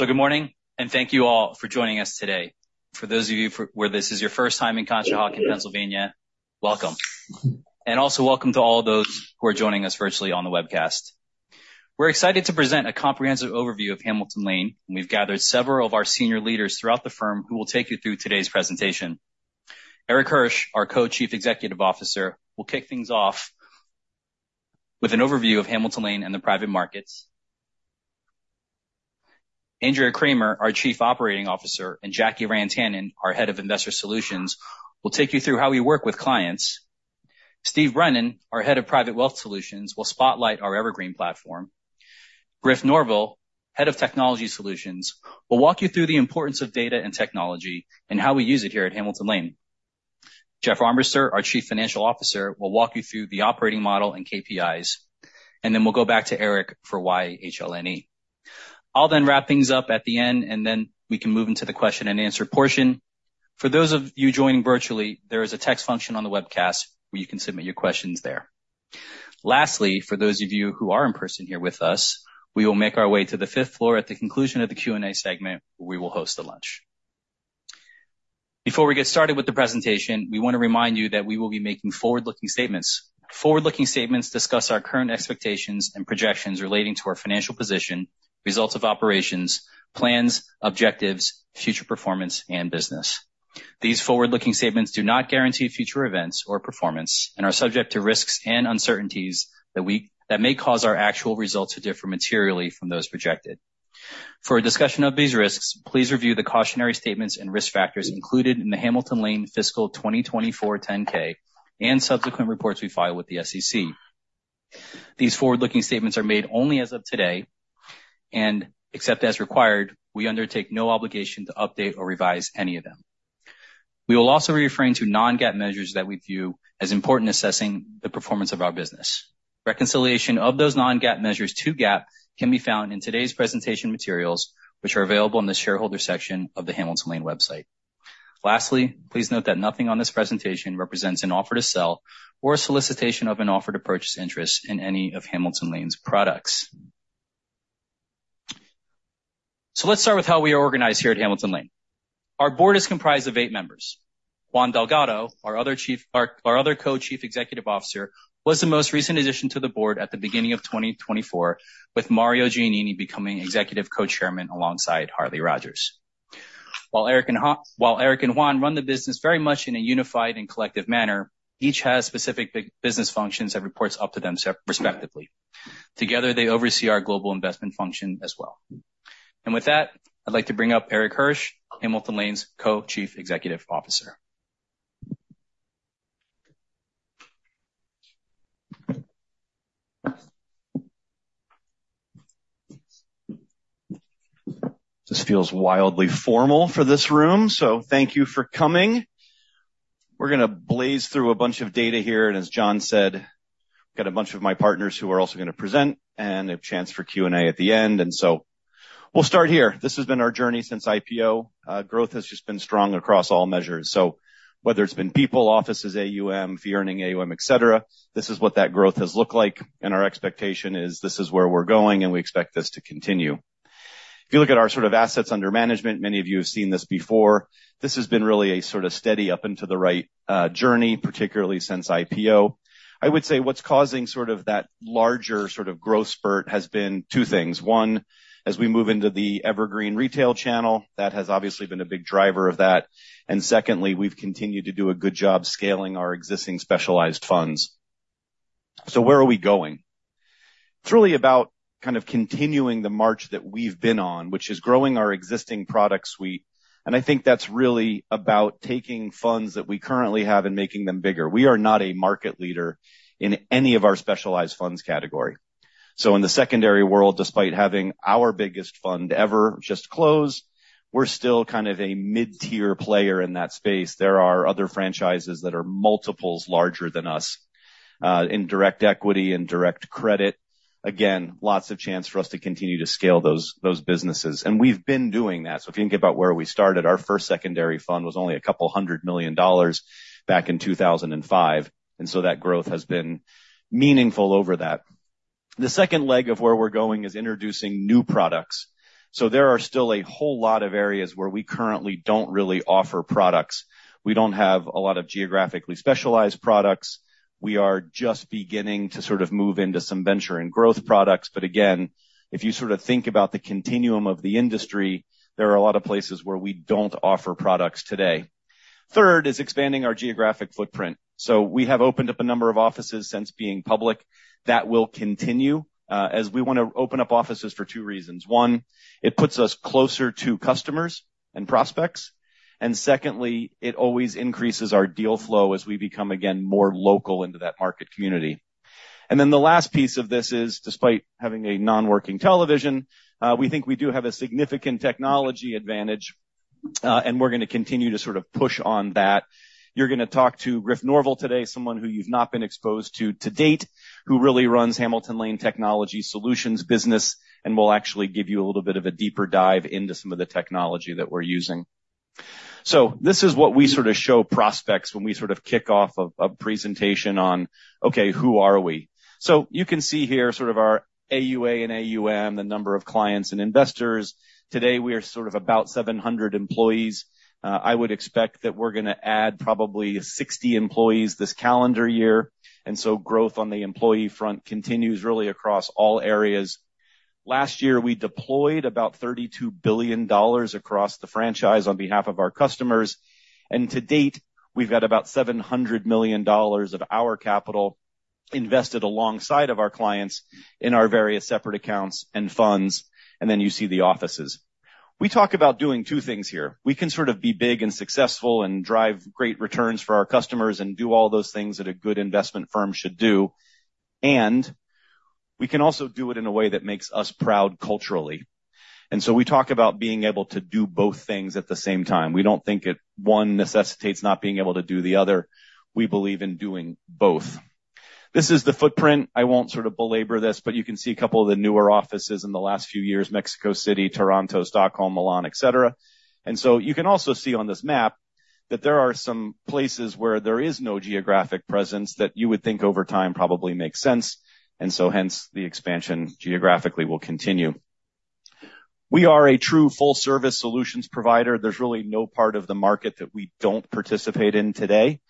So good morning, and thank you all for joining us today. For those of you where this is your first time in Conshohocken, Pennsylvania, welcome. And also welcome to all of those who are joining us virtually on the webcast. We're excited to present a comprehensive overview of Hamilton Lane, and we've gathered several of our senior leaders throughout the firm who will take you through today's presentation. Erik Hirsch, our Co-Chief Executive Officer, will kick things off with an overview of Hamilton Lane and the private markets. Andrea Kramer, our Chief Operating Officer, and Jackie Rantanen, our Head of Investor Solutions, will take you through how we work with clients. Steve Brennan, our Head of Private Wealth Solutions, will spotlight our Evergreen platform. Griff Norville, Head of Technology Solutions, will walk you through the importance of data and technology and how we use it here at Hamilton Lane. Jeff Armbrister, our Chief Financial Officer, will walk you through the operating model and KPIs, and then we'll go back to Erik for why HLNE. I'll then wrap things up at the end, and then we can move into the question-and-answer portion. For those of you joining virtually, there is a text function on the webcast where you can submit your questions there. Lastly, for those of you who are in person here with us, we will make our way to the fifth floor at the conclusion of the Q&A segment, where we will host the lunch. Before we get started with the presentation, we want to remind you that we will be making forward-looking statements. Forward-looking statements discuss our current expectations and projections relating to our financial position, results of operations, plans, objectives, future performance, and business. These forward-looking statements do not guarantee future events or performance and are subject to risks and uncertainties that may cause our actual results to differ materially from those projected. For a discussion of these risks, please review the cautionary statements and risk factors included in the Hamilton Lane Fiscal 2024 10-K and subsequent reports we file with the SEC. These forward-looking statements are made only as of today, and except as required, we undertake no obligation to update or revise any of them. We will also be referring to non-GAAP measures that we view as important in assessing the performance of our business. Reconciliation of those non-GAAP measures to GAAP can be found in today's presentation materials, which are available in the shareholder section of the Hamilton Lane website. Lastly, please note that nothing on this presentation represents an offer to sell or a solicitation of an offer to purchase interest in any of Hamilton Lane's products. So let's start with how we are organized here at Hamilton Lane. Our board is comprised of eight members. Juan Delgado, our other Co-Chief Executive Officer, was the most recent addition to the board at the beginning of 2024, with Mario Giannini becoming Executive Co-Chairman alongside Harley Rogers. While Erik and Juan run the business very much in a unified and collective manner, each has specific big business functions that report up to them respectively. Together, they oversee our global investment function as well. And with that, I'd like to bring up Erik Hirsch, Hamilton Lane's Co-Chief Executive Officer. This feels wildly formal for this room, so thank you for coming. We're gonna blaze through a bunch of data here, and as John said, got a bunch of my partners who are also gonna present, and a chance for Q&A at the end. So we'll start here. This has been our journey since IPO. Growth has just been strong across all measures. So whether it's been people, offices, AUM, fee earning AUM, et cetera, this is what that growth has looked like, and our expectation is this is where we're going, and we expect this to continue. If you look at our sort of assets under management, many of you have seen this before. This has been really a sort of steady up and to the right journey, particularly since IPO. I would say what's causing sort of that larger sort of growth spurt has been two things. One, as we move into the Evergreen retail channel, that has obviously been a big driver of that. And secondly, we've continued to do a good job scaling our existing Specialized Funds. So where are we going? It's really about kind of continuing the march that we've been on, which is growing our existing product suite, and I think that's really about taking funds that we currently have and making them bigger. We are not a market leader in any of our Specialized Funds category. So in the secondaries world, despite having our biggest fund ever just close, we're still kind of a mid-tier player in that space. There are other franchises that are multiples larger than us in Direct Equity and Direct Credit. Again, lots of chance for us to continue to scale those, those businesses, and we've been doing that. So if you think about where we started, our first secondary fund was only $200 million back in 2005, and so that growth has been meaningful over that. The second leg of where we're going is introducing new products. So there are still a whole lot of areas where we currently don't really offer products. We don't have a lot of geographically specialized products. We are just beginning to sort of move into some venture and growth products. But again, if you sort of think about the continuum of the industry, there are a lot of places where we don't offer products today. Third is expanding our geographic footprint. So we have opened up a number of offices since being public. That will continue as we want to open up offices for two reasons. One, it puts us closer to customers and prospects, and secondly, it always increases our deal flow as we become, again, more local into that market community. And then the last piece of this is, despite having a non-working television, we think we do have a significant technology advantage, and we're gonna continue to sort of push on that. You're gonna talk to Griff Norville today, someone who you've not been exposed to to date, who really runs Hamilton Lane Technology Solutions business, and will actually give you a little bit of a deeper dive into some of the technology that we're using. So this is what we sort of show prospects when we sort of kick off a presentation on, okay, who are we? So you can see here sort of our AUA and AUM, the number of clients and investors. Today, we are sort of about 700 employees. I would expect that we're gonna add probably 60 employees this calendar year, and so growth on the employee front continues really across all areas. Last year, we deployed about $32 billion across the franchise on behalf of our customers, and to date, we've got about $700 million of our capital invested alongside of our clients in our various separate accounts and funds, and then you see the offices. We talk about doing two things here. We can sort of be big and successful and drive great returns for our customers and do all those things that a good investment firm should do, and we can also do it in a way that makes us proud culturally. We talk about being able to do both things at the same time. We don't think it, one necessitates not being able to do the other. We believe in doing both. This is the footprint. I won't sort of belabor this, but you can see a couple of the newer offices in the last few years, Mexico City, Toronto, Stockholm, Milan, et cetera. You can also see on this map that there are some places where there is no geographic presence that you would think over time probably makes sense, and hence, the expansion geographically will continue. We are a true full-service solutions provider. There's really no part of the market that we don't participate in today.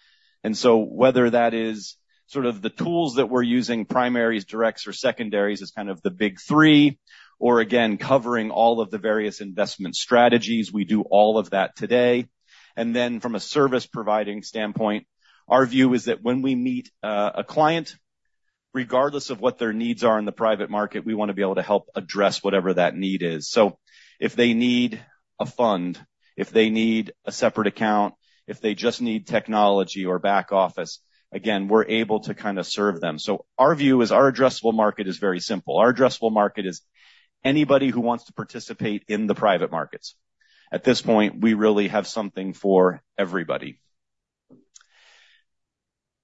And so whether that is sort of the tools that we're using, primaries, directs or secondaries, is kind of the big three, or again, covering all of the various investment strategies, we do all of that today. And then from a service providing standpoint, our view is that when we meet a client, regardless of what their needs are in the private market, we wanna be able to help address whatever that need is. So if they need a fund, if they need a separate account, if they just need technology or back office, again, we're able to kinda serve them. So our view is our addressable market is very simple. Our addressable market is anybody who wants to participate in the private markets. At this point, we really have something for everybody.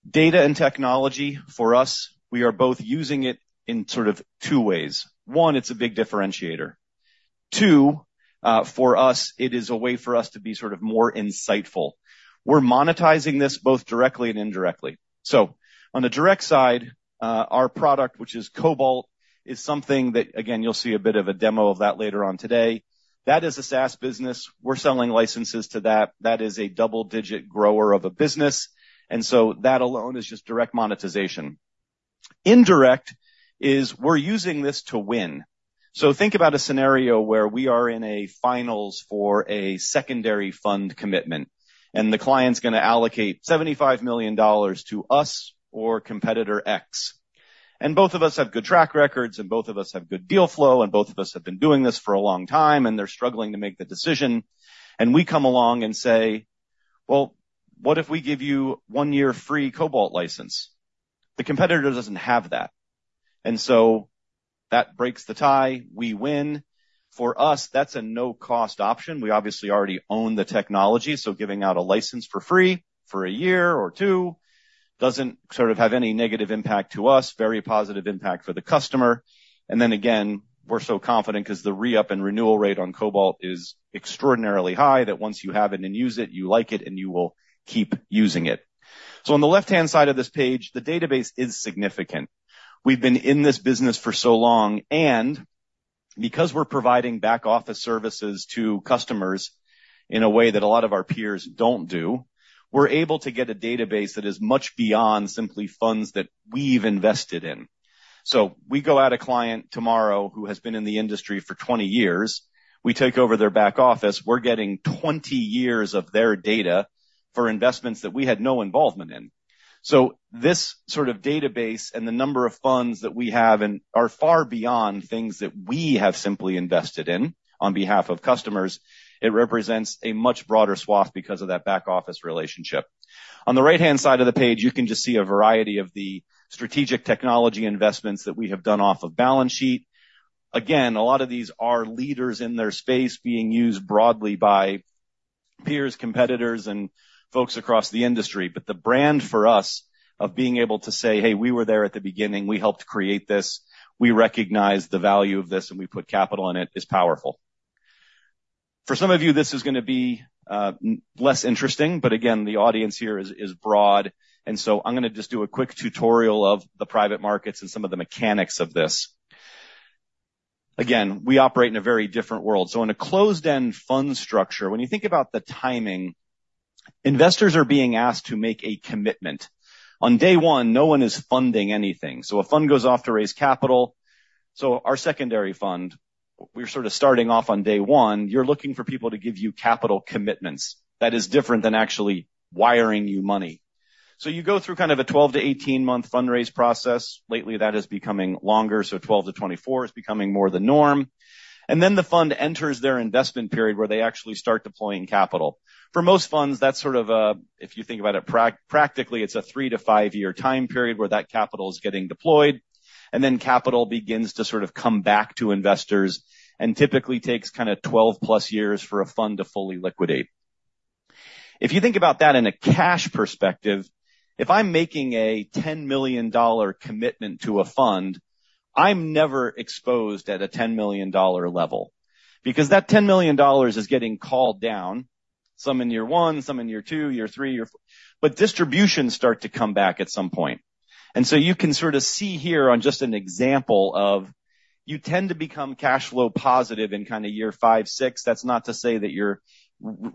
Data and technology, for us, we are both using it in sort of two ways. One, it's a big differentiator. Two, for us, it is a way for us to be sort of more insightful. We're monetizing this both directly and indirectly. So on the direct side, our product, which is Cobalt, is something that, again, you'll see a bit of a demo of that later on today. That is a SaaS business. We're selling licenses to that. That is a double-digit grower of a business, and so that alone is just direct monetization. Indirect is we're using this to win. So think about a scenario where we are in a finals for a secondary fund commitment, and the client's gonna allocate $75 million to us or competitor X. And both of us have good track records, and both of us have good deal flow, and both of us have been doing this for a long time, and they're struggling to make the decision. And we come along and say, "Well, what if we give you one year free Cobalt license?" The competitor doesn't have that, and so that breaks the tie. We win. For us, that's a no-cost option. We obviously already own the technology, so giving out a license for free for a year or two doesn't sort of have any negative impact to us. Very positive impact for the customer. And then again, we're so confident 'cause the re-up and renewal rate on Cobalt is extraordinarily high, that once you have it and use it, you like it, and you will keep using it. So on the left-hand side of this page, the database is significant. We've been in this business for so long, and because we're providing back-office services to customers in a way that a lot of our peers don't do, we're able to get a database that is much beyond simply funds that we've invested in. So we go at a client tomorrow who has been in the industry for 20 years. We take over their back office. We're getting 20 years of their data for investments that we had no involvement in. So this sort of database and the number of funds that we have and are far beyond things that we have simply invested in on behalf of customers, it represents a much broader swath because of that back office relationship. On the right-hand side of the page, you can just see a variety of the strategic technology investments that we have done off of balance sheet. Again, a lot of these are leaders in their space, being used broadly by peers, competitors, and folks across the industry. But the brand for us of being able to say, "Hey, we were there at the beginning. We helped create this. We recognize the value of this, and we put capital in it," is powerful. For some of you, this is gonna be less interesting, but again, the audience here is broad, and so I'm gonna just do a quick tutorial of the private markets and some of the mechanics of this. Again, we operate in a very different world. So in a closed-end fund structure, when you think about the timing, investors are being asked to make a commitment. On day one, no one is funding anything, so a fund goes off to raise capital. So our secondary fund, we're sort of starting off on day one, you're looking for people to give you capital commitments. That is different than actually wiring you money. So you go through kind of a 12- to 18-month fundraise process. Lately, that is becoming longer, so 12- to 24- is becoming more the norm. And then the fund enters their investment period, where they actually start deploying capital. For most funds, that's sort of a... If you think about it practically, it's a 3- to 5-year time period where that capital is getting deployed, and then capital begins to sort of come back to investors and typically takes kinda 12+ years for a fund to fully liquidate. If you think about that in a cash perspective, if I'm making a $10 million commitment to a fund... I'm never exposed at a $10 million level, because that $10 million is getting called down, some in year 1, some in year 2, year 3, but distributions start to come back at some point. And so you can sort of see here on just an example of, you tend to become cash flow positive in kinda year 5, 6. That's not to say that you're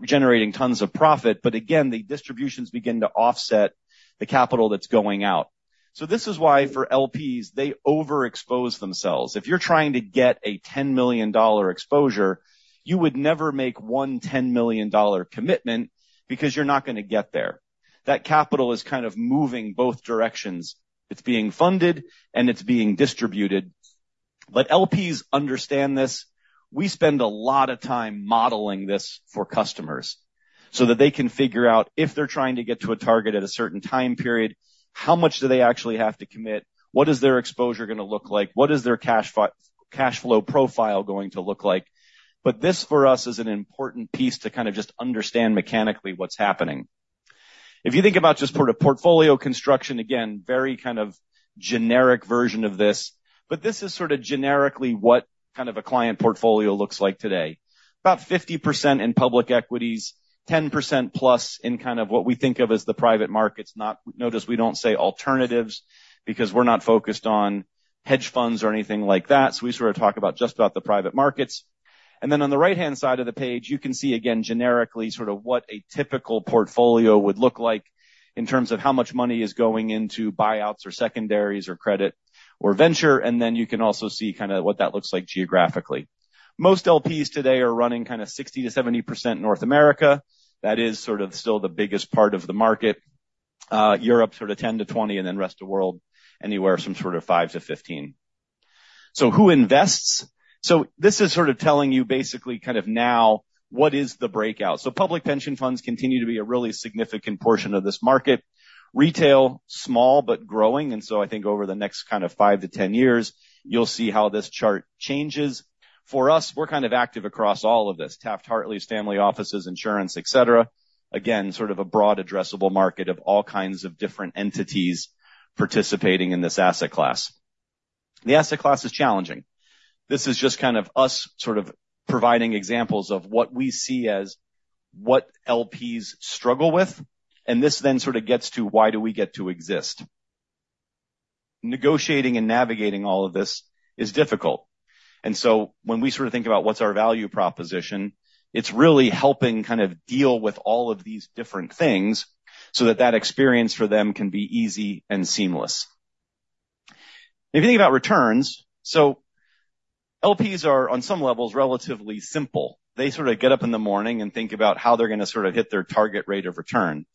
generating tons of profit, but again, the distributions begin to offset the capital that's going out. So this is why, for LPs, they overexpose themselves. If you're trying to get a $10 million exposure, you would never make one $10 million commitment, because you're not gonna get there. That capital is kind of moving both directions. It's being funded, and it's being distributed. But LPs understand this. We spend a lot of time modeling this for customers, so that they can figure out if they're trying to get to a target at a certain time period, how much do they actually have to commit? What is their exposure gonna look like? What is their cash flow profile going to look like? But this, for us, is an important piece to kind of just understand mechanically what's happening. If you think about just sort of portfolio construction, again, very kind of generic version of this, but this is sort of generically what kind of a client portfolio looks like today. About 50% in public equities, 10% plus in kind of what we think of as the private markets, not—notice, we don't say alternatives, because we're not focused on hedge funds or anything like that, so we sort of talk about just about the private markets. And then on the right-hand side of the page, you can see, again, generically, sort of what a typical portfolio would look like in terms of how much money is going into buyouts or secondaries or credit or venture, and then you can also see kinda what that looks like geographically. Most LPs today are running kinda 60% to 70% North America. That is sort of still the biggest part of the market. Europe, sort of 10 to 20, and then rest of world, anywhere from sort of 5-15. So who invests? So this is sort of telling you basically, kind of now, what is the breakout? So public pension funds continue to be a really significant portion of this market. Retail, small, but growing, and so I think over the next kind of 5 to 10 years, you'll see how this chart changes. For us, we're kind of active across all of this, Taft-Hartleys, family offices, insurance, et cetera. Again, sort of a broad addressable market of all kinds of different entities participating in this asset class. The asset class is challenging. This is just kind of us sort of providing examples of what we see as what LPs struggle with, and this then sort of gets to, why do we get to exist? Negotiating and navigating all of this is difficult. And so when we sort of think about what's our value proposition, it's really helping kind of deal with all of these different things so that that experience for them can be easy and seamless. If you think about returns, so LPs are, on some levels, relatively simple. They sort of get up in the morning and think about how they're gonna sort of hit their target rate of return.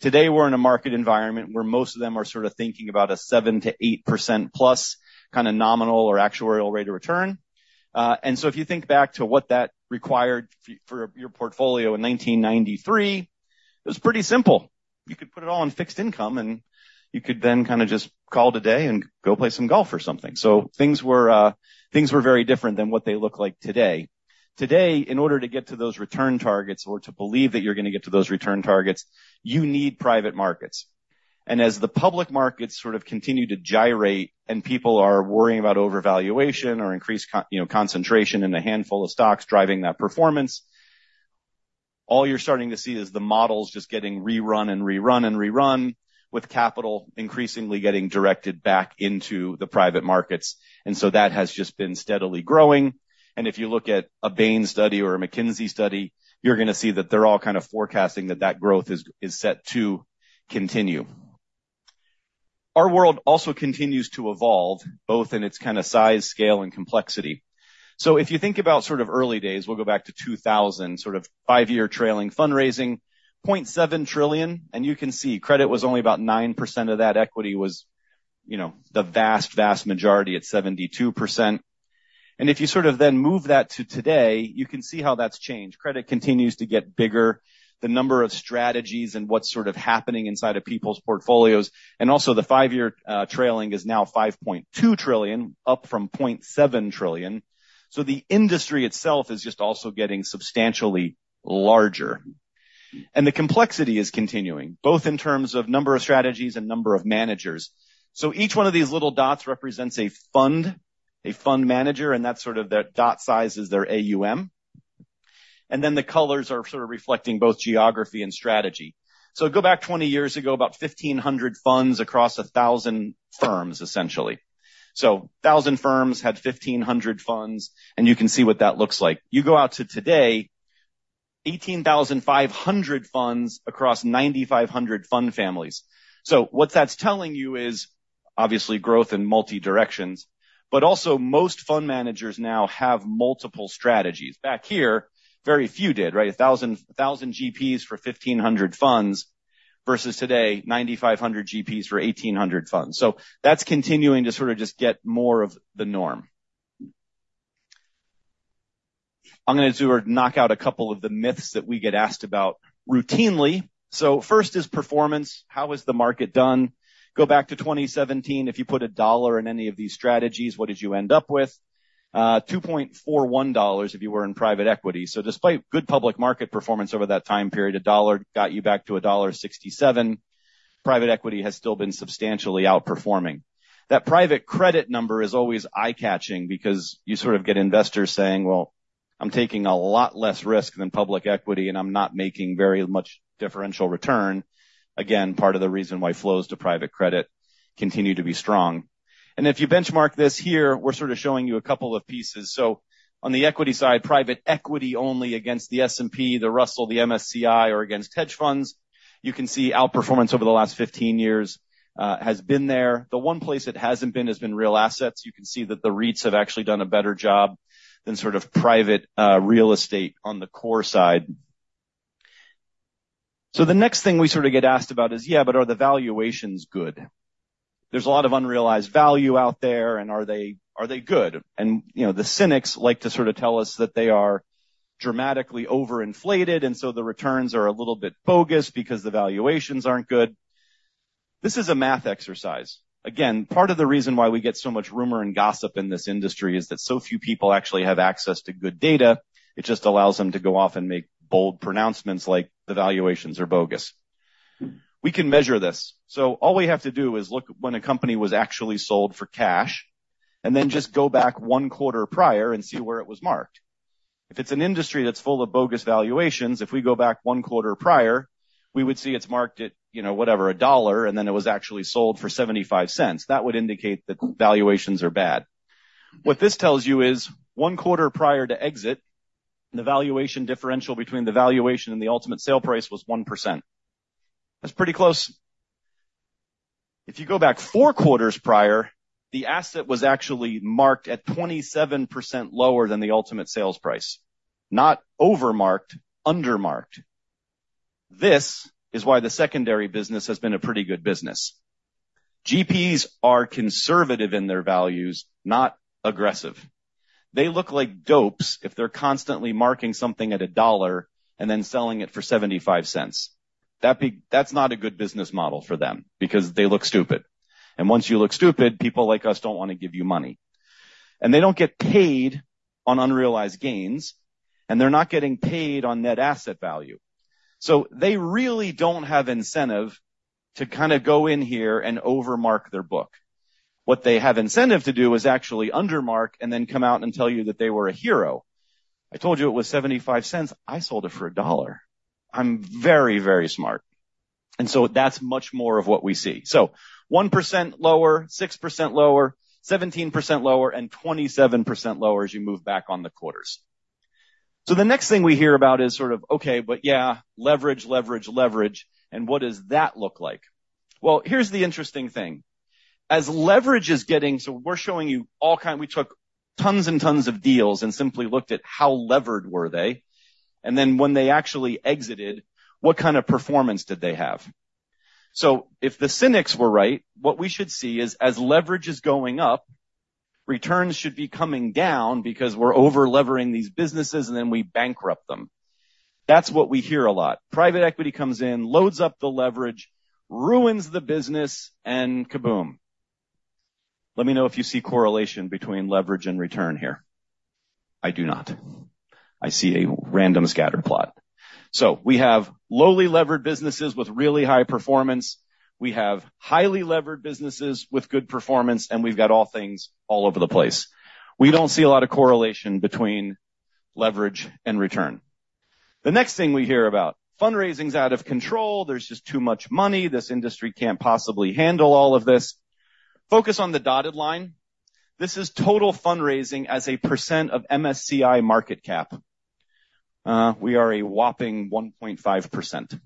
Today, we're in a market environment where most of them are sort of thinking about a 7% to 8%+ kinda nominal or actuarial rate of return. And so if you think back to what that required for your portfolio in 1993, it was pretty simple. You could put it all in fixed income, and you could then kinda just call it a day and go play some golf or something. So things were, things were very different than what they look like today. Today, in order to get to those return targets or to believe that you're gonna get to those return targets, you need private markets. And as the public markets sort of continue to gyrate, and people are worrying about overvaluation or increased, you know, concentration in a handful of stocks driving that performance, all you're starting to see is the models just getting rerun and rerun and rerun, with capital increasingly getting directed back into the private markets. And so that has just been steadily growing, and if you look at a Bain study or a McKinsey study, you're gonna see that they're all kind of forecasting that that growth is set to continue. Our world also continues to evolve, both in its kinda size, scale, and complexity. So if you think about sort of early days, we'll go back to 2000, sort of five-year trailing fundraising, $0.7 trillion, and you can see credit was only about 9% of that equity was, you know, the vast, vast majority at 72%. And if you sort of then move that to today, you can see how that's changed. Credit continues to get bigger, the number of strategies and what's sort of happening inside of people's portfolios, and also the five-year, trailing is now $5.2 trillion, up from $0.7 trillion. So the industry itself is just also getting substantially larger. And the complexity is continuing, both in terms of number of strategies and number of managers. So each one of these little dots represents a fund, a fund manager, and that sort of, that dot size is their AUM. And then the colors are sort of reflecting both geography and strategy. So go back 20 years ago, about 1,500 funds across 1,000 firms, essentially. So 1,000 firms had 1,500 funds, and you can see what that looks like. You go out to today, 18,500 funds across 9,500 fund families. So what that's telling you is, obviously, growth in multi directions, but also most fund managers now have multiple strategies. Back here, very few did, right? 1,000, 1,000 GPs for 1,500 funds, versus today, 9,500 GPs for 1,800 funds. So that's continuing to sort of just get more of the norm. I'm gonna sort of knock out a couple of the myths that we get asked about routinely. So first is performance. How has the market done? Go back to 2017. If you put a dollar in any of these strategies, what did you end up with? $2.41 if you were in private equity. So despite good public market performance over that time period, a dollar got you back to $1.67. Private equity has still been substantially outperforming. That private credit number is always eye-catching because you sort of get investors saying, "Well, I'm taking a lot less risk than public equity, and I'm not making very much differential return." Again, part of the reason why flows to private credit continue to be strong. If you benchmark this here, we're sort of showing you a couple of pieces. So on the equity side, private equity only against the S&P, the Russell, the MSCI, or against hedge funds, you can see outperformance over the last 15 years has been there. The one place it hasn't been has been real assets. You can see that the REITs have actually done a better job than sort of private, real estate on the core side. So the next thing we sort of get asked about is, "Yeah, but are the valuations good? There's a lot of unrealized value out there, and are they, are they good?" You know, the cynics like to sort of tell us that they are dramatically overinflated, and so the returns are a little bit bogus because the valuations aren't good. This is a math exercise. Again, part of the reason why we get so much rumor and gossip in this industry is that so few people actually have access to good data. It just allows them to go off and make bold pronouncements like, "The valuations are bogus." We can measure this. So all we have to do is look at when a company was actually sold for cash, and then just go back one quarter prior and see where it was marked. If it's an industry that's full of bogus valuations, if we go back one quarter prior, we would see it's marked at, you know, whatever, $1, and then it was actually sold for $0.75. That would indicate that valuations are bad. What this tells you is, one quarter prior to exit, the valuation differential between the valuation and the ultimate sale price was 1%. That's pretty close. If you go back four quarters prior, the asset was actually marked at 27% lower than the ultimate sales price. Not over-marked, under-marked. This is why the secondary business has been a pretty good business. GPs are conservative in their values, not aggressive. They look like dopes if they're constantly marking something at $1 and then selling it for $0.75. That's not a good business model for them because they look stupid, and once you look stupid, people like us don't want to give you money. And they don't get paid on unrealized gains, and they're not getting paid on net asset value. So they really don't have incentive to kind of go in here and over-mark their book. What they have incentive to do is actually under-mark and then come out and tell you that they were a hero. "I told you it was $0.75. I sold it for $1. I'm very, very smart." And so that's much more of what we see. So 1% lower, 6% lower, 17% lower, and 27% lower as you move back on the quarters. So the next thing we hear about is sort of, okay, but, yeah, leverage, leverage, leverage, and what does that look like? Well, here's the interesting thing. As leverage is getting... So we're showing you all kinds. We took tons and tons of deals and simply looked at how levered were they, and then when they actually exited, what kind of performance did they have? So if the cynics were right, what we should see is, as leverage is going up, returns should be coming down because we're over-levering these businesses, and then we bankrupt them. That's what we hear a lot. Private equity comes in, loads up the leverage, ruins the business, and kaboom! Let me know if you see correlation between leverage and return here. I do not. I see a random scatter plot. So we have lowly levered businesses with really high performance. We have highly levered businesses with good performance, and we've got all things all over the place. We don't see a lot of correlation between leverage and return. The next thing we hear about, fundraising's out of control. There's just too much money. This industry can't possibly handle all of this. Focus on the dotted line. This is total fundraising as a percent of MSCI market cap. We are a whopping 1.5%.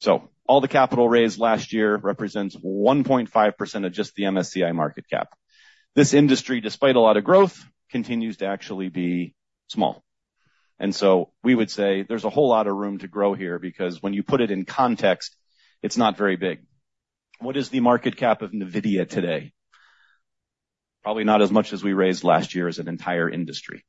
So all the capital raised last year represents 1.5% of just the MSCI market cap. This industry, despite a lot of growth, continues to actually be small. And so we would say there's a whole lot of room to grow here, because when you put it in context, it's not very big. What is the market cap of NVIDIA today? Probably not as much as we raised last year as an entire industry.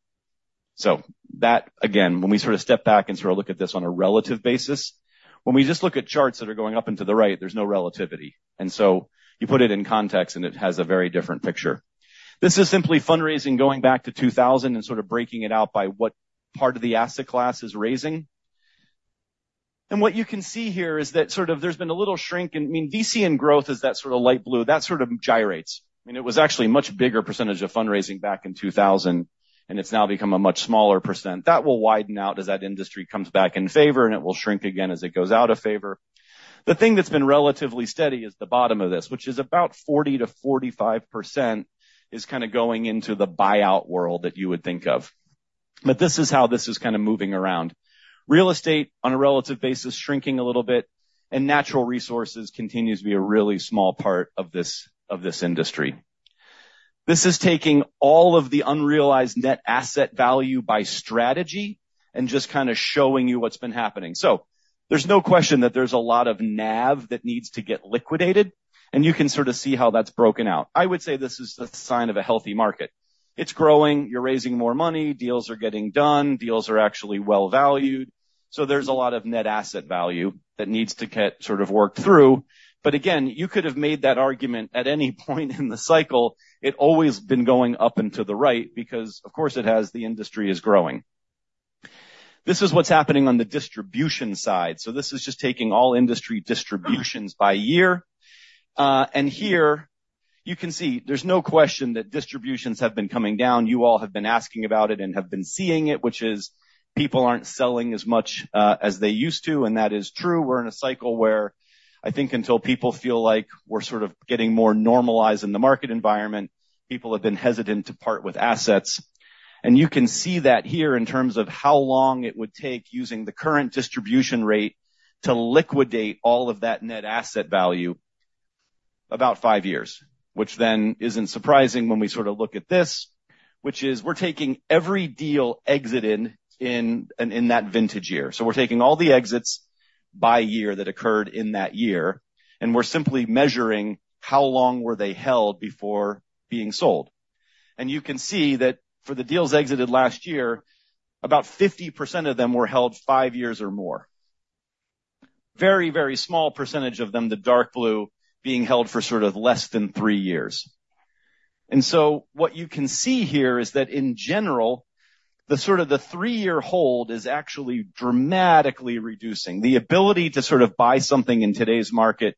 So that, again, when we sort of step back and sort of look at this on a relative basis, when we just look at charts that are going up and to the right, there's no relativity, and so you put it in context, and it has a very different picture. This is simply fundraising going back to 2000 and sort of breaking it out by what part of the asset class is raising. And what you can see here is that sort of there's been a little shrink. And, I mean, VC and growth is that sort of light blue, that sort of gyrates. I mean, it was actually a much bigger percentage of fundraising back in 2000, and it's now become a much smaller percent. That will widen out as that industry comes back in favor, and it will shrink again as it goes out of favor. The thing that's been relatively steady is the bottom of this, which is about 40% to 45%, is kind of going into the buyout world that you would think of. But this is how this is kind of moving around. Real estate, on a relative basis, shrinking a little bit, and natural resources continues to be a really small part of this, of this industry. This is taking all of the unrealized net asset value by strategy and just kind of showing you what's been happening. So there's no question that there's a lot of NAV that needs to get liquidated, and you can sort of see how that's broken out. I would say this is the sign of a healthy market. It's growing. You're raising more money. Deals are getting done. Deals are actually well valued.... So there's a lot of net asset value that needs to get sort of worked through. But again, you could have made that argument at any point in the cycle. It always been going up and to the right, because, of course, it has, the industry is growing. This is what's happening on the distribution side. So this is just taking all industry distributions by year. And here, you can see there's no question that distributions have been coming down. You all have been asking about it and have been seeing it, which is people aren't selling as much, as they used to, and that is true. We're in a cycle where I think until people feel like we're sort of getting more normalized in the market environment, people have been hesitant to part with assets. You can see that here in terms of how long it would take, using the current distribution rate, to liquidate all of that net asset value, about 5 years, which then isn't surprising when we sort of look at this, which is we're taking every deal exited in, in that vintage year. We're taking all the exits by year that occurred in that year, and we're simply measuring how long were they held before being sold. You can see that for the deals exited last year, about 50% of them were held 5 years or more. Very, very small percentage of them, the dark blue, being held for sort of less than 3 years. And so what you can see here is that in general, the sort of the three-year hold is actually dramatically reducing. The ability to sort of buy something in today's market,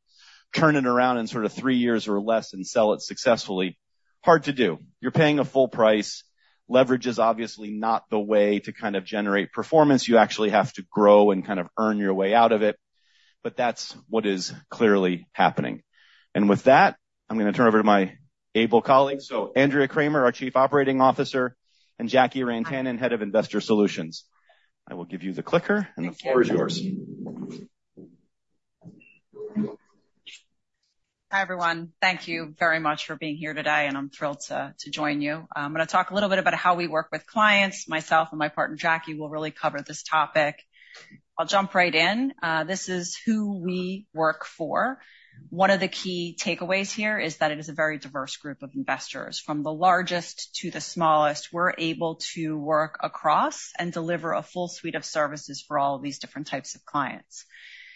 turn it around in sort of three years or less, and sell it successfully, hard to do. You're paying a full price. Leverage is obviously not the way to kind of generate performance. You actually have to grow and kind of earn your way out of it, but that's what is clearly happening. And with that, I'm gonna turn it over to my able colleague. So Andrea Kramer, our Chief Operating Officer, and Jackie Rantanen, Head of Investor Solutions. I will give you the clicker, and the floor is yours. Hi, everyone. Thank you very much for being here today, and I'm thrilled to, to join you. I'm gonna talk a little bit about how we work with clients. Myself and my partner, Jackie, will really cover this topic. I'll jump right in. This is who we work for. One of the key takeaways here is that it is a very diverse group of investors. From the largest to the smallest, we're able to work across and deliver a full suite of services for all these different types of clients.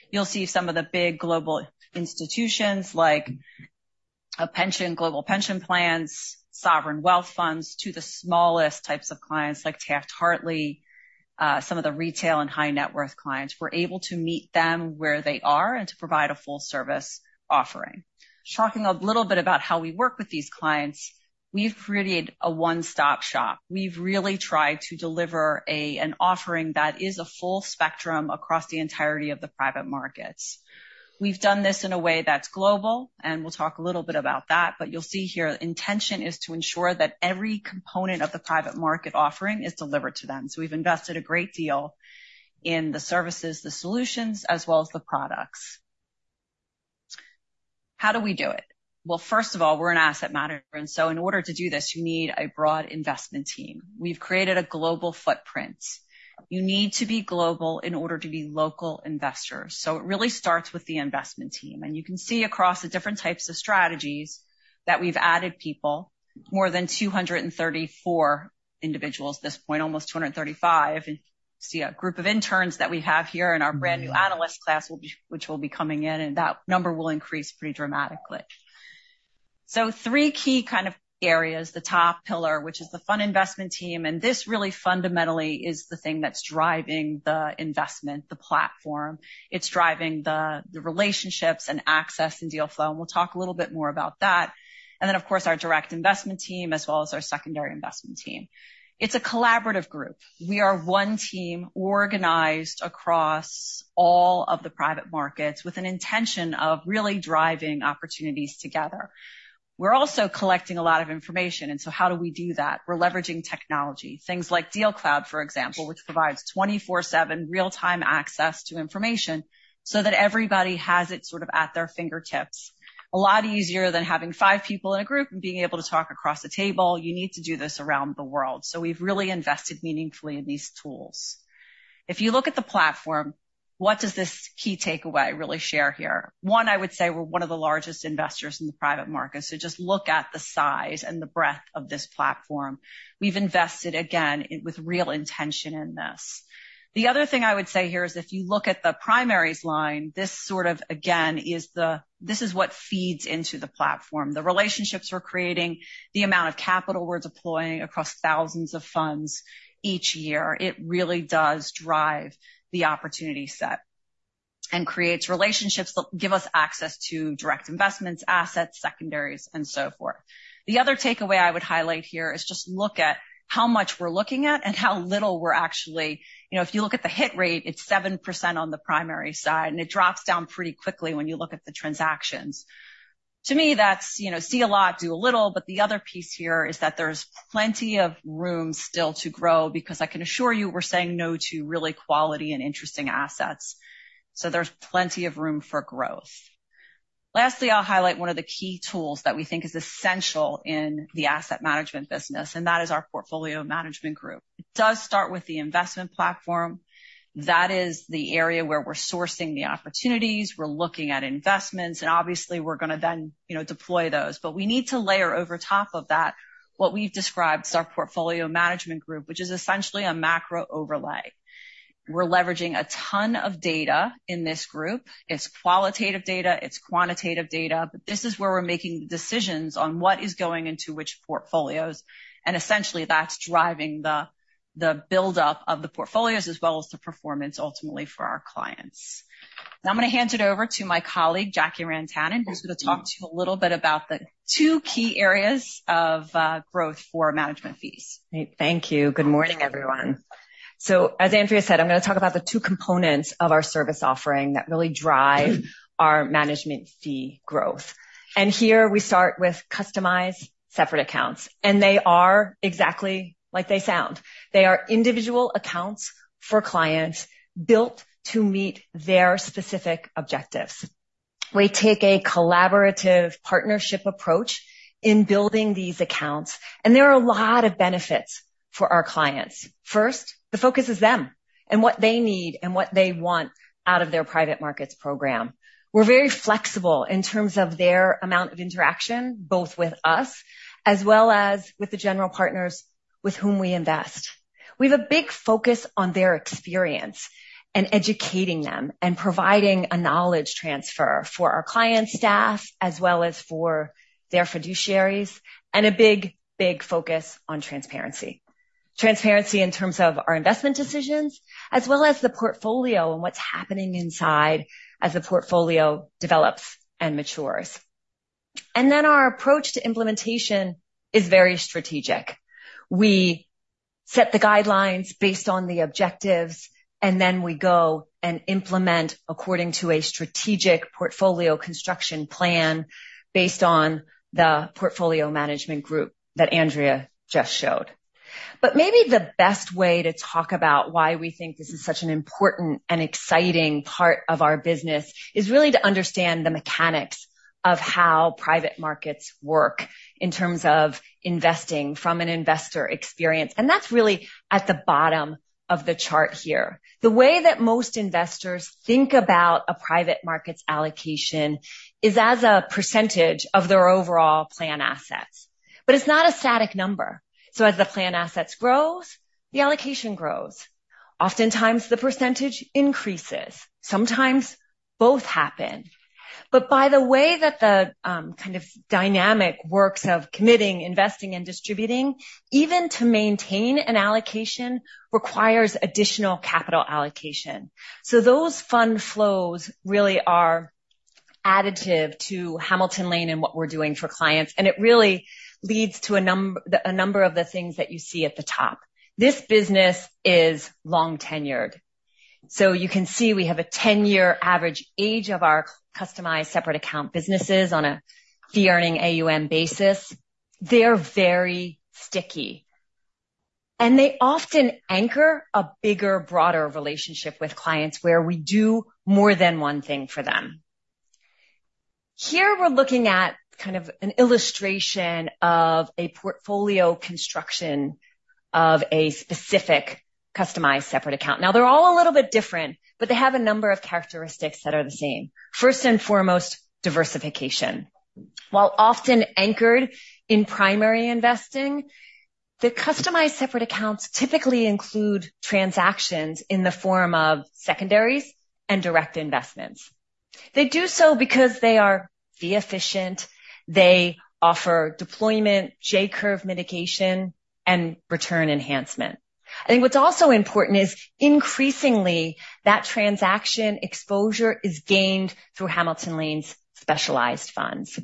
You'll see some of the big global institutions, like a pension, global pension plans, sovereign wealth funds, to the smallest types of clients, like Taft-Hartley, some of the retail and high-net-worth clients. We're able to meet them where they are and to provide a full service offering. Talking a little bit about how we work with these clients, we've created a one-stop shop. We've really tried to deliver an offering that is a full spectrum across the entirety of the private markets. We've done this in a way that's global, and we'll talk a little bit about that, but you'll see here the intention is to ensure that every component of the private market offering is delivered to them. So we've invested a great deal in the services, the solutions, as well as the products. How do we do it? Well, first of all, we're an asset manager, and so in order to do this, you need a broad investment team. We've created a global footprint. You need to be global in order to be local investors. So it really starts with the investment team. You can see across the different types of strategies that we've added people, more than 234 individuals at this point, almost 235. You see a group of interns that we have here in our brand-new analyst class, which will be coming in, and that number will increase pretty dramatically. So three key kind of areas, the top pillar, which is the fund investment team, and this really fundamentally is the thing that's driving the investment, the platform. It's driving the, the relationships and access and deal flow, and we'll talk a little bit more about that. And then, of course, our direct investment team, as well as our secondary investment team. It's a collaborative group. We are one team organized across all of the private markets with an intention of really driving opportunities together. We're also collecting a lot of information, and so how do we do that? We're leveraging technology. Things like DealCloud, for example, which provides 24/7 real-time access to information so that everybody has it sort of at their fingertips. A lot easier than having five people in a group and being able to talk across the table. You need to do this around the world. So we've really invested meaningfully in these tools. If you look at the platform, what does this key takeaway really share here? One, I would say we're one of the largest investors in the private market, so just look at the size and the breadth of this platform. We've invested, again, with real intention in this. The other thing I would say here is, if you look at the primaries line, this sort of, again, is the—this is what feeds into the platform, the relationships we're creating, the amount of capital we're deploying across thousands of funds each year. It really does drive the opportunity set and creates relationships that give us access to direct investments, assets, secondaries, and so forth. The other takeaway I would highlight here is just look at how much we're looking at and how little we're actually... You know, if you look at the hit rate, it's 7% on the primary side, and it drops down pretty quickly when you look at the transactions. To me, that's, you know, see a lot, do a little, but the other piece here is that there's plenty of room still to grow, because I can assure you, we're saying no to really quality and interesting assets. So there's plenty of room for growth. Lastly, I'll highlight one of the key tools that we think is essential in the asset management business, and that is our portfolio management group. It does start with the investment platform. That is the area where we're sourcing the opportunities, we're looking at investments, and obviously, we're gonna then, you know, deploy those. But we need to layer over top of that what we've described as our portfolio management group, which is essentially a macro overlay. We're leveraging a ton of data in this group. It's qualitative data, it's quantitative data, but this is where we're making decisions on what is going into which portfolios, and essentially, that's driving the buildup of the portfolios as well as the performance ultimately for our clients. Now I'm gonna hand it over to my colleague, Jackie Rantanen, who's gonna talk to you a little bit about the two key areas of growth for management fees. Great. Thank you. Good morning, everyone. As Andrea said, I'm gonna talk about the two components of our service offering that really drive our management fee growth. Here, we start with Customized Separate Accounts, and they are exactly like they sound. They are individual accounts for clients built to meet their specific objectives. We take a collaborative partnership approach in building these accounts, and there are a lot of benefits for our clients. First, the focus is them and what they need and what they want out of their private markets program. We're very flexible in terms of their amount of interaction, both with us as well as with the general partners with whom we invest. We have a big focus on their experience and educating them and providing a knowledge transfer for our client staff, as well as for their fiduciaries, and a big, big focus on transparency. Transparency in terms of our investment decisions, as well as the portfolio and what's happening inside as the portfolio develops and matures. And then our approach to implementation is very strategic. We set the guidelines based on the objectives, and then we go and implement according to a strategic portfolio construction plan based on the portfolio management group that Andrea just showed. But maybe the best way to talk about why we think this is such an important and exciting part of our business is really to understand the mechanics of how private markets work in terms of investing from an investor experience, and that's really at the bottom of the chart here. The way that most investors think about a private markets allocation is as a percentage of their overall plan assets, but it's not a static number. So as the plan assets grows, the allocation grows. Oftentimes, the percentage increases. Sometimes both happen. But by the way that the kind of dynamic works of committing, investing, and distributing, even to maintain an allocation requires additional capital allocation. So those fund flows really are additive to Hamilton Lane and what we're doing for clients, and it really leads to a number of the things that you see at the top. This business is long-tenured. So you can see we have a 10-year average age of our customized separate account businesses on a fee-earning AUM basis. They're very sticky, and they often anchor a bigger, broader relationship with clients, where we do more than one thing for them. Here, we're looking at kind of an illustration of a portfolio construction of a specific Customized Separate Account. Now, they're all a little bit different, but they have a number of characteristics that are the same. First and foremost, diversification. While often anchored in primary investing, the Customized Separate Accounts typically include transactions in the form of Secondaries and direct investments. They do so because they are fee efficient, they offer deployment, J-Curve mitigation, and return enhancement. I think what's also important is, increasingly, that transaction exposure is gained through Hamilton Lane's Specialized Funds.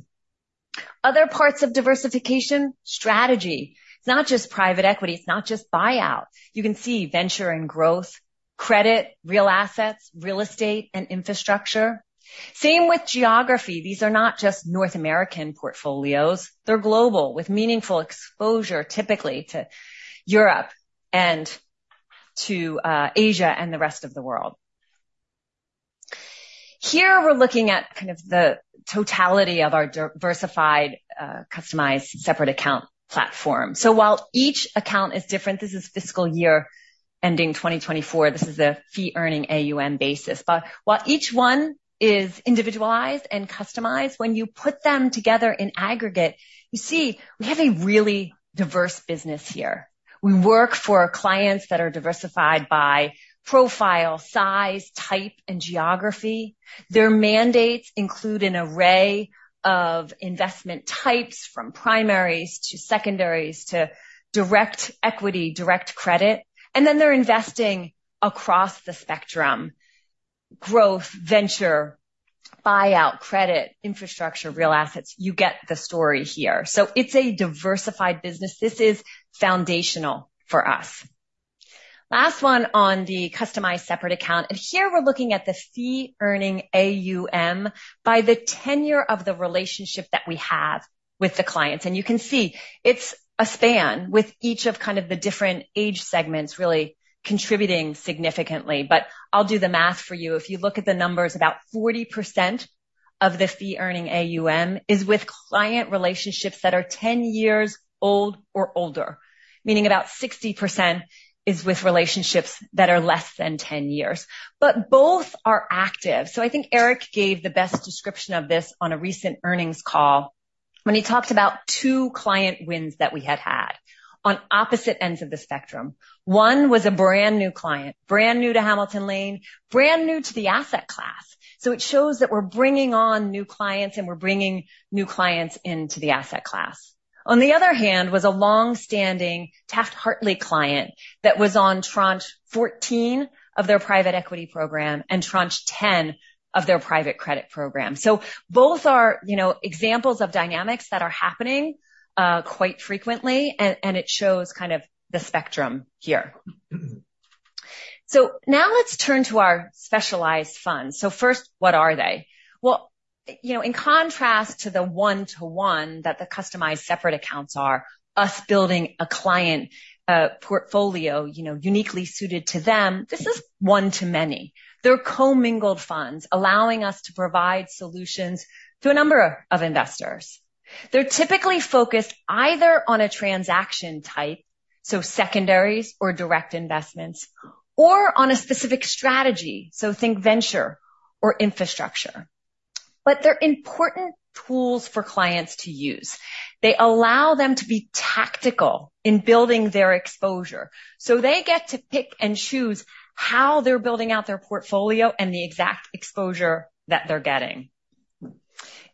Other parts of diversification, strategy. It's not just private equity, it's not just buyouts. You can see venture and growth, credit, real assets, real estate, and infrastructure. Same with geography. These are not just North American portfolios. They're global, with meaningful exposure, typically to Europe and to Asia and the rest of the world. Here, we're looking at kind of the totality of our diversified, customized separate account platform. So while each account is different, this is fiscal year ending 2024. This is a fee-earning AUM basis. But while each one is individualized and customized, when you put them together in aggregate, you see we have a really diverse business here. We work for clients that are diversified by profile, size, type, and geography. Their mandates include an array of investment types, from primaries to secondaries to direct equity, direct credit, and then they're investing across the spectrum: growth, venture, buyout, credit, infrastructure, real assets. You get the story here. So it's a diversified business. This is foundational for us. Last one on the customized separate account, and here we're looking at the fee-earning AUM by the tenure of the relationship that we have with the clients. And you can see it's a span, with each of kind of the different age segments really contributing significantly. But I'll do the math for you. If you look at the numbers, about 40% of the fee-earning AUM is with client relationships that are 10 years old or older, meaning about 60% is with relationships that are less than 10 years. But both are active. So I think Eric gave the best description of this on a recent earnings call, when he talked about 2 client wins that we had had on opposite ends of the spectrum. One was a brand-new client, brand new to Hamilton Lane, brand new to the asset class. So it shows that we're bringing on new clients, and we're bringing new clients into the asset class. On the other hand, was a long-standing Taft-Hartley client that was on tranche 14 of their private equity program and tranche 10 of their private credit program. So both are, you know, examples of dynamics that are happening quite frequently, and it shows kind of the spectrum here. So now let's turn to our specialized funds. So first, what are they? Well, you know, in contrast to the one-to-one that the customized separate accounts are, us building a client portfolio, you know, uniquely suited to them, this is one-to-many. They're commingled funds, allowing us to provide solutions to a number of investors. They're typically focused either on a transaction type, so secondaries or direct investments, or on a specific strategy, so think venture or infrastructure. But they're important tools for clients to use. They allow them to be tactical in building their exposure, so they get to pick and choose how they're building out their portfolio and the exact exposure that they're getting.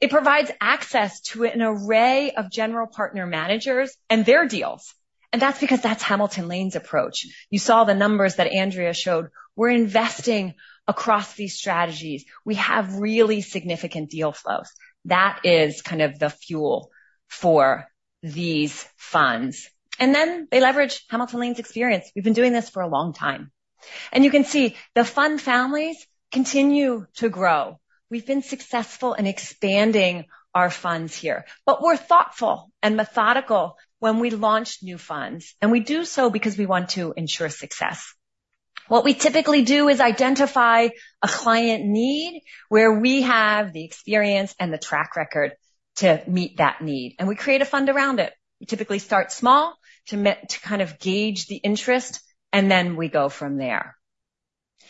It provides access to an array of general partner managers and their deals, and that's because that's Hamilton Lane's approach. You saw the numbers that Andrea showed. We're investing across these strategies. We have really significant deal flows. That is kind of the fuel for these funds. And then they leverage Hamilton Lane's experience. We've been doing this for a long time. And you can see the fund families continue to grow. We've been successful in expanding our funds here, but we're thoughtful and methodical when we launch new funds, and we do so because we want to ensure success. What we typically do is identify a client need where we have the experience and the track record to meet that need, and we create a fund around it. We typically start small to kind of gauge the interest, and then we go from there.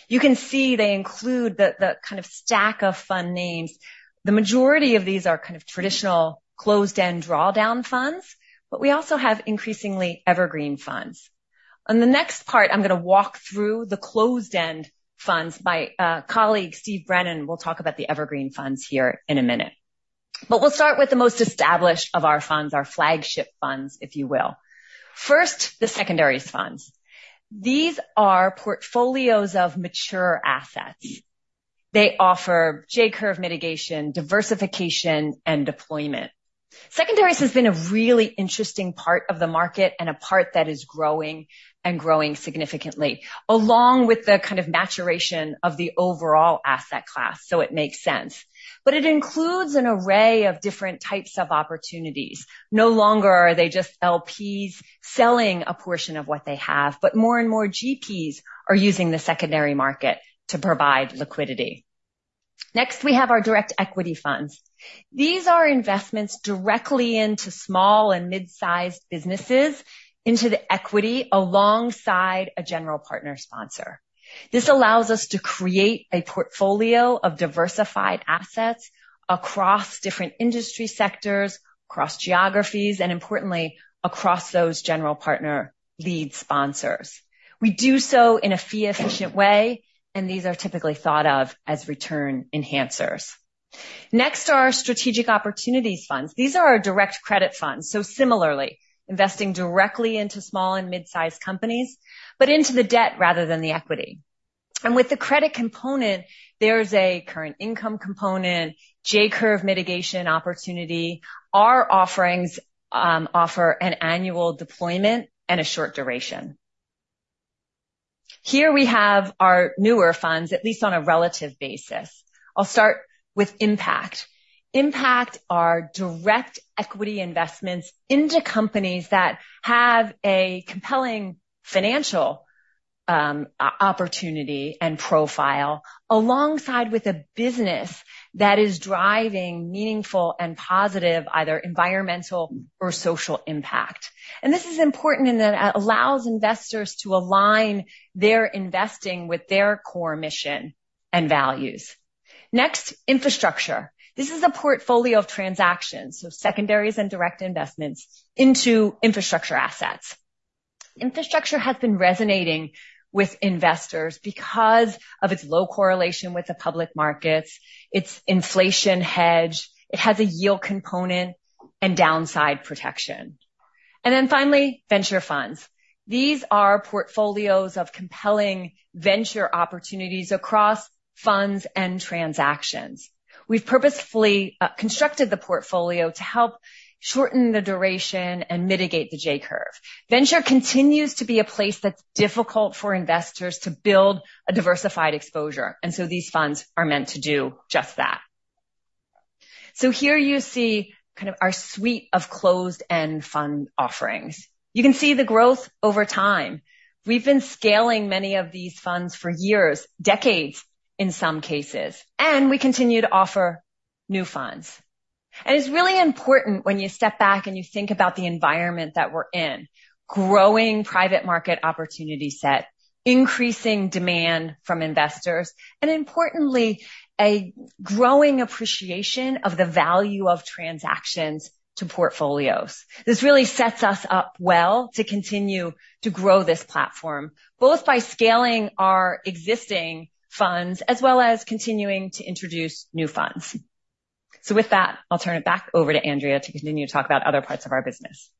You can see they include the kind of stack of fund names. The majority of these are kind of traditional closed-end drawdown funds, but we also have increasingly evergreen funds. On the next part, I'm gonna walk through the closed-end funds. My colleague, Steve Brennan, will talk about the evergreen funds here in a minute. But we'll start with the most established of our funds, our flagship funds, if you will. First, the secondaries funds. These are portfolios of mature assets. They offer J-Curve mitigation, diversification, and deployment. Secondaries has been a really interesting part of the market and a part that is growing and growing significantly, along with the kind of maturation of the overall asset class, so it makes sense. But it includes an array of different types of opportunities. No longer are they just LPs selling a portion of what they have, but more and more GPs are using the secondary market to provide liquidity. Next, we have our direct equity funds. These are investments directly into small and mid-sized businesses into the equity alongside a general partner sponsor. This allows us to create a portfolio of diversified assets across different industry sectors, across geographies, and importantly, across those general partner-led sponsors. We do so in a fee-efficient way, and these are typically thought of as return enhancers. Next are our strategic opportunities funds. These are our direct credit funds, so similarly, investing directly into small and mid-sized companies, but into the debt rather than the equity. And with the credit component, there's a current income component, J-Curve mitigation opportunity. Our offerings offer an annual deployment and a short duration. Here we have our newer funds, at least on a relative basis. I'll start with impact. Impact are direct equity investments into companies that have a compelling financial opportunity and profile, alongside with a business that is driving meaningful and positive, either environmental or social impact. And this is important in that it allows investors to align their investing with their core mission and values. Next, infrastructure. This is a portfolio of transactions, so secondaries and direct investments into infrastructure assets. Infrastructure has been resonating with investors because of its low correlation with the public markets, its inflation hedge, it has a yield component and downside protection. And then finally, venture funds. These are portfolios of compelling venture opportunities across funds and transactions. We've purposefully constructed the portfolio to help shorten the duration and mitigate the J-Curve. Venture continues to be a place that's difficult for investors to build a diversified exposure, and so these funds are meant to do just that. So here you see kind of our suite of closed-end fund offerings. You can see the growth over time. We've been scaling many of these funds for years, decades, in some cases, and we continue to offer new funds. It's really important when you step back and you think about the environment that we're in, growing private markets opportunity set-... Increasing demand from investors, and importantly, a growing appreciation of the value of transactions to portfolios. This really sets us up well to continue to grow this platform, both by scaling our existing funds as well as continuing to introduce new funds. With that, I'll turn it back over to Andrea to continue to talk about other parts of our business.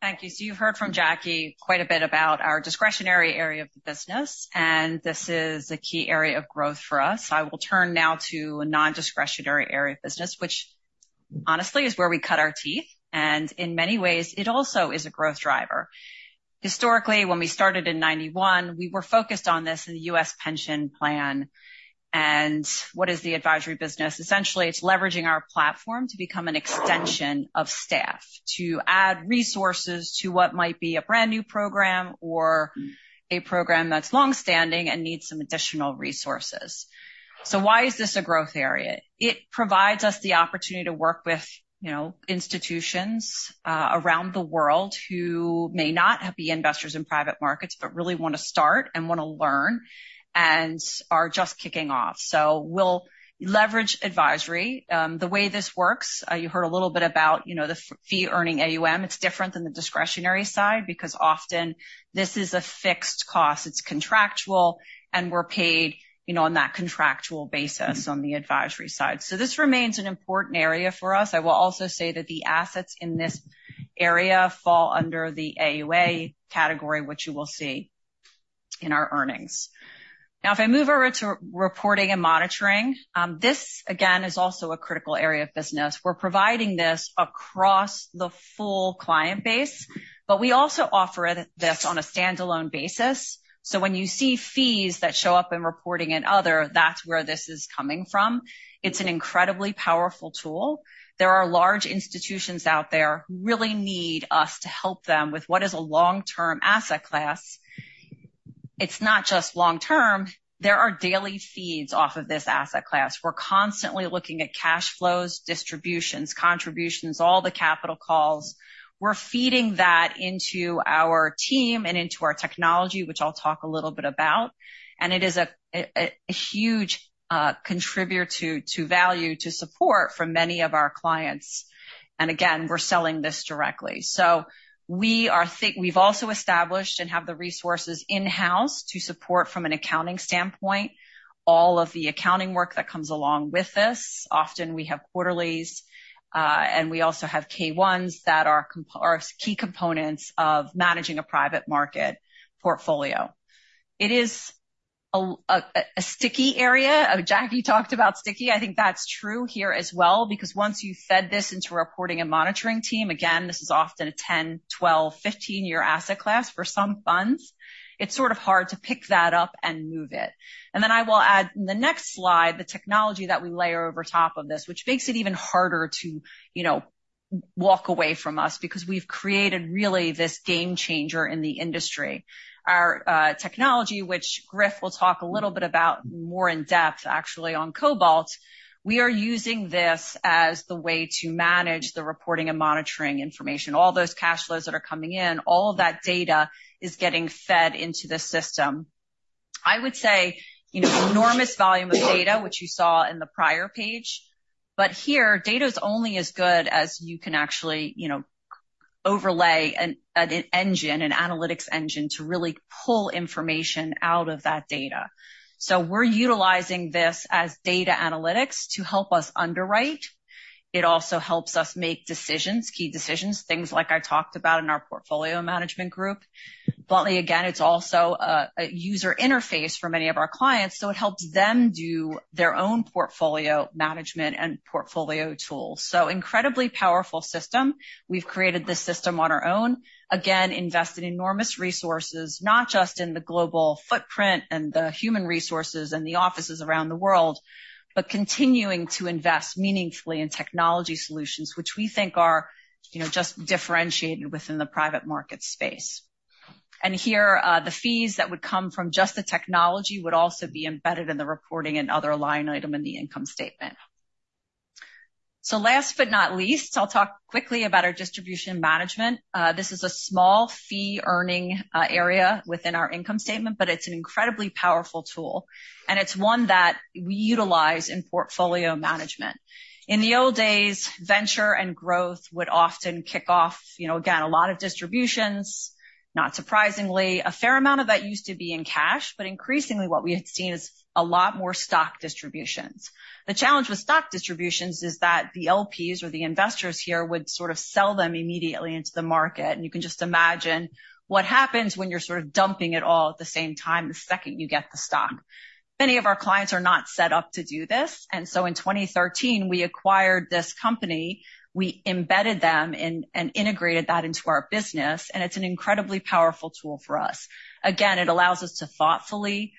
Thank you. So you've heard from Jackie quite a bit about our discretionary area of the business, and this is a key area of growth for us. I will turn now to a nondiscretionary area of business, which, honestly, is where we cut our teeth, and in many ways, it also is a growth driver. Historically, when we started in 1991, we were focused on this as a U.S. pension plan. And what is the advisory business? Essentially, it's leveraging our platform to become an extension of staff, to add resources to what might be a brand-new program or a program that's long-standing and needs some additional resources. So why is this a growth area? It provides us the opportunity to work with, you know, institutions, around the world who may not be investors in private markets, but really want to start and want to learn and are just kicking off. So we'll leverage advisory. The way this works, you heard a little bit about, you know, the fee-earning AUM. It's different than the discretionary side because often this is a fixed cost, it's contractual, and we're paid, you know, on that contractual basis on the advisory side. So this remains an important area for us. I will also say that the assets in this area fall under the AUA category, which you will see in our earnings. Now, if I move over to reporting and monitoring, this, again, is also a critical area of business. We're providing this across the full client base, but we also offer it, this on a standalone basis. So when you see fees that show up in reporting and other, that's where this is coming from. It's an incredibly powerful tool. There are large institutions out there who really need us to help them with what is a long-term asset class. It's not just long term. There are daily feeds off of this asset class. We're constantly looking at cash flows, distributions, contributions, all the capital calls. We're feeding that into our team and into our technology, which I'll talk a little bit about, and it is a huge contributor to value, to support for many of our clients, and again, we're selling this directly. So we've also established and have the resources in-house to support, from an accounting standpoint, all of the accounting work that comes along with this. Often, we have quarterlies, and we also have K-1s that are key components of managing a private market portfolio. It is a sticky area. Jackie talked about sticky. I think that's true here as well, because once you fed this into a reporting and monitoring team, again, this is often a 10-, 12-, 15-year asset class for some funds. It's sort of hard to pick that up and move it. And then I will add, in the next slide, the technology that we layer over top of this, which makes it even harder to, you know, walk away from us, because we've created, really, this game changer in the industry. Our technology, which Griff will talk a little bit about more in depth, actually, on Cobalt, we are using this as the way to manage the reporting and monitoring information. All those cash flows that are coming in, all of that data is getting fed into the system. I would say, you know, enormous volume of data, which you saw in the prior page, but here, data is only as good as you can actually, you know, overlay an analytics engine, to really pull information out of that data. So we're utilizing this as data analytics to help us underwrite. It also helps us make decisions, key decisions, things like I talked about in our portfolio management group. But again, it's also a user interface for many of our clients, so it helps them do their own portfolio management and portfolio tools. So incredibly powerful system. We've created this system on our own. Again, invested enormous resources, not just in the global footprint and the human resources and the offices around the world, but continuing to invest meaningfully in technology solutions, which we think are, you know, just differentiated within the private market space. And here, the fees that would come from just the technology would also be embedded in the reporting and other line item in the income statement. So last but not least, I'll talk quickly about our distribution management. This is a small fee-earning area within our income statement, but it's an incredibly powerful tool, and it's one that we utilize in portfolio management. In the old days, venture and growth would often kick off, you know, again, a lot of distributions. Not surprisingly, a fair amount of that used to be in cash, but increasingly, what we have seen is a lot more stock distributions. The challenge with stock distributions is that the LPs or the investors here would sort of sell them immediately into the market, and you can just imagine what happens when you're sort of dumping it all at the same time, the second you get the stock. Many of our clients are not set up to do this, and so in 2013, we acquired this company. We embedded them and integrated that into our business, and it's an incredibly powerful tool for us. Again, it allows us to thoughtfully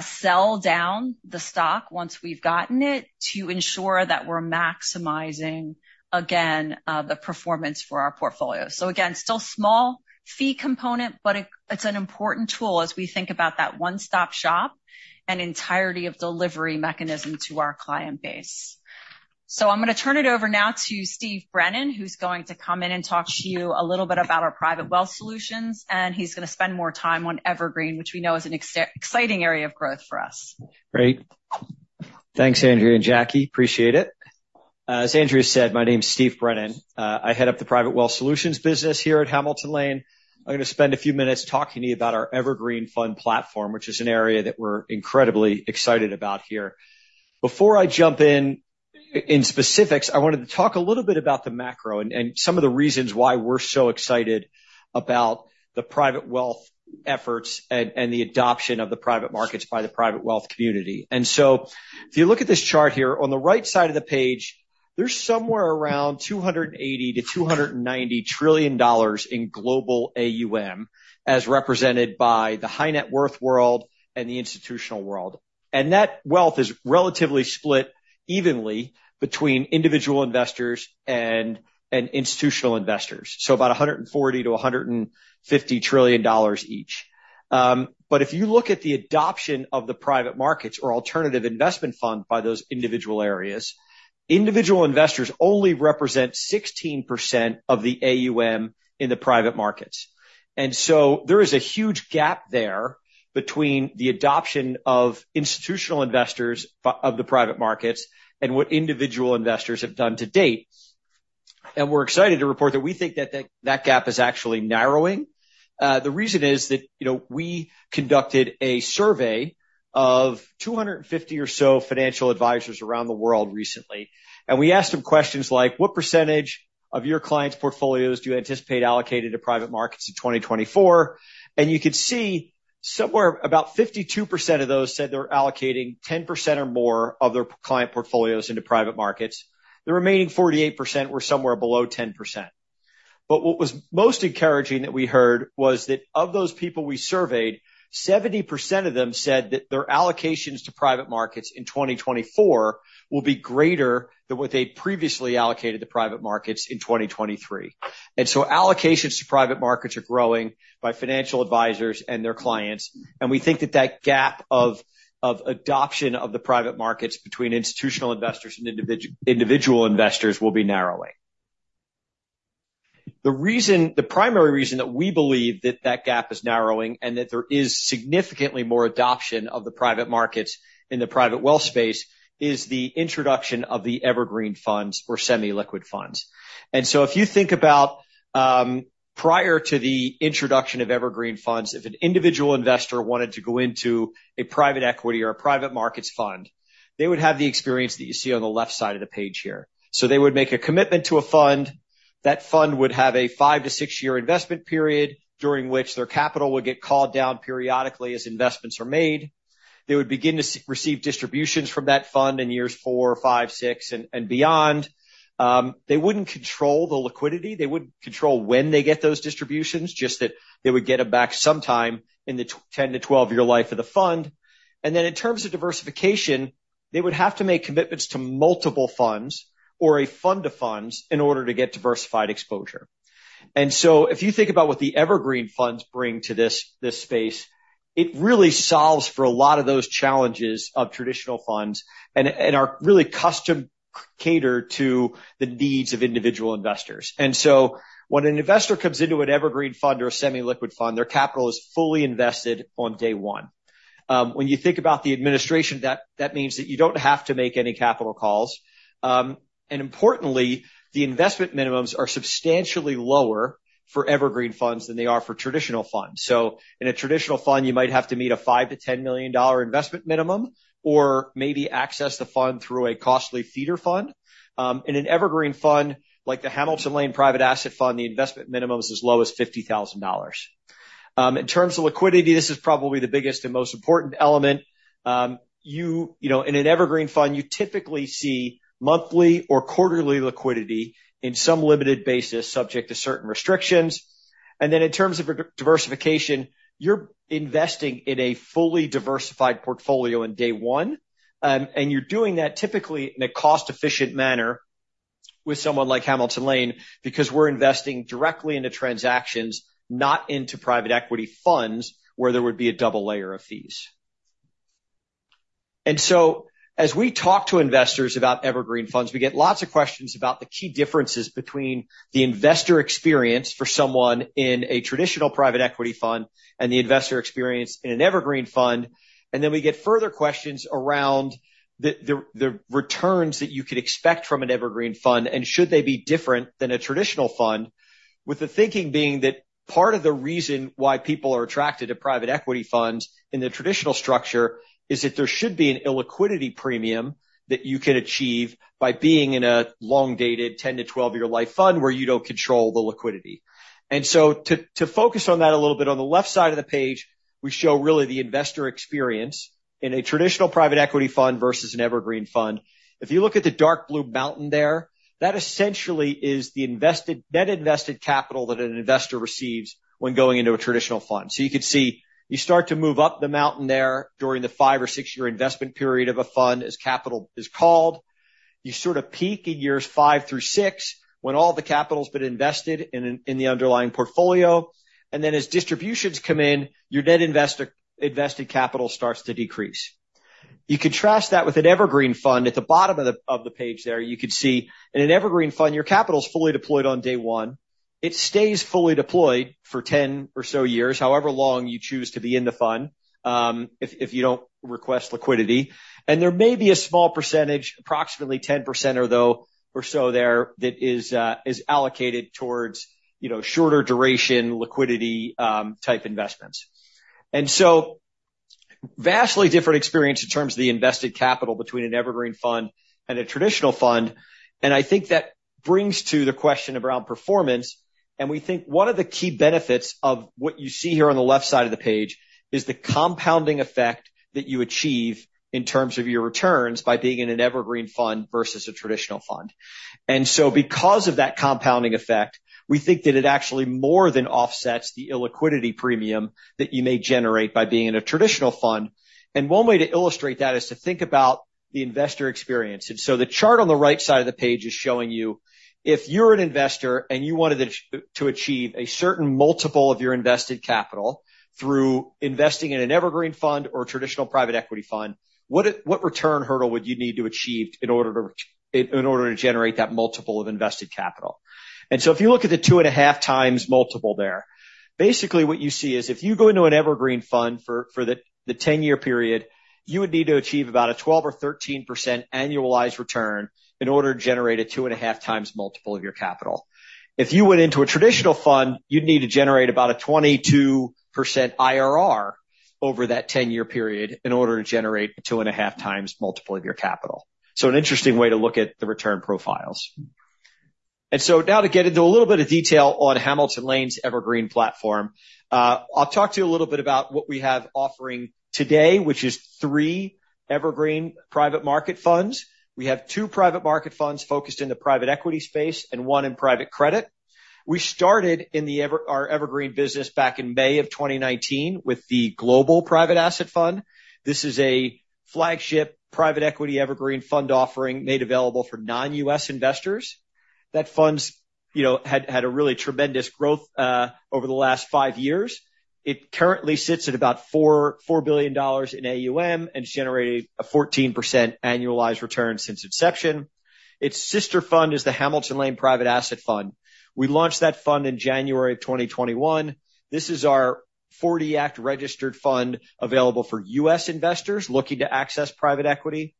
sell down the stock once we've gotten it, to ensure that we're maximizing, again, the performance for our portfolio. So again, still small fee component, but it, it's an important tool as we think about that one-stop shop and entirety of delivery mechanism to our client base. So I'm gonna turn it over now to Steve Brennan, who's going to come in and talk to you a little bit about our Private Wealth Solutions, and he's gonna spend more time on Evergreen, which we know is an exciting area of growth for us.... Thanks, Andrea and Jackie. Appreciate it. As Andrea said, my name is Steve Brennan. I head up the Private Wealth Solutions business here at Hamilton Lane. I'm gonna spend a few minutes talking to you about our Evergreen Fund platform, which is an area that we're incredibly excited about here. Before I jump in, in specifics, I wanted to talk a little bit about the macro and some of the reasons why we're so excited about the private wealth efforts and the adoption of the private markets by the private wealth community. So if you look at this chart here, on the right side of the page, there's somewhere around $280 trillion to $290 trillion in global AUM, as represented by the high net worth world and the institutional world. That wealth is relatively split evenly between individual investors and institutional investors, so about $140 trillion to $150 trillion each. But if you look at the adoption of the private markets or alternative investment fund by those individual areas, individual investors only represent 16% of the AUM in the private markets. And so there is a huge gap there between the adoption of institutional investors of the private markets and what individual investors have done to date. And we're excited to report that we think that that gap is actually narrowing. The reason is that, you know, we conducted a survey of 250 or so financial advisors around the world recently, and we asked them questions like: "What percentage of your clients' portfolios do you anticipate allocated to private markets in 2024?" You could see somewhere about 52% of those said they're allocating 10% or more of their client portfolios into private markets. The remaining 48% were somewhere below 10%. But what was most encouraging that we heard was that of those people we surveyed, 70% of them said that their allocations to private markets in 2024 will be greater than what they previously allocated to private markets in 2023. Allocations to private markets are growing by financial advisors and their clients, and we think that that gap of adoption of the private markets between institutional investors and individual investors will be narrowing. The primary reason that we believe that that gap is narrowing, and that there is significantly more adoption of the private markets in the private wealth space, is the introduction of the Evergreen funds or semi-liquid funds. So if you think about, prior to the introduction of Evergreen funds, if an individual investor wanted to go into a private equity or a private markets fund, they would have the experience that you see on the left side of the page here. So they would make a commitment to a fund. That fund would have a 5 to 6-year investment period, during which their capital would get called down periodically as investments are made. They would begin to receive distributions from that fund in years 4, 5, 6, and, and beyond. They wouldn't control the liquidity. They wouldn't control when they get those distributions, just that they would get them back sometime in the 10 to 12-year life of the fund. And then, in terms of diversification, they would have to make commitments to multiple funds or a fund to funds in order to get diversified exposure. And so if you think about what the Evergreen funds bring to this, this space, it really solves for a lot of those challenges of traditional funds and, and are really custom catered to the needs of individual investors. And so when an investor comes into an Evergreen fund or a semi-liquid fund, their capital is fully invested on day one. When you think about the administration, that means that you don't have to make any capital calls. Importantly, the investment minimums are substantially lower for Evergreen funds than they are for traditional funds. So in a traditional fund, you might have to meet a $5 million-$10 million investment minimum or maybe access the fund through a costly feeder fund. In an Evergreen fund, like the Hamilton Lane Private Asset Fund, the investment minimum is as low as $50,000. In terms of liquidity, this is probably the biggest and most important element. You know, in an Evergreen fund, you typically see monthly or quarterly liquidity in some limited basis, subject to certain restrictions. And then, in terms of diversification, you're investing in a fully diversified portfolio in day one, and you're doing that typically in a cost-efficient manner with someone like Hamilton Lane, because we're investing directly into transactions, not into private equity funds, where there would be a double layer of fees. And so, as we talk to investors about Evergreen funds, we get lots of questions about the key differences between the investor experience for someone in a traditional private equity fund and the investor experience in an Evergreen fund. And then we get further questions around the returns that you could expect from an Evergreen fund, and should they be different than a traditional fund? With the thinking being that part of the reason why people are attracted to private equity funds in the traditional structure is that there should be an illiquidity premium that you can achieve by being in a long-dated, 10 to 12-year life fund, where you don't control the liquidity. So to, to focus on that a little bit, on the left side of the page, we show really the investor experience in a traditional private equity fund versus an evergreen fund. If you look at the dark blue mountain there, that essentially is the invested, net invested capital that an investor receives when going into a traditional fund. So you could see, you start to move up the mountain there during the 5- or 6-year investment period of a fund, as capital is called. You sort of peak in years 5 through 6, when all the capital's been invested in the underlying portfolio, and then as distributions come in, your net invested capital starts to decrease. You contrast that with an Evergreen fund. At the bottom of the page there, you could see in an Evergreen fund, your capital is fully deployed on day one. It stays fully deployed for 10 or so years, however long you choose to be in the fund, if you don't request liquidity. And there may be a small percentage, approximately 10% or so there, that is allocated towards, you know, shorter duration, liquidity type investments. And so vastly different experience in terms of the invested capital between an Evergreen fund and a traditional fund, and I think that brings to the question around performance. We think one of the key benefits of what you see here on the left side of the page is the compounding effect that you achieve in terms of your returns by being in an evergreen fund versus a traditional fund. And so because of that compounding effect, we think that it actually more than offsets the illiquidity premium that you may generate by being in a traditional fund. And one way to illustrate that is to think about the investor experience. And so the chart on the right side of the page is showing you, if you're an investor, and you wanted to achieve a certain multiple of your invested capital through investing in an evergreen fund or a traditional private equity fund, what return hurdle would you need to achieve in order to generate that multiple of invested capital? If you look at the 2.5x multiple there, basically, what you see is if you go into an evergreen fund for the 10-year period, you would need to achieve about a 12% or 13% annualized return in order to generate a 2.5x multiple of your capital. If you went into a traditional fund, you'd need to generate about a 22% IRR over that 10-year period in order to generate a 2.5x multiple of your capital. An interesting way to look at the return profiles. Now to get into a little bit of detail on Hamilton Lane's Evergreen platform. I'll talk to you a little bit about what we have offering today, which is 3 Evergreen private market funds. We have two private market funds focused in the private equity space and one in private credit. We started our Evergreen business back in May of 2019 with the Global Private Asset Fund. This is a flagship private equity Evergreen Fund offering made available for non-U.S. investors. That fund's, you know, had a really tremendous growth over the last five years. It currently sits at about $4 billion in AUM and generated a 14% annualized return since inception. Its sister fund is the Hamilton Lane Private Asset Fund. We launched that fund in January of 2021. This is our 40 Act registered fund available for U.S. investors looking to access private equity.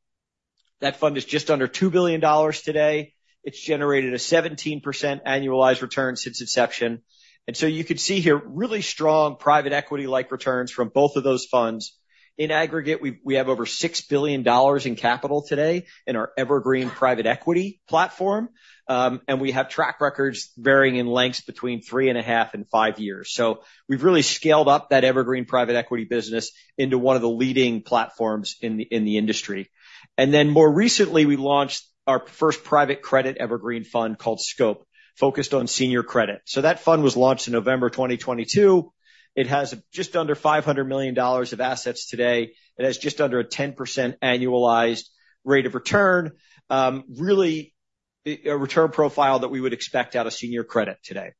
That fund is just under $2 billion today. It's generated a 17% annualized return since inception. You could see here really strong private equity-like returns from both of those funds. In aggregate, we have over $6 billion in capital today in our Evergreen private equity platform. We have track records varying in lengths between 3.5 and 5 years. We've really scaled up that Evergreen private equity business into one of the leading platforms in the industry. Then more recently, we launched our first private credit Evergreen fund called SCOPE, focused on senior credit. That fund was launched in November 2022. It has just under $500 million of assets today. It has just under a 10% annualized rate of return, really a return profile that we would expect out of senior credit today.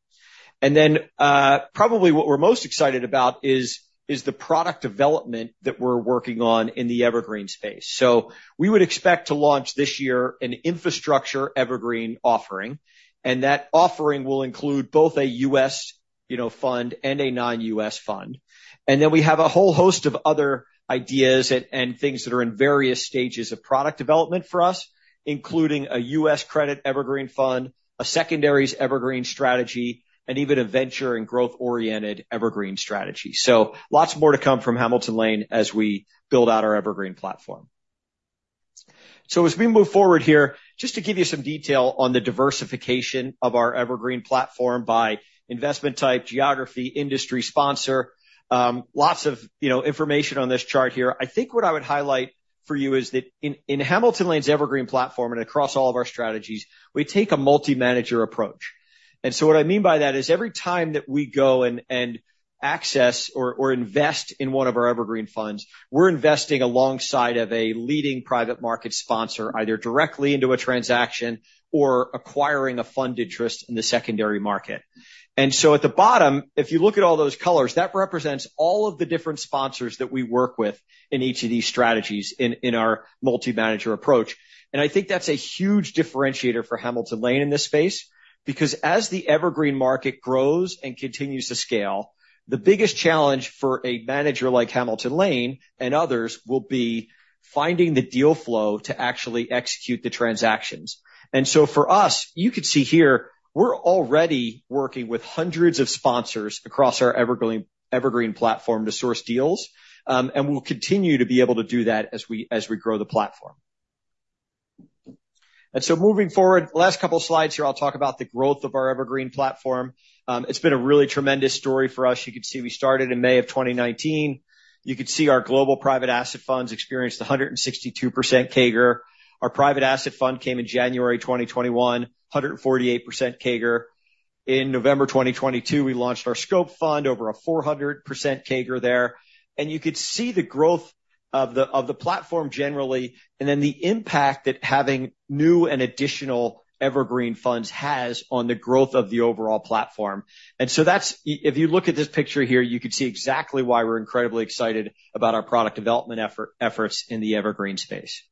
And then, probably what we're most excited about is the product development that we're working on in the Evergreen space. So we would expect to launch this year an infrastructure Evergreen offering, and that offering will include both a U.S., you know, fund and a non-U.S. fund. And then we have a whole host of other ideas and things that are in various stages of product development for us, including a U.S. credit Evergreen Fund, a secondaries Evergreen strategy, and even a venture and growth-oriented Evergreen strategy. So lots more to come from Hamilton Lane as we build out our Evergreen platform. So as we move forward here, just to give you some detail on the diversification of our Evergreen platform by investment type, geography, industry, sponsor. Lots of, you know, information on this chart here. I think what I would highlight for you is that in Hamilton Lane's Evergreen platform and across all of our strategies, we take a multi-manager approach. So what I mean by that is every time that we go and access or invest in one of our Evergreen funds, we're investing alongside of a leading private market sponsor, either directly into a transaction or acquiring a funded trust in the secondary market. So at the bottom, if you look at all those colors, that represents all of the different sponsors that we work with in each of these strategies in our multi-manager approach. I think that's a huge differentiator for Hamilton Lane in this space, because as the Evergreen market grows and continues to scale, the biggest challenge for a manager like Hamilton Lane and others will be finding the deal flow to actually execute the transactions. And so for us, you can see here, we're already working with hundreds of sponsors across our Evergreen, Evergreen platform to source deals, and we'll continue to be able to do that as we, as we grow the platform. And so moving forward, last couple of slides here, I'll talk about the growth of our Evergreen platform. It's been a really tremendous story for us. You can see we started in May of 2019. You could see our global private asset funds experienced a 162% CAGR. Our Private Asset Fund came in January 2021, 148% CAGR. In November 2022, we launched our SCOPE fund over a 400% CAGR there. And you could see the growth of the, of the platform generally, and then the impact that having new and additional evergreen funds has on the growth of the overall platform. And so that's... if you look at this picture here, you can see exactly why we're incredibly excited about our product development efforts in the evergreen space....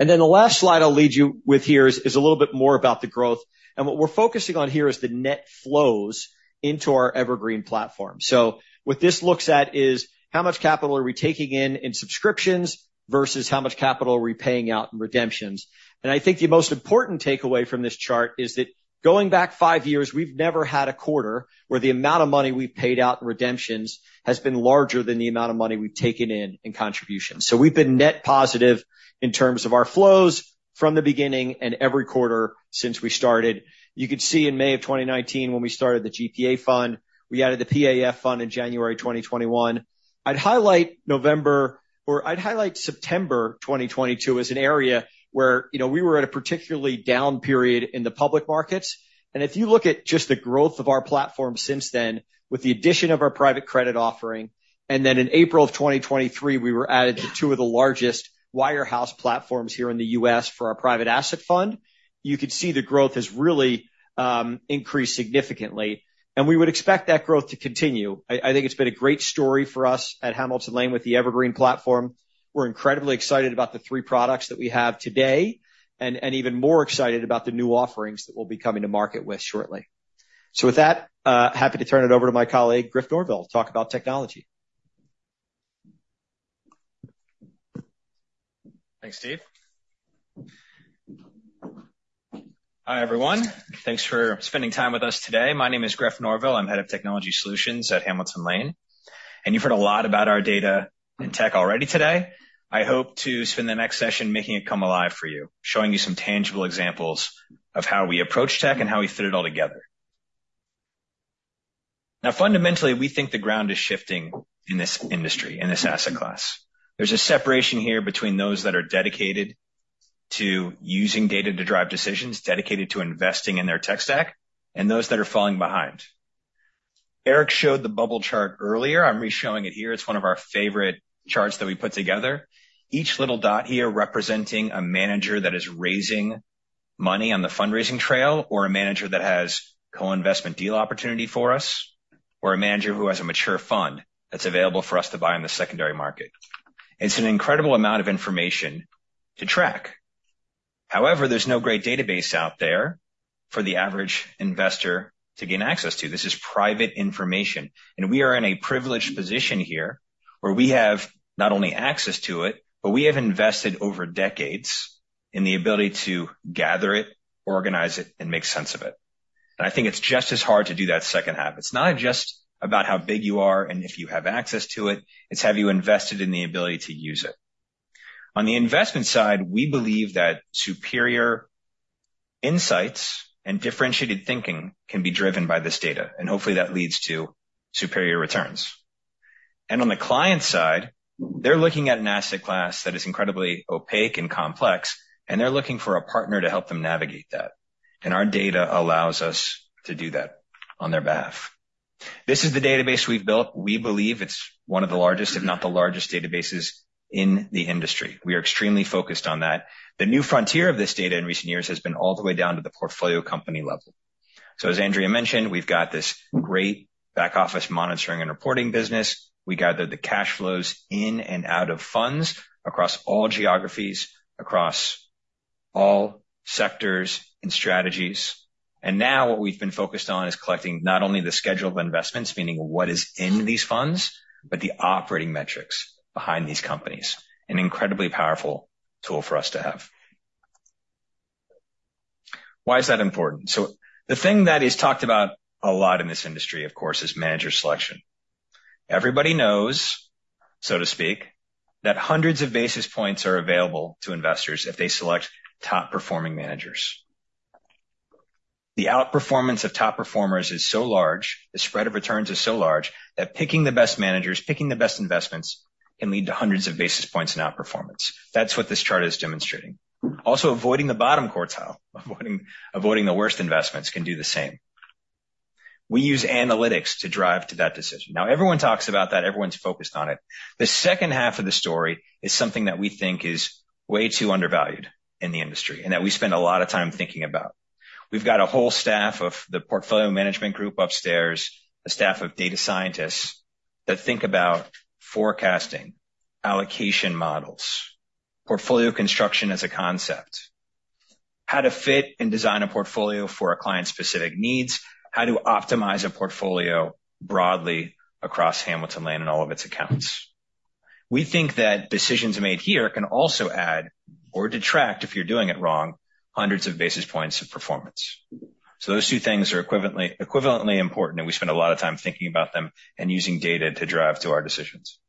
And then the last slide I'll leave you with here is a little bit more about the growth. And what we're focusing on here is the net flows into our Evergreen platform. So what this looks at is, how much capital are we taking in, in subscriptions, versus how much capital are we paying out in redemptions? And I think the most important takeaway from this chart is that going back 5 years, we've never had a quarter where the amount of money we've paid out in redemptions has been larger than the amount of money we've taken in, in contributions. So we've been net positive in terms of our flows from the beginning and every quarter since we started. You could see in May of 2019, when we started the GPA fund, we added the PAF fund in January 2021. I'd highlight November, or I'd highlight September 2022, as an area where, you know, we were at a particularly down period in the public markets. If you look at just the growth of our platform since then, with the addition of our private credit offering, and then in April of 2023, we were added to two of the largest wirehouse platforms here in the U.S. for our private asset fund. You could see the growth has really increased significantly, and we would expect that growth to continue. I think it's been a great story for us at Hamilton Lane with the Evergreen platform. We're incredibly excited about the three products that we have today, and even more excited about the new offerings that we'll be coming to market with shortly. So with that, happy to turn it over to my colleague, Griff Norville, to talk about technology. Thanks, Steve. Hi, everyone. Thanks for spending time with us today. My name is Griff Norville. I'm Head of Technology Solutions at Hamilton Lane, and you've heard a lot about our data and tech already today. I hope to spend the next session making it come alive for you, showing you some tangible examples of how we approach tech and how we fit it all together. Now, fundamentally, we think the ground is shifting in this industry, in this asset class. There's a separation here between those that are dedicated to using data to drive decisions, dedicated to investing in their tech stack, and those that are falling behind. Eric showed the bubble chart earlier. I'm reshowing it here. It's one of our favorite charts that we put together. Each little dot here representing a manager that is raising money on the fundraising trail, or a manager that has co-investment deal opportunity for us, or a manager who has a mature fund that's available for us to buy on the secondary market. It's an incredible amount of information to track. However, there's no great database out there for the average investor to gain access to. This is private information, and we are in a privileged position here where we have not only access to it, but we have invested over decades in the ability to gather it, organize it, and make sense of it. I think it's just as hard to do that second half. It's not just about how big you are and if you have access to it, it's have you invested in the ability to use it. On the investment side, we believe that superior insights and differentiated thinking can be driven by this data, and hopefully that leads to superior returns. On the client side, they're looking at an asset class that is incredibly opaque and complex, and they're looking for a partner to help them navigate that. Our data allows us to do that on their behalf. This is the database we've built. We believe it's one of the largest, if not the largest, databases in the industry. We are extremely focused on that. The new frontier of this data in recent years has been all the way down to the portfolio company level. As Andrea mentioned, we've got this great back-office monitoring and reporting business. We gather the cash flows in and out of funds across all geographies, across all sectors and strategies. Now what we've been focused on is collecting not only the scheduled investments, meaning what is in these funds, but the operating metrics behind these companies. An incredibly powerful tool for us to have. Why is that important? The thing that is talked about a lot in this industry, of course, is manager selection. Everybody knows, so to speak, that hundreds of basis points are available to investors if they select top-performing managers. The outperformance of top performers is so large, the spread of returns is so large, that picking the best managers, picking the best investments, can lead to hundreds of basis points in outperformance. That's what this chart is demonstrating. Also, avoiding the bottom quartile, avoiding, avoiding the worst investments, can do the same. We use analytics to drive to that decision. Now, everyone talks about that. Everyone's focused on it. The second half of the story is something that we think is way too undervalued in the industry and that we spend a lot of time thinking about. We've got a whole staff of the portfolio management group upstairs, a staff of data scientists, that think about forecasting, allocation models, portfolio construction as a concept, how to fit and design a portfolio for a client's specific needs, how to optimize a portfolio broadly across Hamilton Lane and all of its accounts. We think that decisions made here can also add or detract, if you're doing it wrong, hundreds of basis points of performance. So those two things are equivalently, equivalently important, and we spend a lot of time thinking about them and using data to drive to our decisions.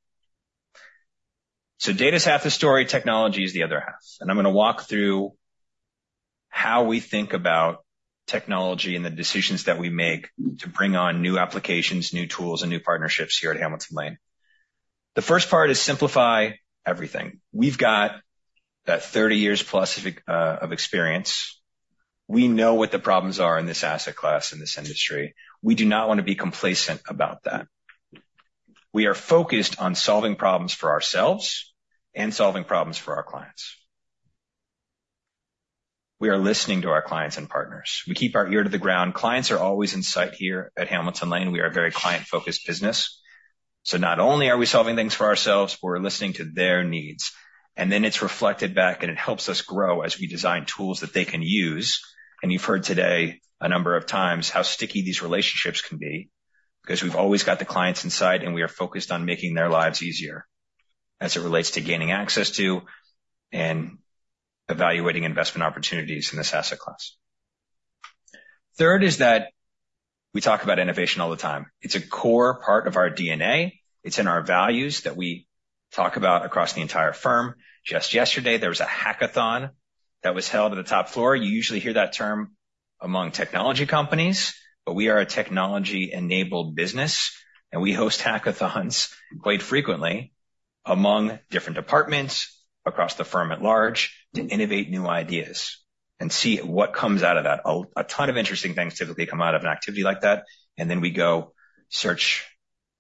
So data is half the story, technology is the other half. I'm gonna walk through how we think about technology and the decisions that we make to bring on new applications, new tools, and new partnerships here at Hamilton Lane. The first part is simplify everything. We've got that 30 years-plus of experience. We know what the problems are in this asset class, in this industry. We do not want to be complacent about that. We are focused on solving problems for ourselves and solving problems for our clients... We are listening to our clients and partners. We keep our ear to the ground. Clients are always in sight here at Hamilton Lane. We are a very client-focused business, so not only are we solving things for ourselves, we're listening to their needs, and then it's reflected back, and it helps us grow as we design tools that they can use. And you've heard today a number of times how sticky these relationships can be, because we've always got the clients in sight, and we are focused on making their lives easier as it relates to gaining access to and evaluating investment opportunities in this asset class. Third is that we talk about innovation all the time. It's a core part of our DNA. It's in our values that we talk about across the entire firm. Just yesterday, there was a hackathon that was held at the top floor. You usually hear that term among technology companies, but we are a technology-enabled business, and we host hackathons quite frequently among different departments across the firm at large, to innovate new ideas and see what comes out of that. A ton of interesting things typically come out of an activity like that, and then we go search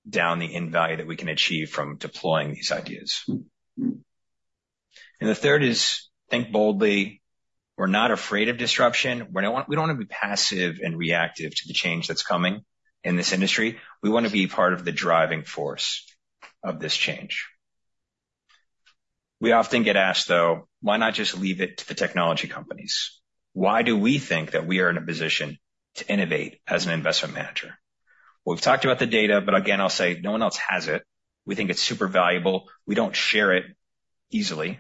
down the end value that we can achieve from deploying these ideas. The third is think boldly. We're not afraid of disruption. We don't want, we don't want to be passive and reactive to the change that's coming in this industry. We want to be part of the driving force of this change. We often get asked, though, "Why not just leave it to the technology companies? Why do we think that we are in a position to innovate as an investment manager?" We've talked about the data, but again, I'll say no one else has it. We think it's super valuable. We don't share it easily.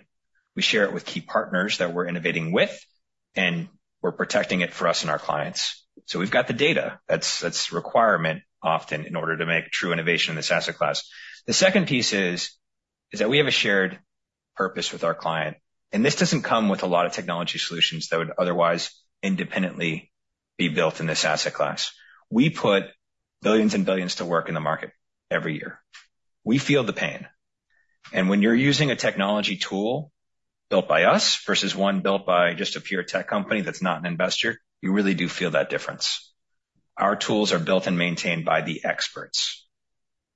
We share it with key partners that we're innovating with, and we're protecting it for us and our clients. So we've got the data. That's, that's a requirement often in order to make true innovation in this asset class. The second piece is, is that we have a shared purpose with our client, and this doesn't come with a lot of technology solutions that would otherwise independently be built in this asset class. We put billions and billions to work in the market every year. We feel the pain, and when you're using a technology tool built by us versus one built by just a pure tech company that's not an investor, you really do feel that difference. Our tools are built and maintained by the experts,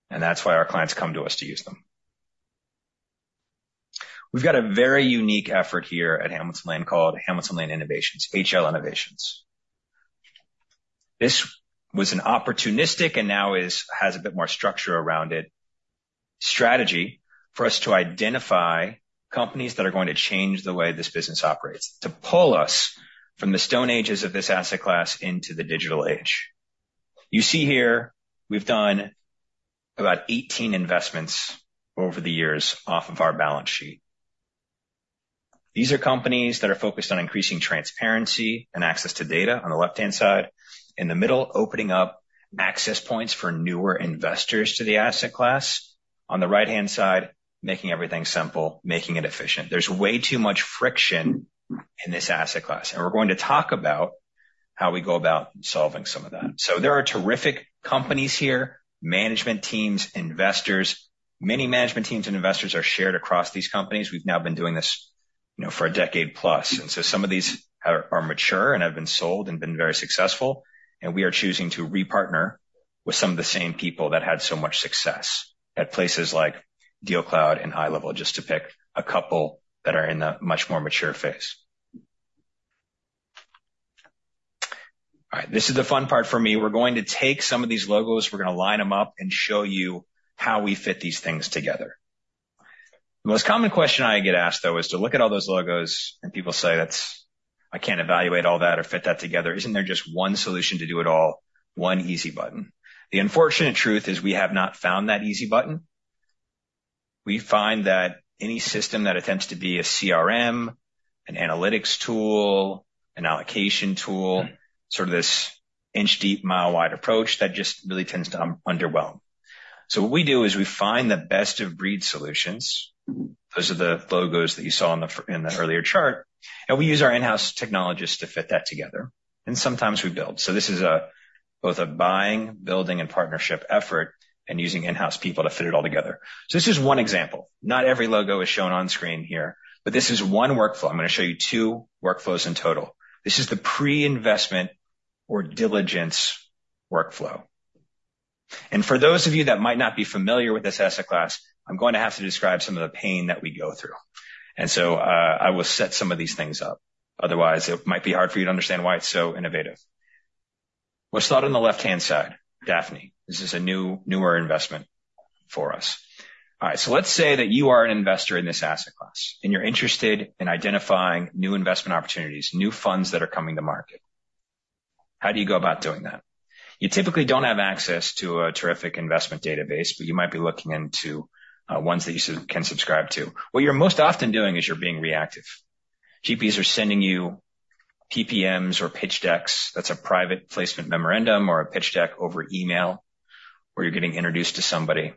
and that's why our clients come to us to use them. We've got a very unique effort here at Hamilton Lane called Hamilton Lane Innovations, HL Innovations. This was an opportunistic, and now has a bit more structure around it, strategy for us to identify companies that are going to change the way this business operates, to pull us from the Stone Ages of this asset class into the digital age. You see here, we've done about 18 investments over the years off of our balance sheet. These are companies that are focused on increasing transparency and access to data on the left-hand side. In the middle, opening up access points for newer investors to the asset class. On the right-hand side, making everything simple, making it efficient. There's way too much friction in this asset class, and we're going to talk about how we go about solving some of that. So there are terrific companies here, management teams, investors. Many management teams and investors are shared across these companies. We've now been doing this, you know, for a decade plus, and so some of these are mature and have been sold and been very successful, and we are choosing to repartner with some of the same people that had so much success at places like DealCloud and iLevel, just to pick a couple that are in the much more mature phase. All right, this is the fun part for me. We're going to take some of these logos, we're gonna line them up, and show you how we fit these things together. The most common question I get asked, though, is to look at all those logos, and people say, "That's... I can't evaluate all that or fit that together. Isn't there just one solution to do it all, one easy button?" The unfortunate truth is we have not found that easy button. We find that any system that attempts to be a CRM, an analytics tool, an allocation tool, sort of this inch-deep, mile-wide approach, that just really tends to underwhelm. So what we do is we find the best-of-breed solutions. Those are the logos that you saw in the, in the earlier chart, and we use our in-house technologists to fit that together. And sometimes we build. So this is a both a buying, building, and partnership effort and using in-house people to fit it all together. So this is one example. Not every logo is shown on screen here, but this is one workflow. I'm gonna show you two workflows in total. This is the pre-investment or diligence workflow. And for those of you that might not be familiar with this asset class, I'm going to have to describe some of the pain that we go through. And so, I will set some of these things up. Otherwise, it might be hard for you to understand why it's so innovative. Let's start on the left-hand side. Daphne. This is a new, newer investment for us. All right, so let's say that you are an investor in this asset class, and you're interested in identifying new investment opportunities, new funds that are coming to market. How do you go about doing that? You typically don't have access to a terrific investment database, but you might be looking into, ones that you can subscribe to. What you're most often doing is you're being reactive. GPs are sending you PPMs or pitch decks, that's a private placement memorandum or a pitch deck over email, or you're getting introduced to somebody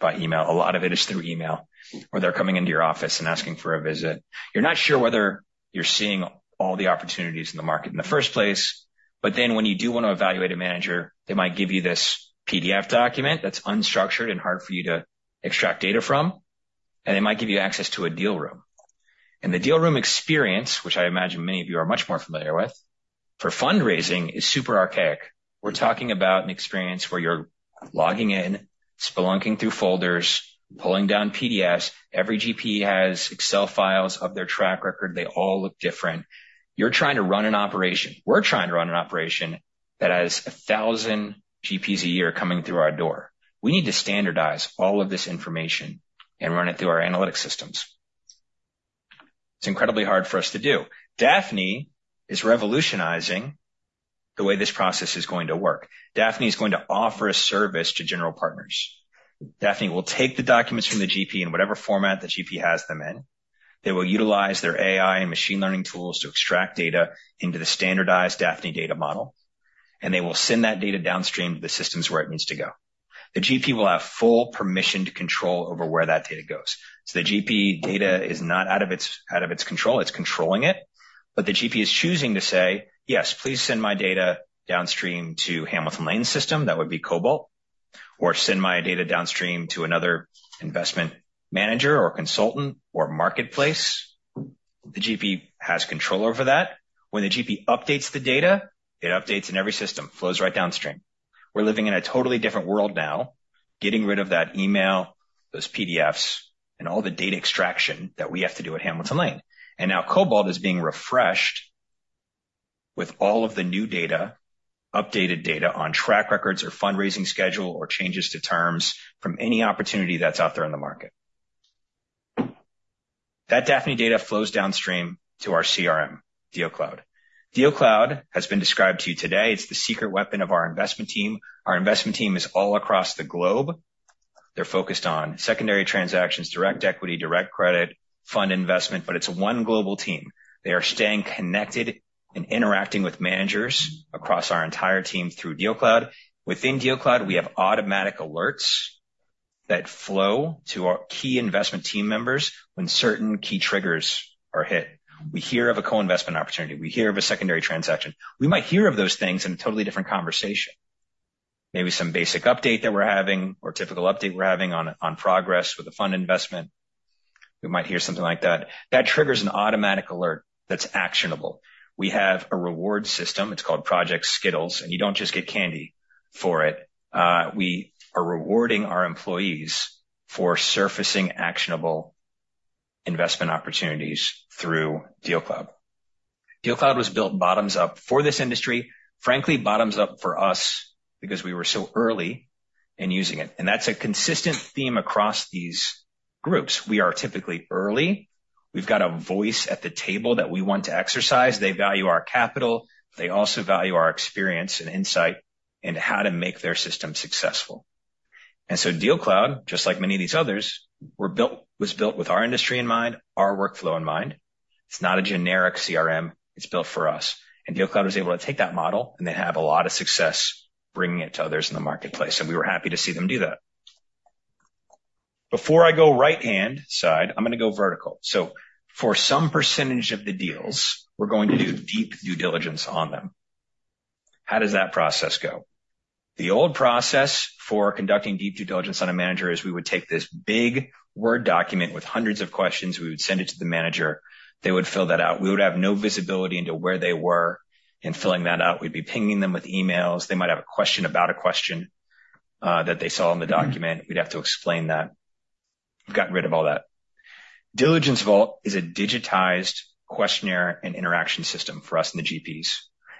by email. A lot of it is through email, or they're coming into your office and asking for a visit. You're not sure whether you're seeing all the opportunities in the market in the first place, but then when you do want to evaluate a manager, they might give you this PDF document that's unstructured and hard for you to extract data from, and they might give you access to a deal room. And the deal room experience, which I imagine many of you are much more familiar with for fundraising, is super archaic. We're talking about an experience where you're logging in, spelunking through folders, pulling down PDFs. Every GP has Excel files of their track record. They all look different. You're trying to run an operation. We're trying to run an operation that has 1,000 GPs a year coming through our door. We need to standardize all of this information and run it through our analytics systems. It's incredibly hard for us to do. Daphne is revolutionizing the way this process is going to work. Daphne is going to offer a service to general partners. Daphne will take the documents from the GP in whatever format the GP has them in. They will utilize their AI and machine learning tools to extract data into the standardized Daphne data model, and they will send that data downstream to the systems where it needs to go. The GP will have full permission to control over where that data goes. So the GP data is not out of its control. It's controlling it, but the GP is choosing to say, "Yes, please send my data downstream to Hamilton Lane system," that would be Cobalt, "or send my data downstream to another investment manager or consultant or marketplace." The GP has control over that. When the GP updates the data, it updates in every system, flows right downstream. We're living in a totally different world now, getting rid of that email, those PDFs, and all the data extraction that we have to do at Hamilton Lane. And now Cobalt is being refreshed with all of the new data, updated data on track records or fundraising schedule or changes to terms from any opportunity that's out there in the market. That Daphne data flows downstream to our CRM, DealCloud. DealCloud has been described to you today. It's the secret weapon of our investment team. Our investment team is all across the globe. They're focused on secondary transactions, direct equity, direct credit, fund investment, but it's one global team. They are staying connected and interacting with managers across our entire team through DealCloud. Within DealCloud, we have automatic alerts that flow to our key investment team members when certain key triggers are hit. We hear of a co-investment opportunity. We hear of a secondary transaction. We might hear of those things in a totally different conversation. Maybe some basic update that we're having or typical update we're having on progress with a fund investment. We might hear something like that. That triggers an automatic alert that's actionable. We have a reward system. It's called Project Skittles, and you don't just get candy for it. We are rewarding our employees for surfacing actionable investment opportunities through DealCloud. DealCloud was built bottoms up for this industry, frankly, bottoms up for us because we were so early in using it, and that's a consistent theme across these groups. We are typically early. We've got a voice at the table that we want to exercise. They value our capital. They also value our experience and insight into how to make their system successful. And so DealCloud, just like many of these others, were built--was built with our industry in mind, our workflow in mind. It's not a generic CRM. It's built for us. And DealCloud was able to take that model, and they have a lot of success bringing it to others in the marketplace, and we were happy to see them do that. Before I go right hand side, I'm gonna go vertical. So for some percentage of the deals, we're going to do deep due diligence on them. How does that process go? The old process for conducting deep due diligence on a manager is we would take this big Word document with hundreds of questions, we would send it to the manager, they would fill that out. We would have no visibility into where they were in filling that out. We'd be pinging them with emails. They might have a question about a question, that they saw in the document. We'd have to explain that. We've gotten rid of all that. DiligenceVault is a digitized questionnaire and interaction system for us and the GPs.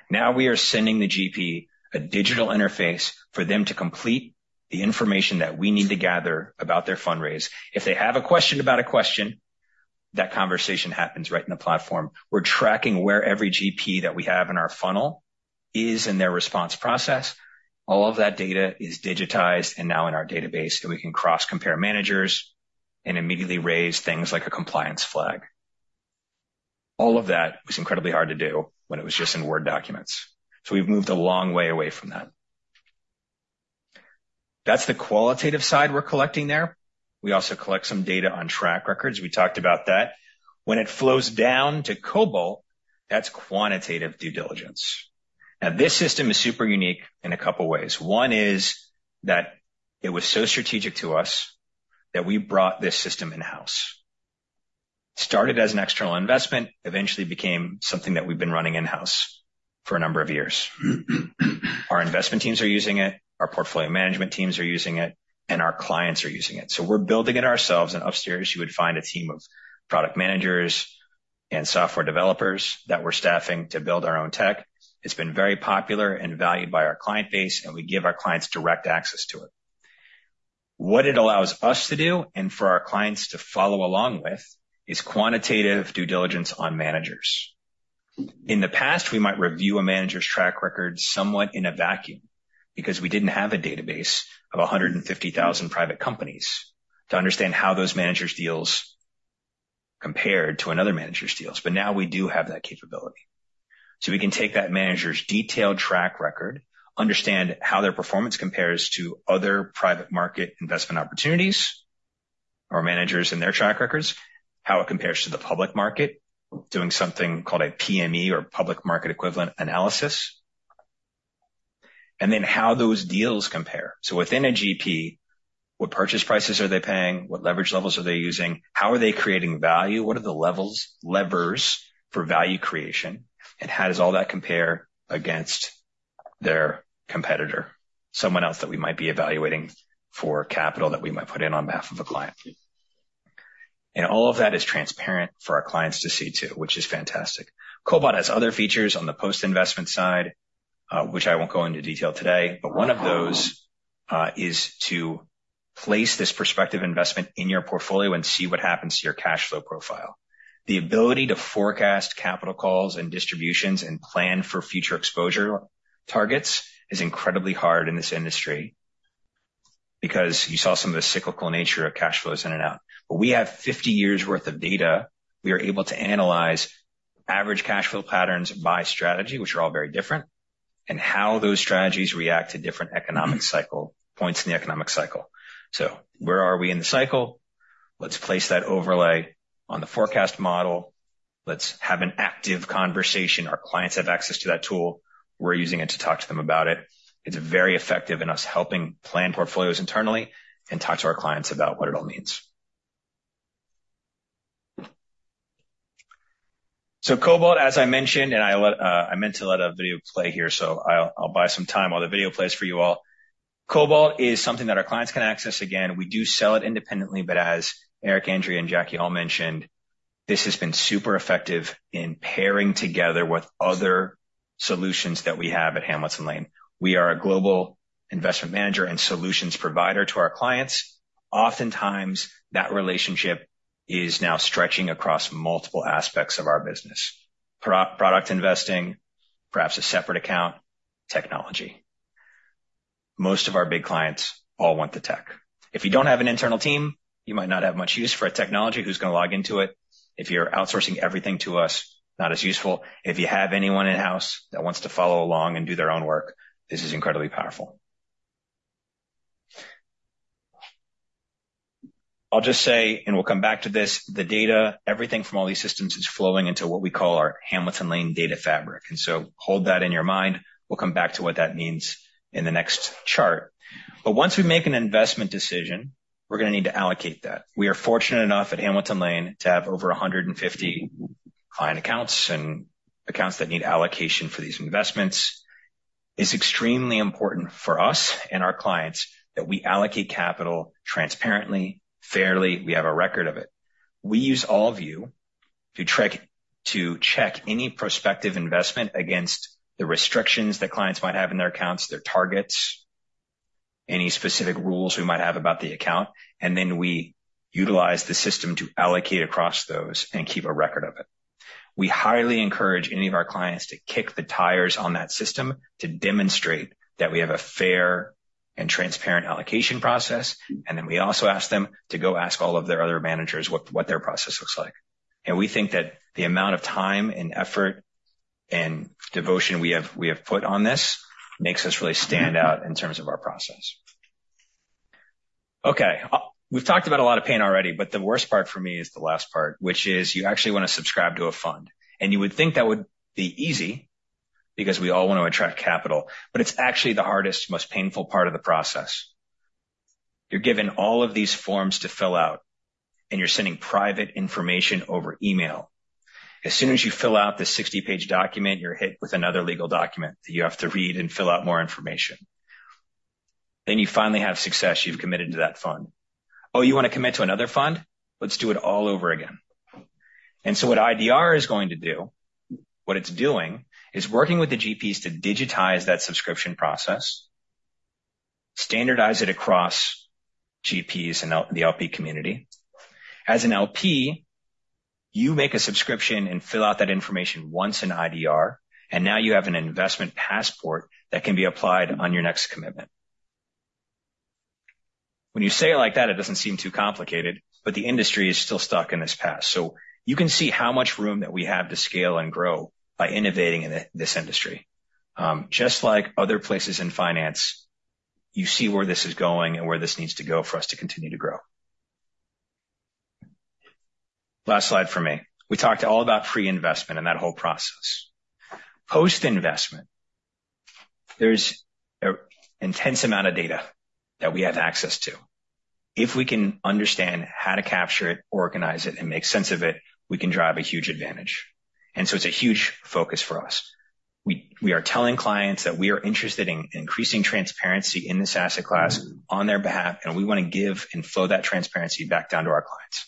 Now we are sending the GP a digital interface for them to complete the information that we need to gather about their fundraise. If they have a question about a question, that conversation happens right in the platform. We're tracking where every GP that we have in our funnel is in their response process. All of that data is digitized and now in our database, and we can cross-compare managers and immediately raise things like a compliance flag. All of that was incredibly hard to do when it was just in Word documents, so we've moved a long way away from that. That's the qualitative side we're collecting there. We also collect some data on track records. We talked about that. When it flows down to Cobalt, that's quantitative due diligence. Now, this system is super unique in a couple ways. One is that it was so strategic to us that we brought this system in-house. Started as an external investment, eventually became something that we've been running in-house for a number of years. Our investment teams are using it, our portfolio management teams are using it, and our clients are using it. So we're building it ourselves, and upstairs you would find a team of product managers and software developers that we're staffing to build our own tech. It's been very popular and valued by our client base, and we give our clients direct access to it. What it allows us to do, and for our clients to follow along with, is quantitative due diligence on managers. In the past, we might review a manager's track record somewhat in a vacuum because we didn't have a database of 150,000 private companies to understand how those managers' deals compared to another manager's deals. But now we do have that capability. So we can take that manager's detailed track record, understand how their performance compares to other private market investment opportunities or managers and their track records, how it compares to the public market, doing something called a PME or public market equivalent analysis... and then how those deals compare. So within a GP, what purchase prices are they paying? What leverage levels are they using? How are they creating value? What are the levels, levers for value creation, and how does all that compare against their competitor? Someone else that we might be evaluating for capital that we might put in on behalf of a client. And all of that is transparent for our clients to see, too, which is fantastic. Cobalt has other features on the post-investment side, which I won't go into detail today, but one of those is to place this prospective investment in your portfolio and see what happens to your cash flow profile. The ability to forecast capital calls and distributions and plan for future exposure targets is incredibly hard in this industry because you saw some of the cyclical nature of cash flows in and out. But we have 50 years' worth of data. We are able to analyze average cash flow patterns by strategy, which are all very different, and how those strategies react to different economic cycle, points in the economic cycle. So where are we in the cycle? Let's place that overlay on the forecast model. Let's have an active conversation. Our clients have access to that tool. We're using it to talk to them about it. It's very effective in our helping plan portfolios internally and talk to our clients about what it all means. So Cobalt, as I mentioned, and I let, I meant to let a video play here, so I'll, I'll buy some time while the video plays for you all. Cobalt is something that our clients can access. Again, we do sell it independently, but as Eric, Andrea, and Jackie all mentioned, this has been super effective in pairing together with other solutions that we have at Hamilton Lane. We are a global investment manager and solutions provider to our clients. Oftentimes, that relationship is now stretching across multiple aspects of our business, product investing, perhaps a separate account, technology. Most of our big clients all want the tech. If you don't have an internal team, you might not have much use for a technology. Who's going to log into it? If you're outsourcing everything to us, not as useful. If you have anyone in-house that wants to follow along and do their own work, this is incredibly powerful. I'll just say, and we'll come back to this, the data, everything from all these systems is flowing into what we call our Hamilton Lane data fabric, and so hold that in your mind. We'll come back to what that means in the next chart. But once we make an investment decision, we're gonna need to allocate that. We are fortunate enough at Hamilton Lane to have over 150 client accounts, and accounts that need allocation for these investments. It's extremely important for us and our clients that we allocate capital transparently, fairly, we have a record of it. We use Cobalt to track--to check any prospective investment against the restrictions that clients might have in their accounts, their targets, any specific rules we might have about the account, and then we utilize the system to allocate across those and keep a record of it. We highly encourage any of our clients to kick the tires on that system to demonstrate that we have a fair and transparent allocation process, and then we also ask them to go ask all of their other managers what their process looks like. We think that the amount of time and effort and devotion we have put on this makes us really stand out in terms of our process. Okay, we've talked about a lot of pain already, but the worst part for me is the last part, which is you actually want to subscribe to a fund. And you would think that would be easy because we all want to attract capital, but it's actually the hardest, most painful part of the process. You're given all of these forms to fill out, and you're sending private information over email. As soon as you fill out the 60-page document, you're hit with another legal document that you have to read and fill out more information. Then you finally have success. You've committed to that fund. Oh, you want to commit to another fund? Let's do it all over again. And so what IDR is going to do, what it's doing, is working with the GPs to digitize that subscription process, standardize it across GPs and the LP community. As an LP, you make a subscription and fill out that information once in IDR, and now you have an investment passport that can be applied on your next commitment. When you say it like that, it doesn't seem too complicated, but the industry is still stuck in this path. So you can see how much room that we have to scale and grow by innovating in this industry. Just like other places in finance, you see where this is going and where this needs to go for us to continue to grow. Last slide for me. We talked all about pre-investment and that whole process. Post-investment, there's an intense amount of data that we have access to. If we can understand how to capture it, organize it, and make sense of it, we can drive a huge advantage, and so it's a huge focus for us. We, we are telling clients that we are interested in increasing transparency in this asset class on their behalf, and we want to give and flow that transparency back down to our clients.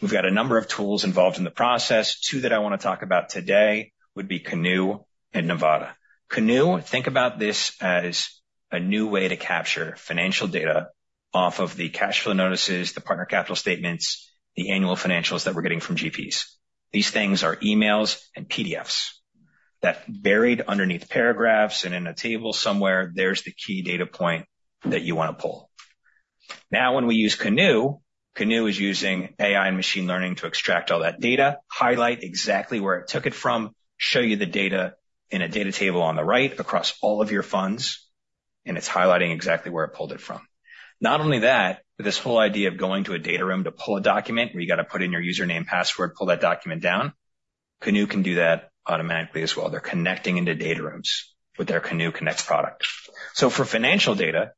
We've got a number of tools involved in the process. Two that I want to talk about today would be Canoe and Novata. Canoe, think about this as a new way to capture financial data off of the cash flow notices, the partner capital statements, the annual financials that we're getting from GPs. These things are emails and PDFs that buried underneath paragraphs and in a table somewhere, there's the key data point that you want to pull. Now, when we use Canoe, Canoe is using AI and machine learning to extract all that data, highlight exactly where it took it from, show you the data in a data table on the right across all of your funds, and it's highlighting exactly where it pulled it from. Not only that, but this whole idea of going to a data room to pull a document, where you got to put in your username, password, pull that document down?... Canoe can do that automatically as well. They're connecting into data rooms with their Canoe Connect product. So for financial data,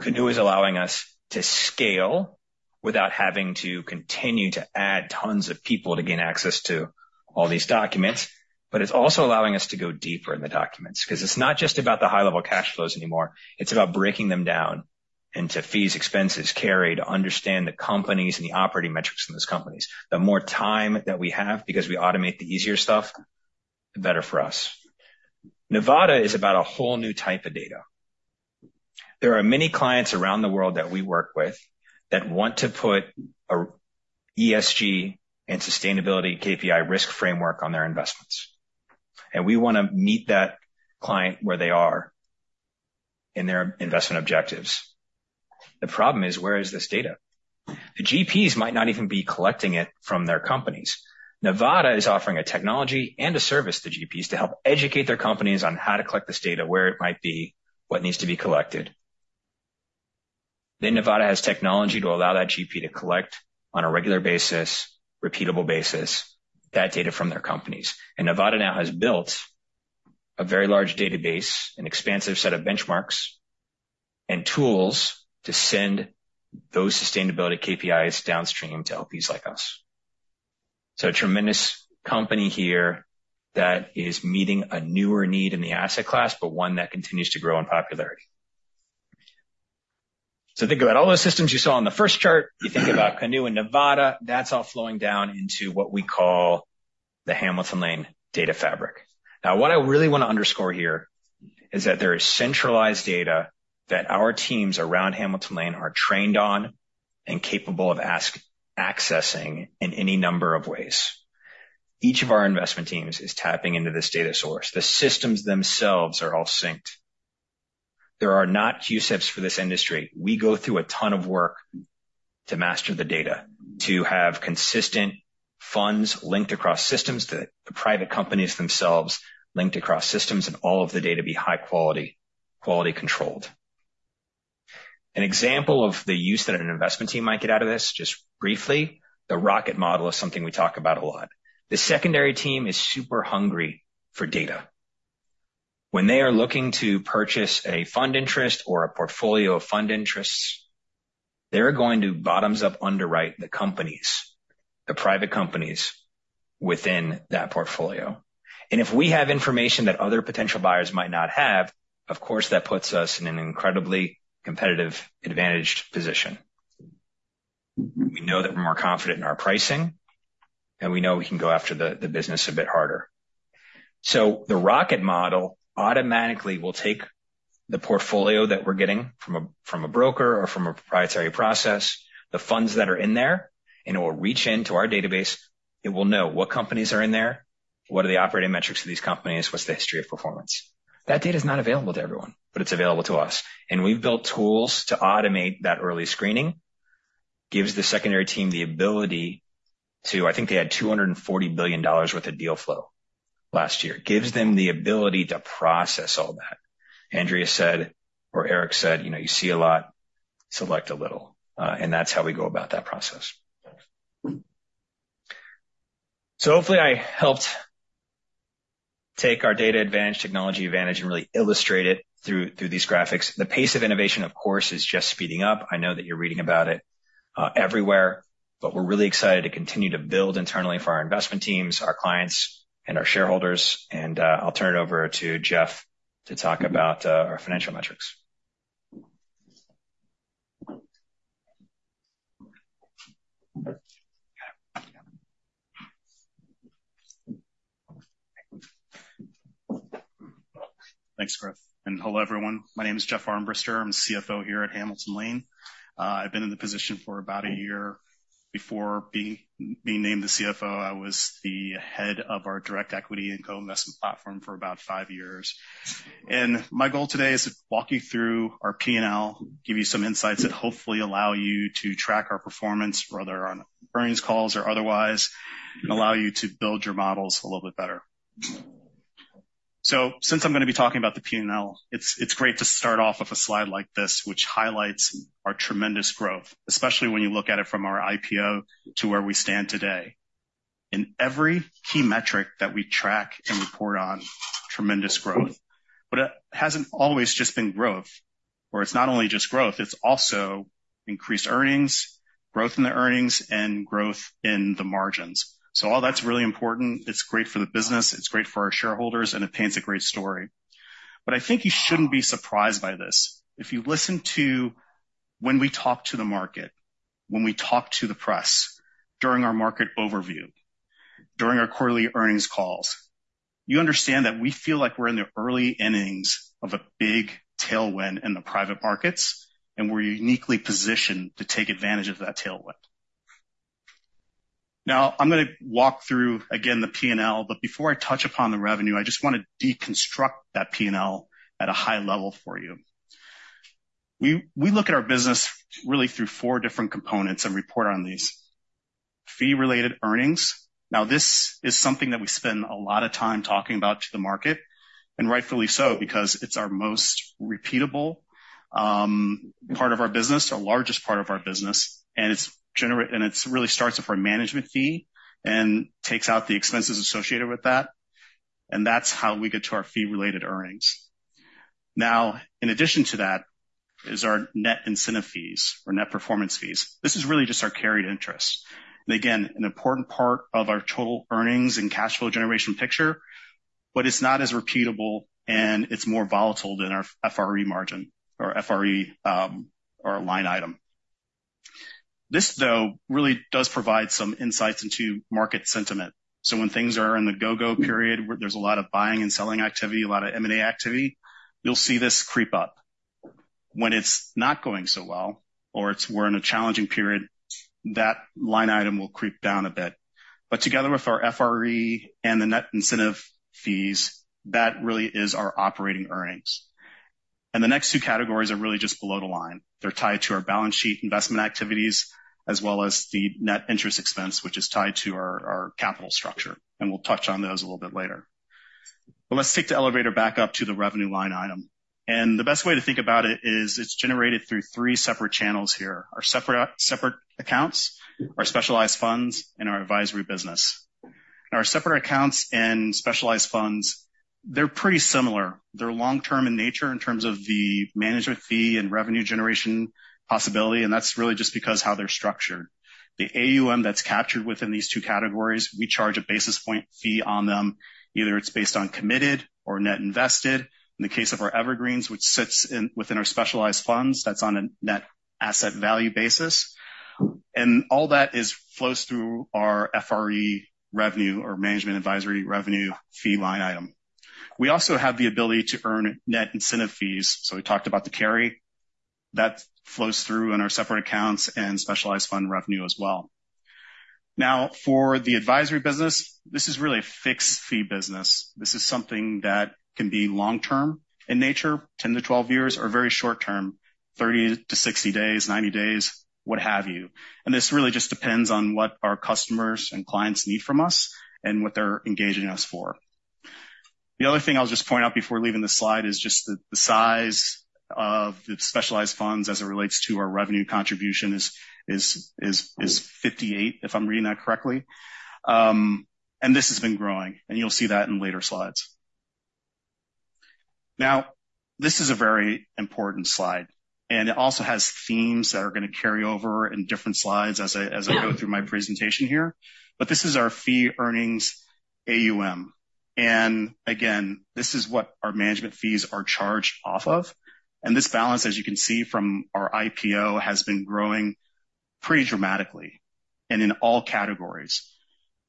Canoe is allowing us to scale without having to continue to add tons of people to gain access to all these documents, but it's also allowing us to go deeper in the documents. 'Cause it's not just about the high-level cash flows anymore, it's about breaking them down into fees, expenses, carry, to understand the companies and the operating metrics in those companies. The more time that we have, because we automate the easier stuff, the better for us. Novata is about a whole new type of data. There are many clients around the world that we work with that want to put a ESG and sustainability KPI risk framework on their investments, and we want to meet that client where they are in their investment objectives. The problem is, where is this data? The GPs might not even be collecting it from their companies. Novata is offering a technology and a service to GPs to help educate their companies on how to collect this data, where it might be, what needs to be collected. Then Novata has technology to allow that GP to collect on a regular basis, repeatable basis, that data from their companies. And Novata now has built a very large database, an expansive set of benchmarks and tools to send those sustainability KPIs downstream to LPs like us. So a tremendous company here that is meeting a newer need in the asset class, but one that continues to grow in popularity. So think about all the systems you saw on the first chart. You think about Canoe and Novata, that's all flowing down into what we call the Hamilton Lane data fabric. Now, what I really want to underscore here is that there is centralized data that our teams around Hamilton Lane are trained on and capable of accessing in any number of ways. Each of our investment teams is tapping into this data source. The systems themselves are all synced. There are not CUSIPs for this industry. We go through a ton of work to master the data, to have consistent funds linked across systems, to the private companies themselves, linked across systems, and all of the data be high quality, quality controlled. An example of the use that an investment team might get out of this, just briefly, the Rocket Model is something we talk about a lot. The secondary team is super hungry for data. When they are looking to purchase a fund interest or a portfolio of fund interests, they're going to bottoms-up underwrite the companies, the private companies within that portfolio. If we have information that other potential buyers might not have, of course, that puts us in an incredibly competitive, advantaged position. We know that we're more confident in our pricing, and we know we can go after the, the business a bit harder. So the Rocket Model automatically will take the portfolio that we're getting from a, from a broker or from a proprietary process, the funds that are in there, and it will reach into our database, it will know what companies are in there, what are the operating metrics of these companies, what's the history of performance? That data is not available to everyone, but it's available to us. And we've built tools to automate that early screening. Gives the secondary team the ability to... I think they had $240 billion worth of deal flow last year. Gives them the ability to process all that. Andrea said, or Eric said, "You know, you see a lot, select a little." And that's how we go about that process. So hopefully, I helped take our data advantage, technology advantage, and really illustrate it through, through these graphics. The pace of innovation, of course, is just speeding up. I know that you're reading about it, everywhere, but we're really excited to continue to build internally for our investment teams, our clients, and our shareholders. And, I'll turn it over to Jeff to talk about, our financial metrics. Thanks, Griff, and hello, everyone. My name is Jeff Armbrister. I'm the CFO here at Hamilton Lane. I've been in the position for about a year. Before being named the CFO, I was the head of our direct equity and co-investment platform for about five years. And my goal today is to walk you through our P&L, give you some insights that hopefully allow you to track our performance, whether on earnings calls or otherwise, and allow you to build your models a little bit better. So since I'm going to be talking about the P&L, it's great to start off with a slide like this, which highlights our tremendous growth, especially when you look at it from our IPO to where we stand today. In every key metric that we track and report on, tremendous growth. But it hasn't always just been growth, or it's not only just growth, it's also increased earnings, growth in the earnings, and growth in the margins. So all that's really important. It's great for the business, it's great for our shareholders, and it paints a great story. But I think you shouldn't be surprised by this. If you listen to when we talk to the market, when we talk to the press, during our market overview, during our quarterly earnings calls, you understand that we feel like we're in the early innings of a big tailwind in the private markets, and we're uniquely positioned to take advantage of that tailwind. Now, I'm gonna walk through again the P&L, but before I touch upon the revenue, I just want to deconstruct that P&L at a high level for you. We look at our business really through four different components and report on these. Fee-Related Earnings. Now, this is something that we spend a lot of time talking about to the market, and rightfully so, because it's our most repeatable part of our business, our largest part of our business, and it really starts with our management fee and takes out the expenses associated with that, and that's how we get to our Fee-Related Earnings. Now, in addition to that is our net incentive fees or net performance fees. This is really just our carried interest, and again, an important part of our total earnings and cash flow generation picture, but it's not as repeatable, and it's more volatile than our FRE margin or FRE or line item. This, though, really does provide some insights into market sentiment. So when things are in the go-go period, where there's a lot of buying and selling activity, a lot of M&A activity, you'll see this creep up. When it's not going so well, or we're in a challenging period, that line item will creep down a bit. But together with our FRE and the net incentive fees, that really is our operating earnings. And the next two categories are really just below the line. They're tied to our balance sheet investment activities, as well as the net interest expense, which is tied to our capital structure, and we'll touch on those a little bit later. But let's take the elevator back up to the revenue line item. And the best way to think about it is it's generated through three separate channels here, our separate, separate accounts, our specialized funds, and our advisory business. Our separate accounts and specialized funds, they're pretty similar. They're long term in nature in terms of the management fee and revenue generation possibility, and that's really just because how they're structured. The AUM that's captured within these two categories, we charge a basis point fee on them. Either it's based on committed or net invested. In the case of our Evergreens, which sits within our specialized funds, that's on a net asset value basis. And all that is flows through our FRE revenue or management advisory revenue fee line item. We also have the ability to earn net incentive fees. So we talked about the carry. That flows through in our separate accounts and specialized fund revenue as well. Now, for the advisory business, this is really a fixed fee business. This is something that can be long term in nature, 10-12 years, or very short term, 30-60 days, 90 days, what have you. And this really just depends on what our customers and clients need from us and what they're engaging us for. The other thing I'll just point out before leaving this slide is just the size of the specialized funds as it relates to our revenue contribution is 58, if I'm reading that correctly. And this has been growing, and you'll see that in later slides. Now, this is a very important slide, and it also has themes that are gonna carry over in different slides as I go through my presentation here. But this is our Fee-Earning AUM. And again, this is what our management fees are charged off of. This balance, as you can see from our IPO, has been growing pretty dramatically and in all categories.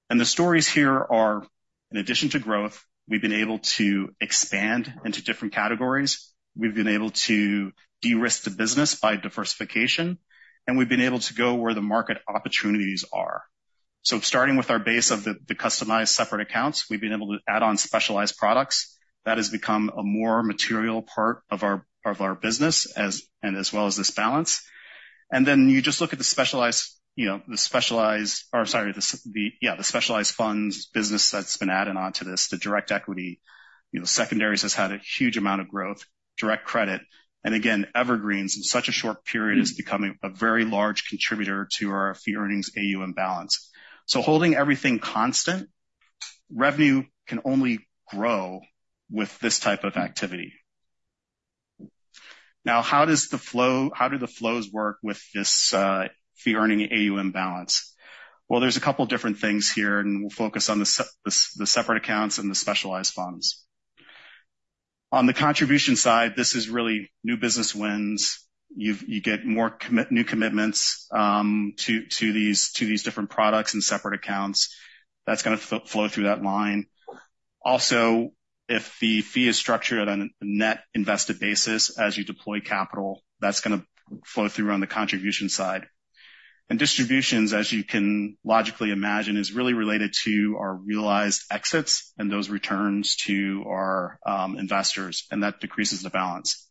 The stories here are, in addition to growth, we've been able to expand into different categories, we've been able to de-risk the business by diversification, and we've been able to go where the market opportunities are. So starting with our base of the Customized Separate Accounts, we've been able to add on specialized products. That has become a more material part of our business and as well as this balance. Then you just look at the specialized, you know, the Specialized Funds business that's been added on to this, the direct equity. You know, secondaries has had a huge amount of growth, direct credit. And again, Evergreens, in such a short period, is becoming a very large contributor to our fee earnings, AUM balance. So holding everything constant, revenue can only grow with this type of activity. Now, how does the flow, how do the flows work with this fee-earning AUM balance? Well, there's a couple different things here, and we'll focus on the separate accounts and the specialized funds. On the contribution side, this is really new business wins. You get more new commitments to these different products and separate accounts. That's gonna flow through that line. Also, if the fee is structured on a net invested basis, as you deploy capital, that's gonna flow through on the contribution side. Distributions, as you can logically imagine, is really related to our realized exits and those returns to our investors, and that decreases the balance.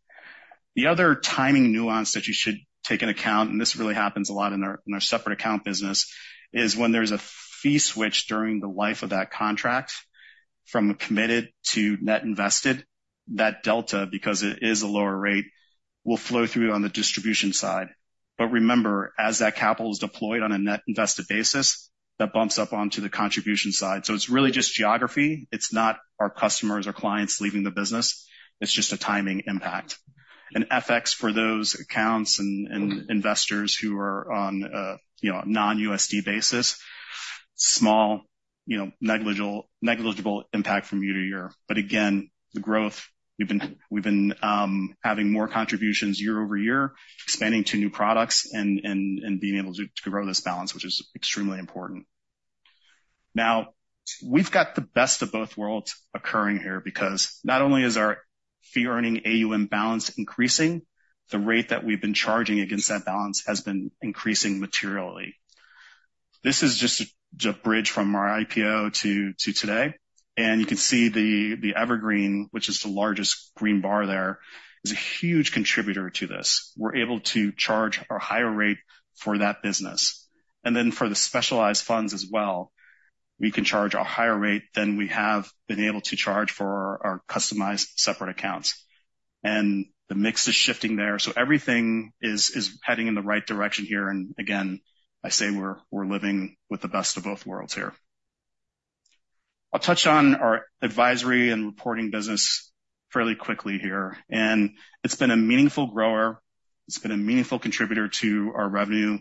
The other timing nuance that you should take into account, and this really happens a lot in our separate account business, is when there's a fee switch during the life of that contract from a committed to net invested, that delta, because it is a lower rate, will flow through on the distribution side. But remember, as that capital is deployed on a net invested basis, that bumps up onto the contribution side. So it's really just geography. It's not our customers or clients leaving the business. It's just a timing impact. And FX, for those accounts and investors who are on a, you know, non-USD basis, small, you know, negligible impact from year to year. But again, the growth, we've been having more contributions year over year, expanding to new products and being able to grow this balance, which is extremely important. Now, we've got the best of both worlds occurring here, because not only is our Fee-Earning AUM balance increasing, the rate that we've been charging against that balance has been increasing materially. This is just a bridge from our IPO to today, and you can see the Evergreen, which is the largest green bar there, is a huge contributor to this. We're able to charge a higher rate for that business. And then for the Specialized Funds as well, we can charge a higher rate than we have been able to charge for our Customized Separate Accounts. And the mix is shifting there, so everything is heading in the right direction here. And again, I say we're living with the best of both worlds here... I'll touch on our advisory and reporting business fairly quickly here, and it's been a meaningful grower. It's been a meaningful contributor to our revenue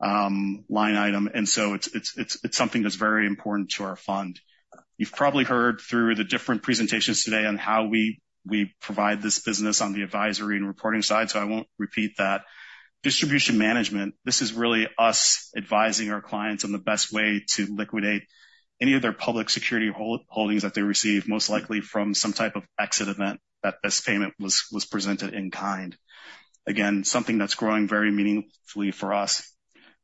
line item, and so it's something that's very important to our fund. You've probably heard through the different presentations today on how we provide this business on the advisory and reporting side, so I won't repeat that. Distribution management, this is really us advising our clients on the best way to liquidate any of their public security holdings that they receive, most likely from some type of exit event, that this payment was presented in kind. Again, something that's growing very meaningfully for us.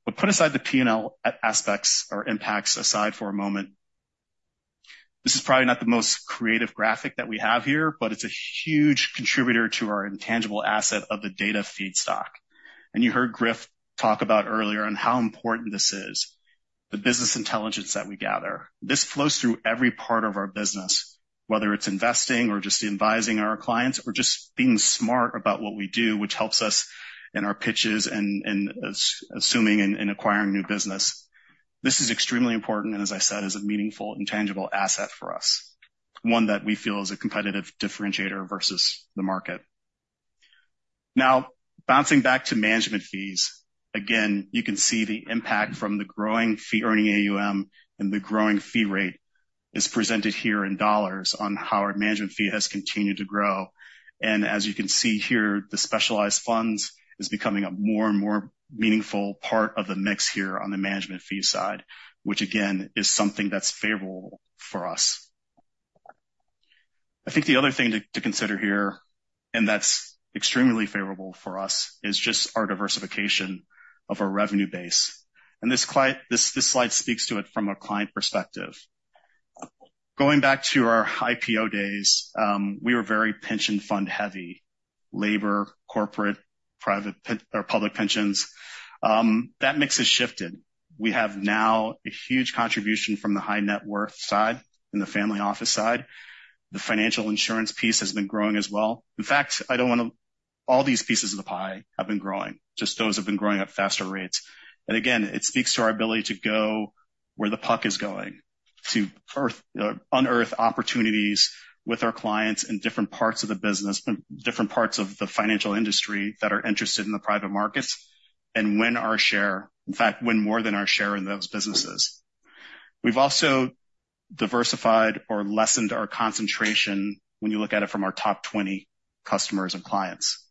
But put aside the P&L aspects or impacts for a moment. This is probably not the most creative graphic that we have here, but it's a huge contributor to our intangible asset of the data feedstock. And you heard Griff talk about earlier on how important this is, the business intelligence that we gather. This flows through every part of our business, whether it's investing or just advising our clients, or just being smart about what we do, which helps us in our pitches and assuming and acquiring new business. This is extremely important, and as I said, is a meaningful, intangible asset for us, one that we feel is a competitive differentiator versus the market. Now, bouncing back to management fees, again, you can see the impact from the growing fee-earning AUM and the growing fee rate is presented here in dollars on how our management fee has continued to grow. As you can see here, the Specialized Funds is becoming a more and more meaningful part of the mix here on the management fee side, which, again, is something that's favorable for us. I think the other thing to, to consider here, and that's extremely favorable for us, is just our diversification of our revenue base. This slide speaks to it from a client perspective. Going back to our IPO days, we were very pension fund heavy, labor, corporate, private or public pensions. That mix has shifted. We have now a huge contribution from the high net worth side and the family office side. The financial insurance piece has been growing as well. In fact, I don't want to... All these pieces of the pie have been growing, just those have been growing at faster rates. And again, it speaks to our ability to go where the puck is going, to earth, unearth opportunities with our clients in different parts of the business, but different parts of the financial industry that are interested in the private markets, and win our share, in fact, win more than our share in those businesses. We've also diversified or lessened our concentration when you look at it from our top 20 customers and clients.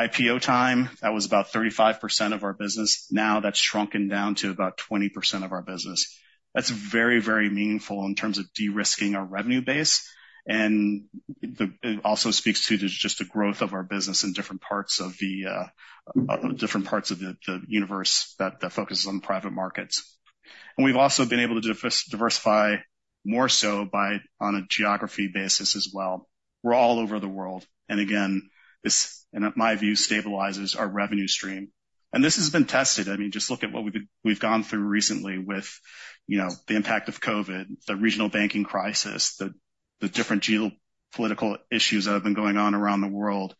IPO time, that was about 35% of our business. Now, that's shrunken down to about 20% of our business. That's very, very meaningful in terms of de-risking our revenue base, and it also speaks to just the growth of our business in different parts of the, different parts of the, the universe that, that focuses on private markets. And we've also been able to diversify more so by on a geography basis as well. We're all over the world, and again, this, in my view, stabilizes our revenue stream. And this has been tested. I mean, just look at what we've gone through recently with, you know, the impact of COVID, the regional banking crisis, the different geopolitical issues that have been going on around the world,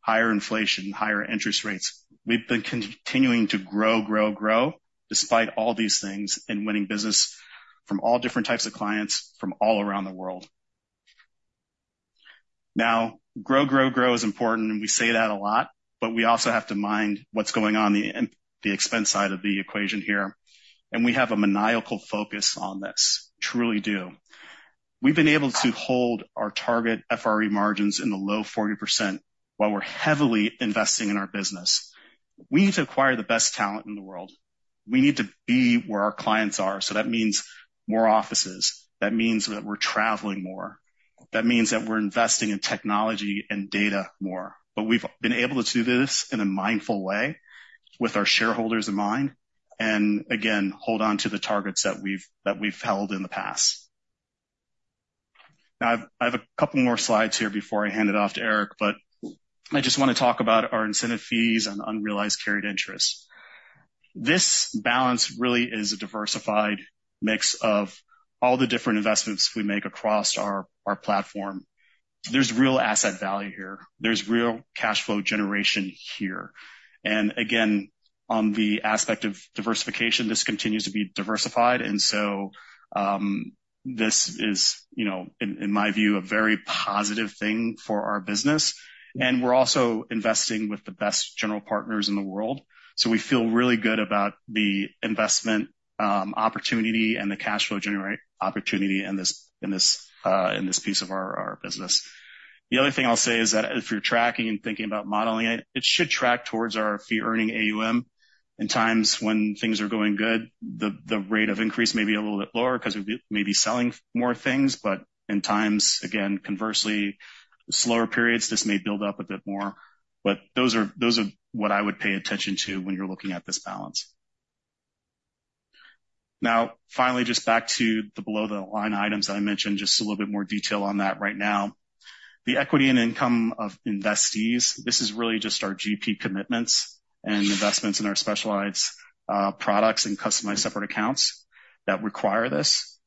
higher inflation, higher interest rates. We've been continuing to grow, grow, grow despite all these things, and winning business from all different types of clients from all around the world. Now, grow, grow, grow is important, and we say that a lot, but we also have to mind what's going on in the expense side of the equation here. And we have a maniacal focus on this. Truly do. We've been able to hold our target FRE margins in the low 40% while we're heavily investing in our business. We need to acquire the best talent in the world. We need to be where our clients are, so that means more offices. That means that we're traveling more. That means that we're investing in technology and data more. But we've been able to do this in a mindful way with our shareholders in mind, and again, hold on to the targets that we've, that we've held in the past. Now, I've, I've a couple more slides here before I hand it off to Eric, but I just want to talk about our incentive fees and unrealized carried interest. This balance really is a diversified mix of all the different investments we make across our, our platform. There's real asset value here. There's real cash flow generation here. And again, on the aspect of diversification, this continues to be diversified, and so, this is, you know, in, in my view, a very positive thing for our business. And we're also investing with the best general partners in the world, so we feel really good about the investment, opportunity and the cash flow generate opportunity in this, in this, in this piece of our, our business. The other thing I'll say is that if you're tracking and thinking about modeling it, it should track towards our Fee-Earning AUM. In times when things are going good, the, the rate of increase may be a little bit lower because we may be selling more things, but in times, again, conversely, slower periods, this may build up a bit more. But those are, those are what I would pay attention to when you're looking at this balance. Now, finally, just back to the below-the-line items that I mentioned, just a little bit more detail on that right now. The equity and income of investees, this is really just our GP commitments and investments in our specialized products and customized separate accounts that require this.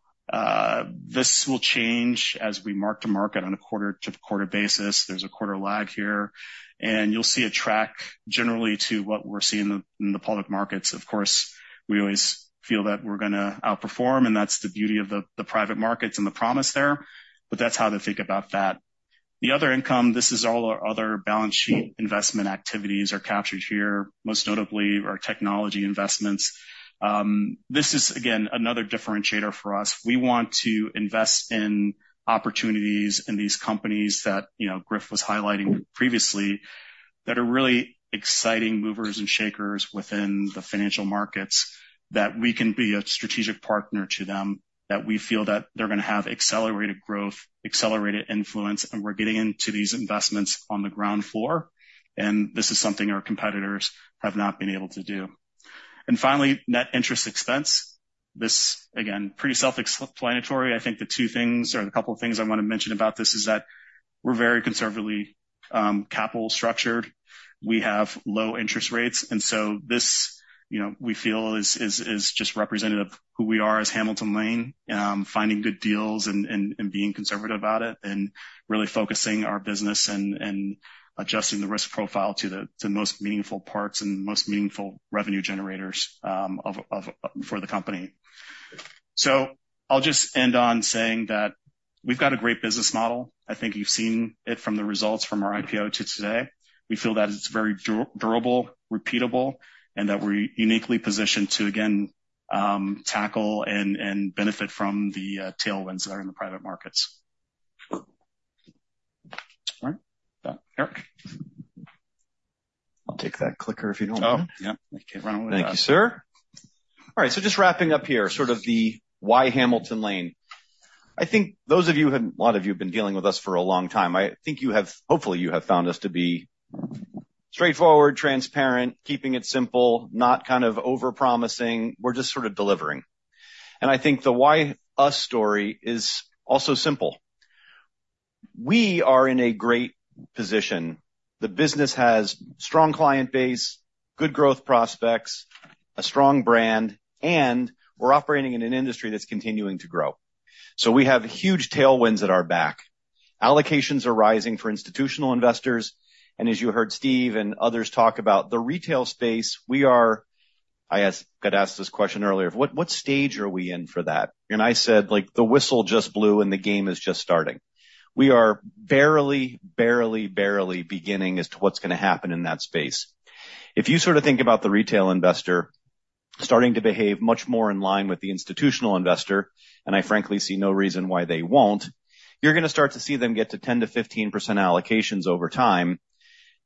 This will change as we mark-to-market on a quarter to quarter basis. There's a quarter lag here, and you'll see a track generally to what we're seeing in the public markets. Of course, we always feel that we're gonna outperform, and that's the beauty of the private markets and the promise there, but that's how to think about that.... The other income, this is all our other balance sheet investment activities are captured here, most notably our technology investments. This is, again, another differentiator for us. We want to invest in opportunities in these companies that, you know, Griff was highlighting previously, that are really exciting movers and shakers within the financial markets, that we can be a strategic partner to them, that we feel that they're gonna have accelerated growth, accelerated influence, and we're getting into these investments on the ground floor, and this is something our competitors have not been able to do. Finally, net interest expense. This, again, pretty self-explanatory. I think the two things or the couple of things I want to mention about this is that we're very conservatively capital structured. We have low interest rates, and so this, you know, we feel is just representative of who we are as Hamilton Lane, finding good deals and being conservative about it, and really focusing our business and adjusting the risk profile to the most meaningful parts and most meaningful revenue generators for the company. So I'll just end on saying that we've got a great business model. I think you've seen it from the results from our IPO to today. We feel that it's very durable, repeatable, and that we're uniquely positioned to again tackle and benefit from the tailwinds tha t are in the private markets. All right. Eric? I'll take that clicker if you don't mind. Oh, yep. I can't run away with that. Thank you, sir. All right. So just wrapping up here, sort of the why Hamilton Lane. I think those of you who, a lot of you have been dealing with us for a long time. I think you have, hopefully, you have found us to be straightforward, transparent, keeping it simple, not kind of over-promising. We're just sort of delivering. And I think the why us story is also simple. We are in a great position. The business has strong client base, good growth prospects, a strong brand, and we're operating in an industry that's continuing to grow. So we have huge tailwinds at our back. Allocations are rising for institutional investors, and as you heard Steve and others talk about the retail space, we are... I asked, got asked this question earlier, "What, what stage are we in for that?" And I said, like, "The whistle just blew and the game is just starting." We are barely, barely, barely beginning as to what's gonna happen in that space. If you sort of think about the retail investor starting to behave much more in line with the institutional investor, and I frankly see no reason why they won't, you're gonna start to see them get to 10% to 15% allocations over time.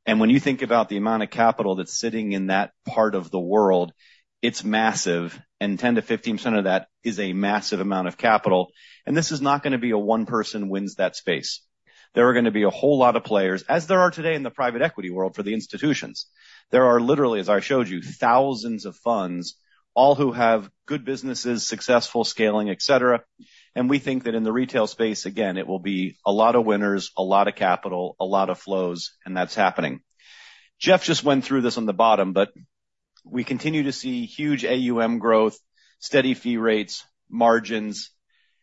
And when you think about the amount of capital that's sitting in that part of the world, it's massive, and 10% to 15% of that is a massive amount of capital. And this is not gonna be a one person wins that space. There are gonna be a whole lot of players, as there are today in the private equity world for the institutions. There are literally, as I showed you, thousands of funds, all who have good businesses, successful scaling, et cetera, and we think that in the retail space, again, it will be a lot of winners, a lot of capital, a lot of flows, and that's happening. Jeff just went through this on the bottom, but we continue to see huge AUM growth, steady fee rates, margins,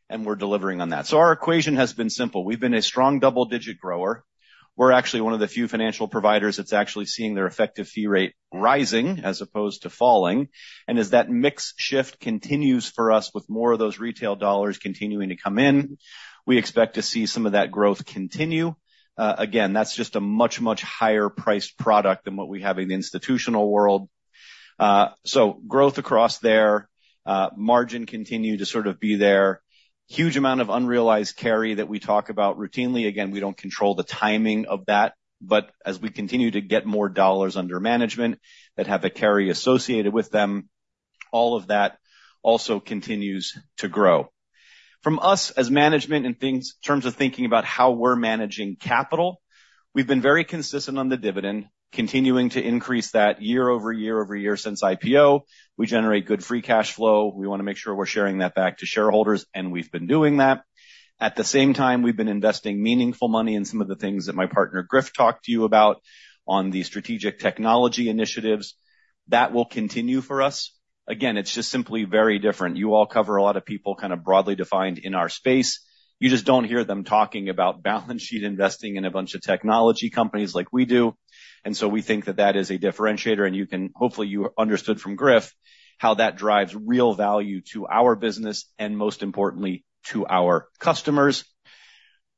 and we're delivering on that. So our equation has been simple. We've been a strong double-digit grower. We're actually one of the few financial providers that's actually seeing their effective fee rate rising as opposed to falling. And as that mix shift continues for us, with more of those retail dollars continuing to come in, we expect to see some of that growth continue. Again, that's just a much, much higher priced product than what we have in the institutional world. So growth across there, margin continue to sort of be there. Huge amount of unrealized carry that we talk about routinely. Again, we don't control the timing of that, but as we continue to get more dollars under management that have a carry associated with them, all of that also continues to grow. From us, as management, in things, terms of thinking about how we're managing capital, we've been very consistent on the dividend, continuing to increase that year over year over year since IPO. We generate good free cash flow. We wanna make sure we're sharing that back to shareholders, and we've been doing that. At the same time, we've been investing meaningful money in some of the things that my partner, Griff, talked to you about on the strategic technology initiatives. That will continue for us. Again, it's just simply very different. You all cover a lot of people, kind of broadly defined, in our space. You just don't hear them talking about balance sheet investing in a bunch of technology companies like we do. And so we think that that is a differentiator, and you can, hopefully, you understood from Griff how that drives real value to our business and most importantly, to our customers.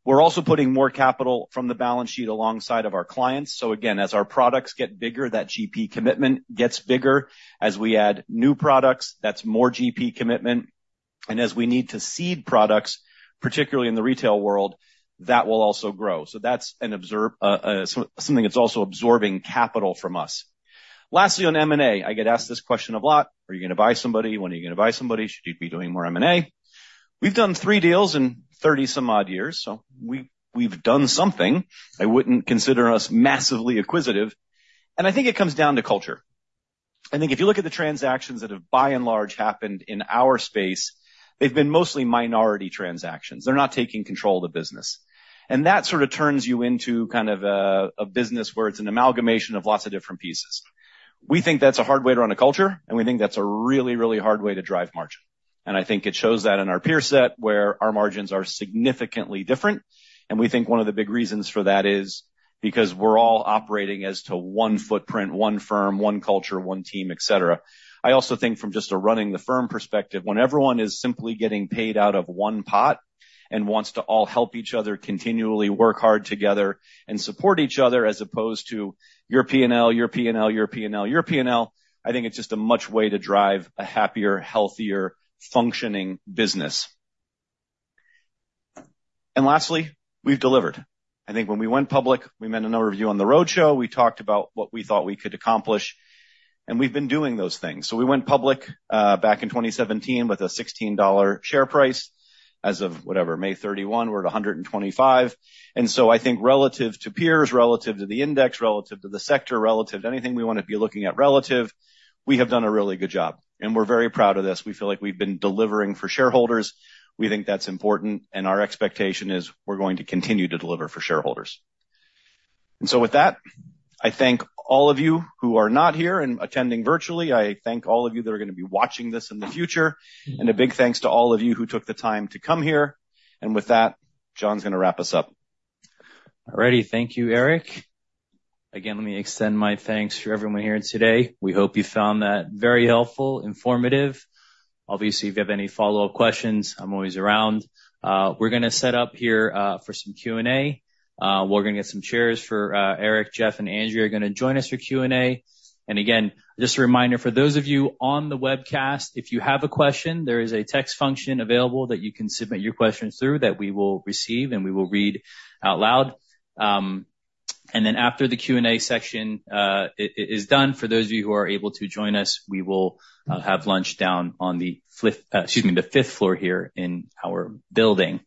We're also putting more capital from the balance sheet alongside of our clients. So again, as our products get bigger, that GP commitment gets bigger. As we add new products, that's more GP commitment. As we need to seed products, particularly in the retail world, that will also grow. That's something that's also absorbing capital from us. Lastly, on M&A, I get asked this question a lot: Are you gonna buy somebody? When are you gonna buy somebody? Should you be doing more M&A? We've done 3 deals in 30-some odd years, so we've done something. I wouldn't consider us massively acquisitive, and I think it comes down to culture. I think if you look at the transactions that have by and large happened in our space, they've been mostly minority transactions. They're not taking control of the business. And that sort of turns you into kind of a business where it's an amalgamation of lots of different pieces. We think that's a hard way to run a culture, and we think that's a really, really hard way to drive margin. I think it shows that in our peer set, where our margins are significantly different, and we think one of the big reasons for that is because we're all operating as one footprint, one firm, one culture, one team, et cetera. I also think from just a running the firm perspective, when everyone is simply getting paid out of one pot and wants to all help each other continually work hard together and support each other, as opposed to your P&L, your P&L, your P&L, your P&L, I think it's just a much way to drive a happier, healthier, functioning business. Lastly, we've delivered. I think when we went public, we met a number of you on the roadshow. We talked about what we thought we could accomplish, and we've been doing those things. So we went public back in 2017 with a $16 share price. As of, whatever, May 31, we're at $125. And so I think relative to peers, relative to the index, relative to the sector, relative to anything we want to be looking at relative, we have done a really good job, and we're very proud of this. We feel like we've been delivering for shareholders. We think that's important, and our expectation is we're going to continue to deliver for shareholders. And so with that, I thank all of you who are not here and attending virtually. I thank all of you that are going to be watching this in the future, and a big thanks to all of you who took the time to come here. With that, John's going to wrap us up. All righty. Thank you, Eric. Again, let me extend my thanks for everyone here today. We hope you found that very helpful, informative. Obviously, if you have any follow-up questions, I'm always around. We're going to set up here for some Q&A. We're going to get some chairs for Eric, Jeff, and Andrea are going to join us for Q&A. And again, just a reminder for those of you on the webcast, if you have a question, there is a text function available that you can submit your questions through, that we will receive, and we will read out loud. And then after the Q&A section is done, for those of you who are able to join us, we will have lunch down on the fifth, excuse me, the fifth floor here in our building. Okay.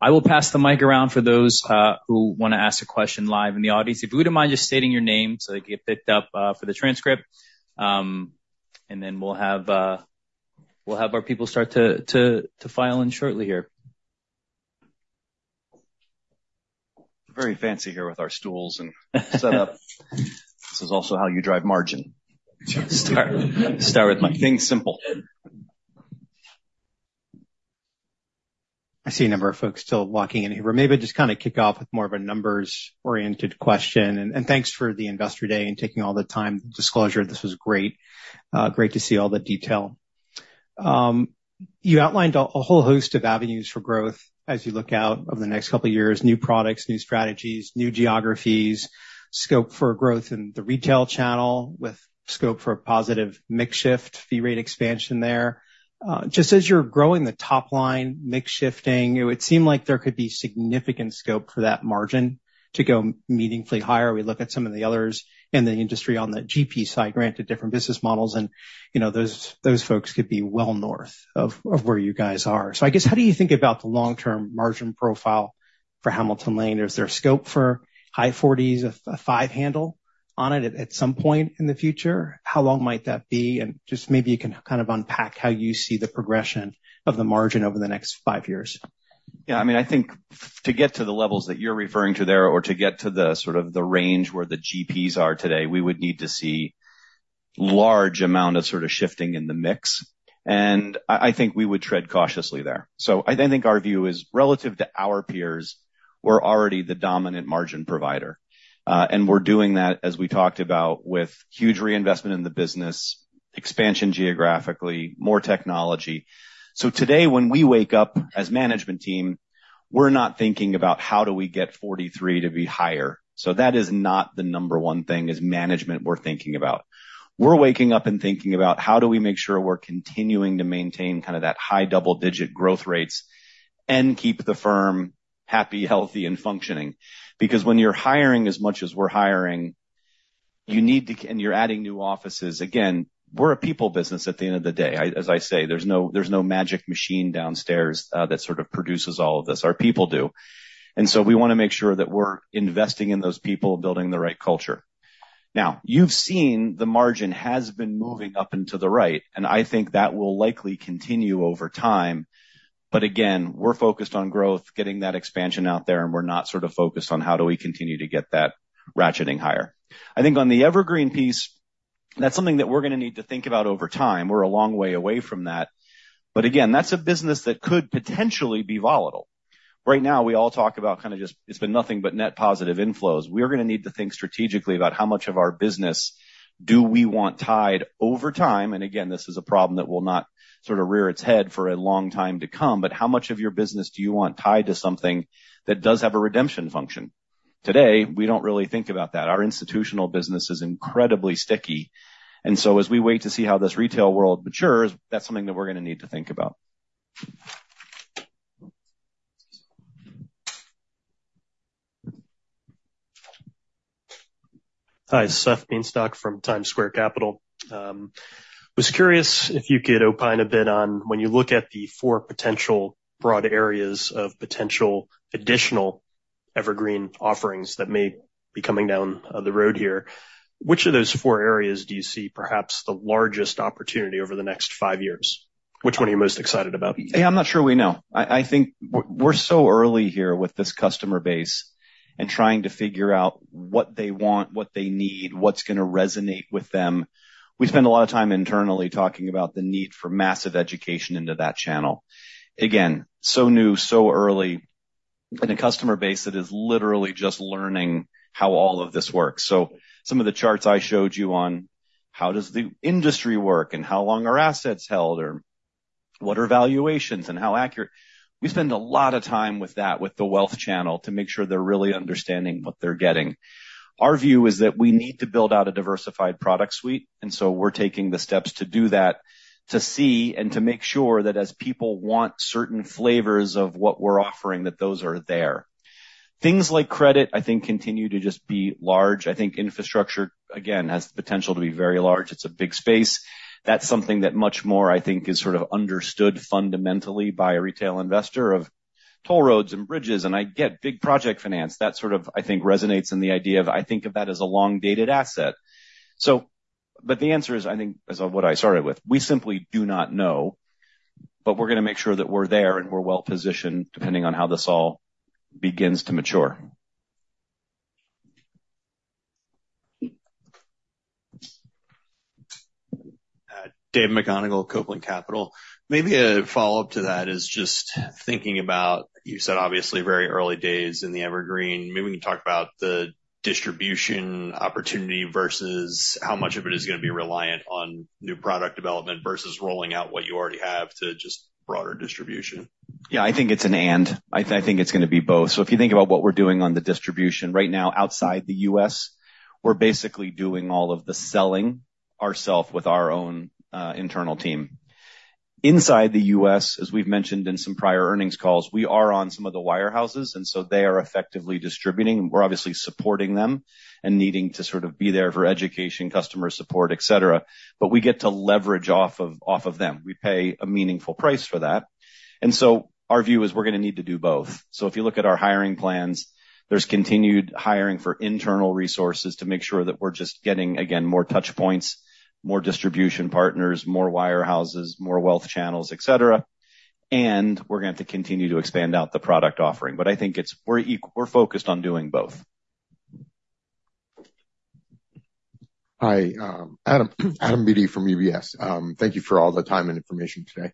I will pass the mic around for those who want to ask a question live in the audience. If you wouldn't mind just stating your name so they get picked up for the transcript, and then we'll have our people start to file in shortly here. Very fancy here with our stools and setup. This is also how you drive margin. Start with my things simple. I see a number of folks still walking in here. Maybe just kind of kick off with more of a numbers-oriented question, and thanks for the Investor Day and taking all the time. Disclosure, this was great. Great to see all the detail. You outlined a whole host of avenues for growth as you look out over the next couple of years, new products, new strategies, new geographies, scope for growth in the retail channel, with scope for a positive mix shift, fee rate expansion there. Just as you're growing the top line, mix shifting, it would seem like there could be significant scope for that margin to go meaningfully higher. We look at some of the others in the industry on the GP side, granted, different business models, and, you know, those folks could be well north of where you guys are. So I guess, how do you think about the long-term margin profile for Hamilton Lane? Is there scope for high forties, a five handle on it at some point in the future? How long might that be? And just maybe you can kind of unpack how you see the progression of the margin over the next five years. Yeah, I mean, I think to get to the levels that you're referring to there, or to get to the sort of the range where the GPs are today, we would need to see large amount of sort of shifting in the mix, and I, I think we would tread cautiously there. So I think our view is relative to our peers, we're already the dominant margin provider, and we're doing that, as we talked about, with huge reinvestment in the business, expansion geographically, more technology. So today, when we wake up as management team, we're not thinking about how do we get 43 to be higher. So that is not the number one thing as management we're thinking about. We're waking up and thinking about how do we make sure we're continuing to maintain kind of that high double-digit growth rates and keep the firm happy, healthy, and functioning. Because when you're hiring as much as we're hiring, you need to and you're adding new offices, again, we're a people business at the end of the day. As I say, there's no, there's no magic machine downstairs that sort of produces all of this. Our people do. And so we want to make sure that we're investing in those people, building the right culture. Now, you've seen the margin has been moving up and to the right, and I think that will likely continue over time. But again, we're focused on growth, getting that expansion out there, and we're not sort of focused on how do we continue to get that ratcheting higher. I think on the Evergreen piece, that's something that we're going to need to think about over time. We're a long way away from that. But again, that's a business that could potentially be volatile. Right now, we all talk about kind of just, it's been nothing but net positive inflows. We are going to need to think strategically about how much of our business do we want tied over time. And again, this is a problem that will not sort of rear its head for a long time to come. But how much of your business do you want tied to something that does have a redemption function? Today, we don't really think about that. Our institutional business is incredibly sticky, and so as we wait to see how this retail world matures, that's something that we're going to need to think about. Hi, Seth Bienstock from Times Square Capital. Was curious if you could opine a bit on when you look at the four potential broad areas of potential additional Evergreen offerings that may be coming down the road here, which of those four areas do you see perhaps the largest opportunity over the next five years? Which one are you most excited about? Yeah, I'm not sure we know. I think we're so early here with this customer base and trying to figure out what they want, what they need, what's going to resonate with them. We spend a lot of time internally talking about the need for massive education into that channel. Again, so new, so early... and a customer base that is literally just learning how all of this works. So some of the charts I showed you on how does the industry work, and how long are assets held, or what are valuations and how accurate? We spend a lot of time with that, with the wealth channel, to make sure they're really understanding what they're getting. Our view is that we need to build out a diversified product suite, and so we're taking the steps to do that, to see and to make sure that as people want certain flavors of what we're offering, that those are there. Things like credit, I think, continue to just be large. I think infrastructure, again, has the potential to be very large. It's a big space. That's something that much more, I think, is sort of understood fundamentally by a retail investor of toll roads and bridges. And I get big project finance. That sort of, I think, resonates in the idea of, I think of that as a long-dated asset. So, but the answer is, I think, is what I started with. We simply do not know, but we're gonna make sure that we're there and we're well positioned, depending on how this all begins to mature. Dave McGonigle, Copeland Capital. Maybe a follow-up to that is just thinking about, you said, obviously, very early days in the evergreen. Maybe you can talk about the distribution opportunity versus how much of it is gonna be reliant on new product development versus rolling out what you already have to just broader distribution. Yeah, I think it's an and. I, I think it's gonna be both. So if you think about what we're doing on the distribution right now outside the U.S., we're basically doing all of the selling ourselves with our own, internal team. Inside the U.S., as we've mentioned in some prior earnings calls, we are on some of the wirehouses, and so they are effectively distributing. We're obviously supporting them and needing to sort of be there for education, customer support, et cetera, but we get to leverage off of, off of them. We pay a meaningful price for that, and so our view is we're gonna need to do both. So if you look at our hiring plans, there's continued hiring for internal resources to make sure that we're just getting, again, more touch points, more distribution partners, more wirehouses, more wealth channels, et cetera. We're going to continue to expand out the product offering. But I think it's we're focused on doing both. Hi, Adam, Adam Beatty from UBS. Thank you for all the time and information today.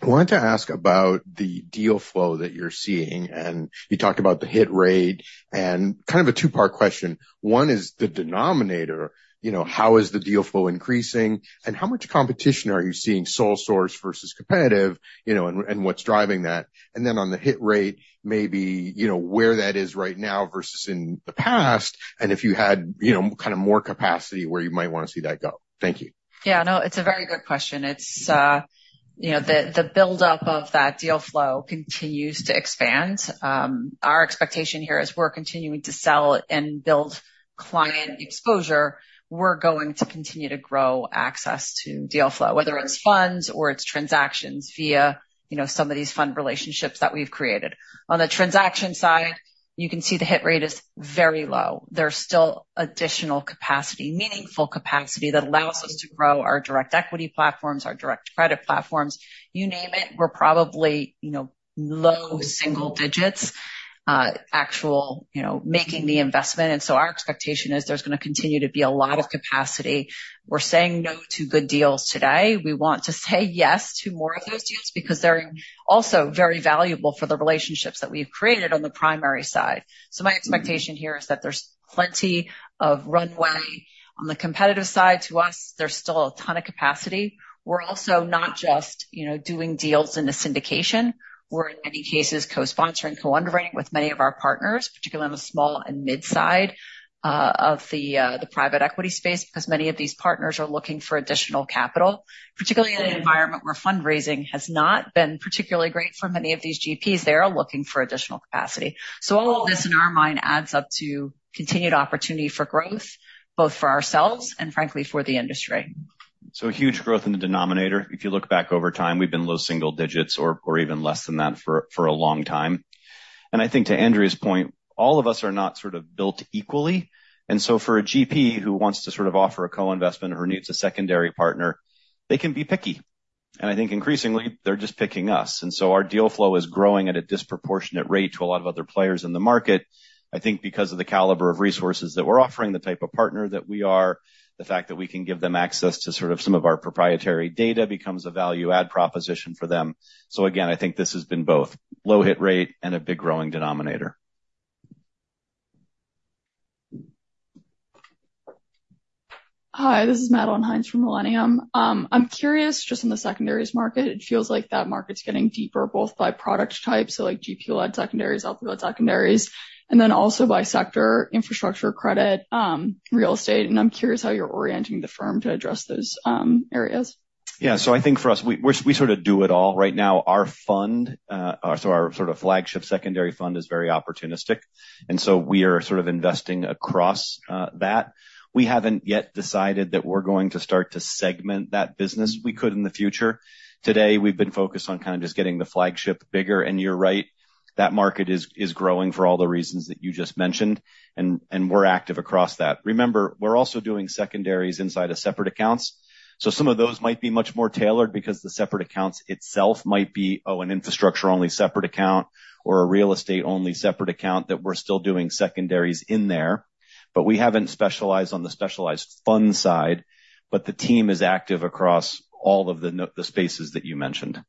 I wanted to ask about the deal flow that you're seeing, and you talked about the hit rate and kind of a two-part question. One is the denominator, you know, how is the deal flow increasing, and how much competition are you seeing, sole source versus competitive, you know, and, and what's driving that? And then on the hit rate, maybe you know, where that is right now versus in the past, and if you had, you know, kind of more capacity, where you might wanna see that go. Thank you. Yeah, no, it's a very good question. It's, you know, the, the buildup of that deal flow continues to expand. Our expectation here is we're continuing to sell and build client exposure. We're going to continue to grow access to deal flow, whether it's funds or it's transactions via, you know, some of these fund relationships that we've created. On the transaction side, you can see the hit rate is very low. There's still additional capacity, meaningful capacity, that allows us to grow our direct equity platforms, our direct credit platforms. You name it, we're probably, you know, low single digits, actual, you know, making the investment, and so our expectation is there's gonna continue to be a lot of capacity. We're saying no to good deals today. We want to say yes to more of those deals because they're also very valuable for the relationships that we've created on the primary side. So my expectation here is that there's plenty of runway. On the competitive side, to us, there's still a ton of capacity. We're also not just, you know, doing deals in a syndication. We're, in many cases, co-sponsoring, co-underwriting with many of our partners, particularly on the small and mid-side of the private equity space, because many of these partners are looking for additional capital, particularly in an environment where fundraising has not been particularly great for many of these GPs. They are looking for additional capacity. So all of this, in our mind, adds up to continued opportunity for growth, both for ourselves and, frankly, for the industry. So huge growth in the denominator. If you look back over time, we've been low single digits or, or even less than that for, for a long time. And I think to Andrea's point, all of us are not sort of built equally, and so for a GP who wants to sort of offer a co-investment or needs a secondary partner, they can be picky. And I think increasingly they're just picking us, and so our deal flow is growing at a disproportionate rate to a lot of other players in the market. I think because of the caliber of resources that we're offering, the type of partner that we are, the fact that we can give them access to sort of some of our proprietary data becomes a value-add proposition for them. So again, I think this has been both low hit rate and a big growing denominator. Hi, this is Madeleine Hines from Millennium. I'm curious, just in the secondaries market, it feels like that market's getting deeper, both by product type, so like GP-led secondaries, LP-led secondaries, and then also by sector, infrastructure, credit, real estate. And I'm curious how you're orienting the firm to address those areas. Yeah, so I think for us, we, we sort of do it all. Right now, our fund, so our sort of flagship secondary fund is very opportunistic, and so we are sort of investing across that. We haven't yet decided that we're going to start to segment that business. We could in the future. Today, we've been focused on kind of just getting the flagship bigger, and you're right, that market is growing for all the reasons that you just mentioned, and we're active across that. Remember, we're also doing secondaries inside of separate accounts, so some of those might be much more tailored because the separate accounts itself might be an infrastructure-only separate account or a real estate-only separate account that we're still doing secondaries in there, but we haven't specialized on the specialized fund side. But the team is active across all of the spaces that you mentioned. ...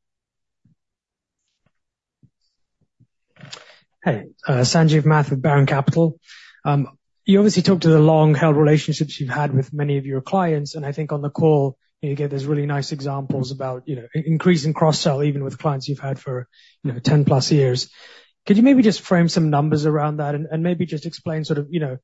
Hey, Sanjeev Math with Baron Capital. You obviously talked to the long-held relationships you've had with many of your clients, and I think on the call, you gave these really nice examples about, you know, increasing cross-sell even with clients you've had for, you know, 10+ years. Could you maybe just frame some numbers around that and, and maybe just explain sort of, you know,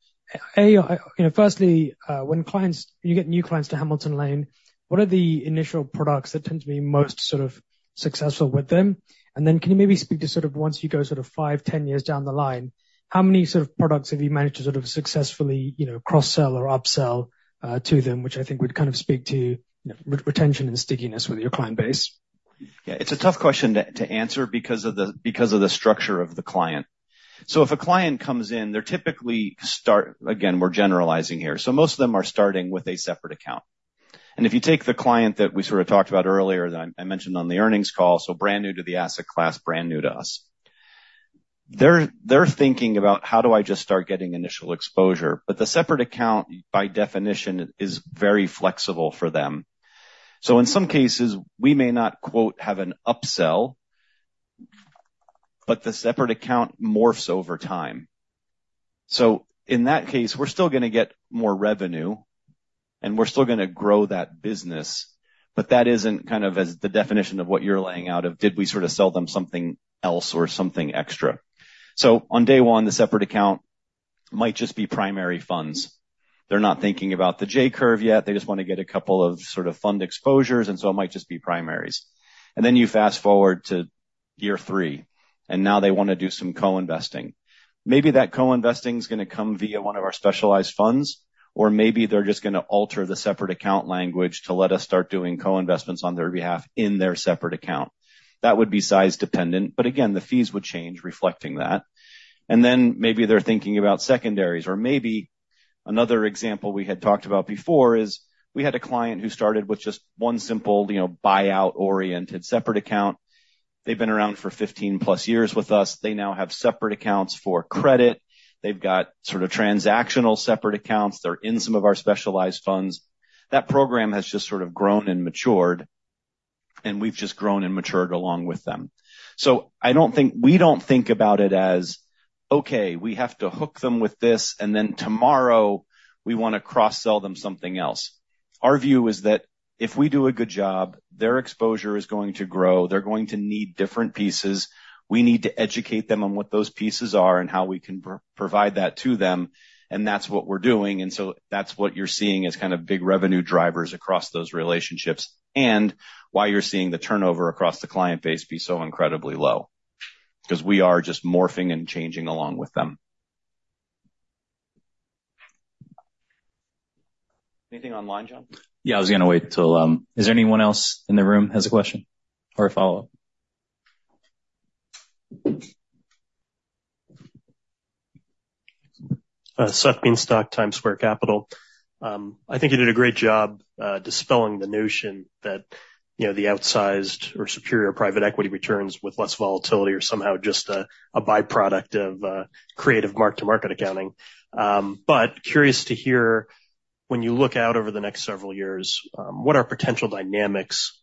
a, you know, firstly, when clients -- you get new clients to Hamilton Lane, what are the initial products that tend to be most sort of successful with them? And then can you maybe speak to sort of once you go sort of 5, 10 years down the line, how many sort of products have you managed to sort of successfully, you know, cross-sell or upsell to them, which I think would kind of speak to, you know, re-retention and stickiness with your client base? Yeah, it's a tough question to answer because of the structure of the client. So if a client comes in, they're typically starting—again, we're generalizing here, so most of them are starting with a separate account. And if you take the client that we sort of talked about earlier, that I mentioned on the earnings call, so brand new to the asset class, brand new to us. They're thinking about how do I just start getting initial exposure? But the separate account, by definition, is very flexible for them. So in some cases, we may not quite have an upsell, but the separate account morphs over time. So in that case, we're still gonna get more revenue, and we're still gonna grow that business, but that isn't kind of as the definition of what you're laying out of, did we sort of sell them something else or something extra? So on day one, the separate account might just be primary funds. They're not thinking about the J-Curve yet. They just wanna get a couple of sort of fund exposures, and so it might just be primaries. And then you fast forward to year three, and now they wanna do some co-investing. Maybe that co-investing is gonna come via one of our Specialized Funds, or maybe they're just gonna alter the separate account language to let us start doing co-investments on their behalf in their separate account. That would be size dependent, but again, the fees would change reflecting that. And then maybe they're thinking about secondaries, or maybe another example we had talked about before is we had a client who started with just one simple, you know, buyout-oriented separate account. They've been around for 15+ years with us. They now have separate accounts for credit. They've got sort of transactional separate accounts. They're in some of our specialized funds. That program has just sort of grown and matured, and we've just grown and matured along with them. So I don't think, we don't think about it as, "Okay, we have to hook them with this, and then tomorrow, we wanna cross-sell them something else." Our view is that if we do a good job, their exposure is going to grow. They're going to need different pieces. We need to educate them on what those pieces are and how we can provide that to them, and that's what we're doing. And so that's what you're seeing as kind of big revenue drivers across those relationships, and why you're seeing the turnover across the client base be so incredibly low, because we are just morphing and changing along with them. Anything online, John? Yeah, I was gonna wait till, Is there anyone else in the room has a question or a follow-up? Seth Bienstock, Times Square Capital. I think you did a great job dispelling the notion that, you know, the outsized or superior private equity returns with less volatility are somehow just a by-product of creative mark to market accounting. But curious to hear, when you look out over the next several years, what are potential dynamics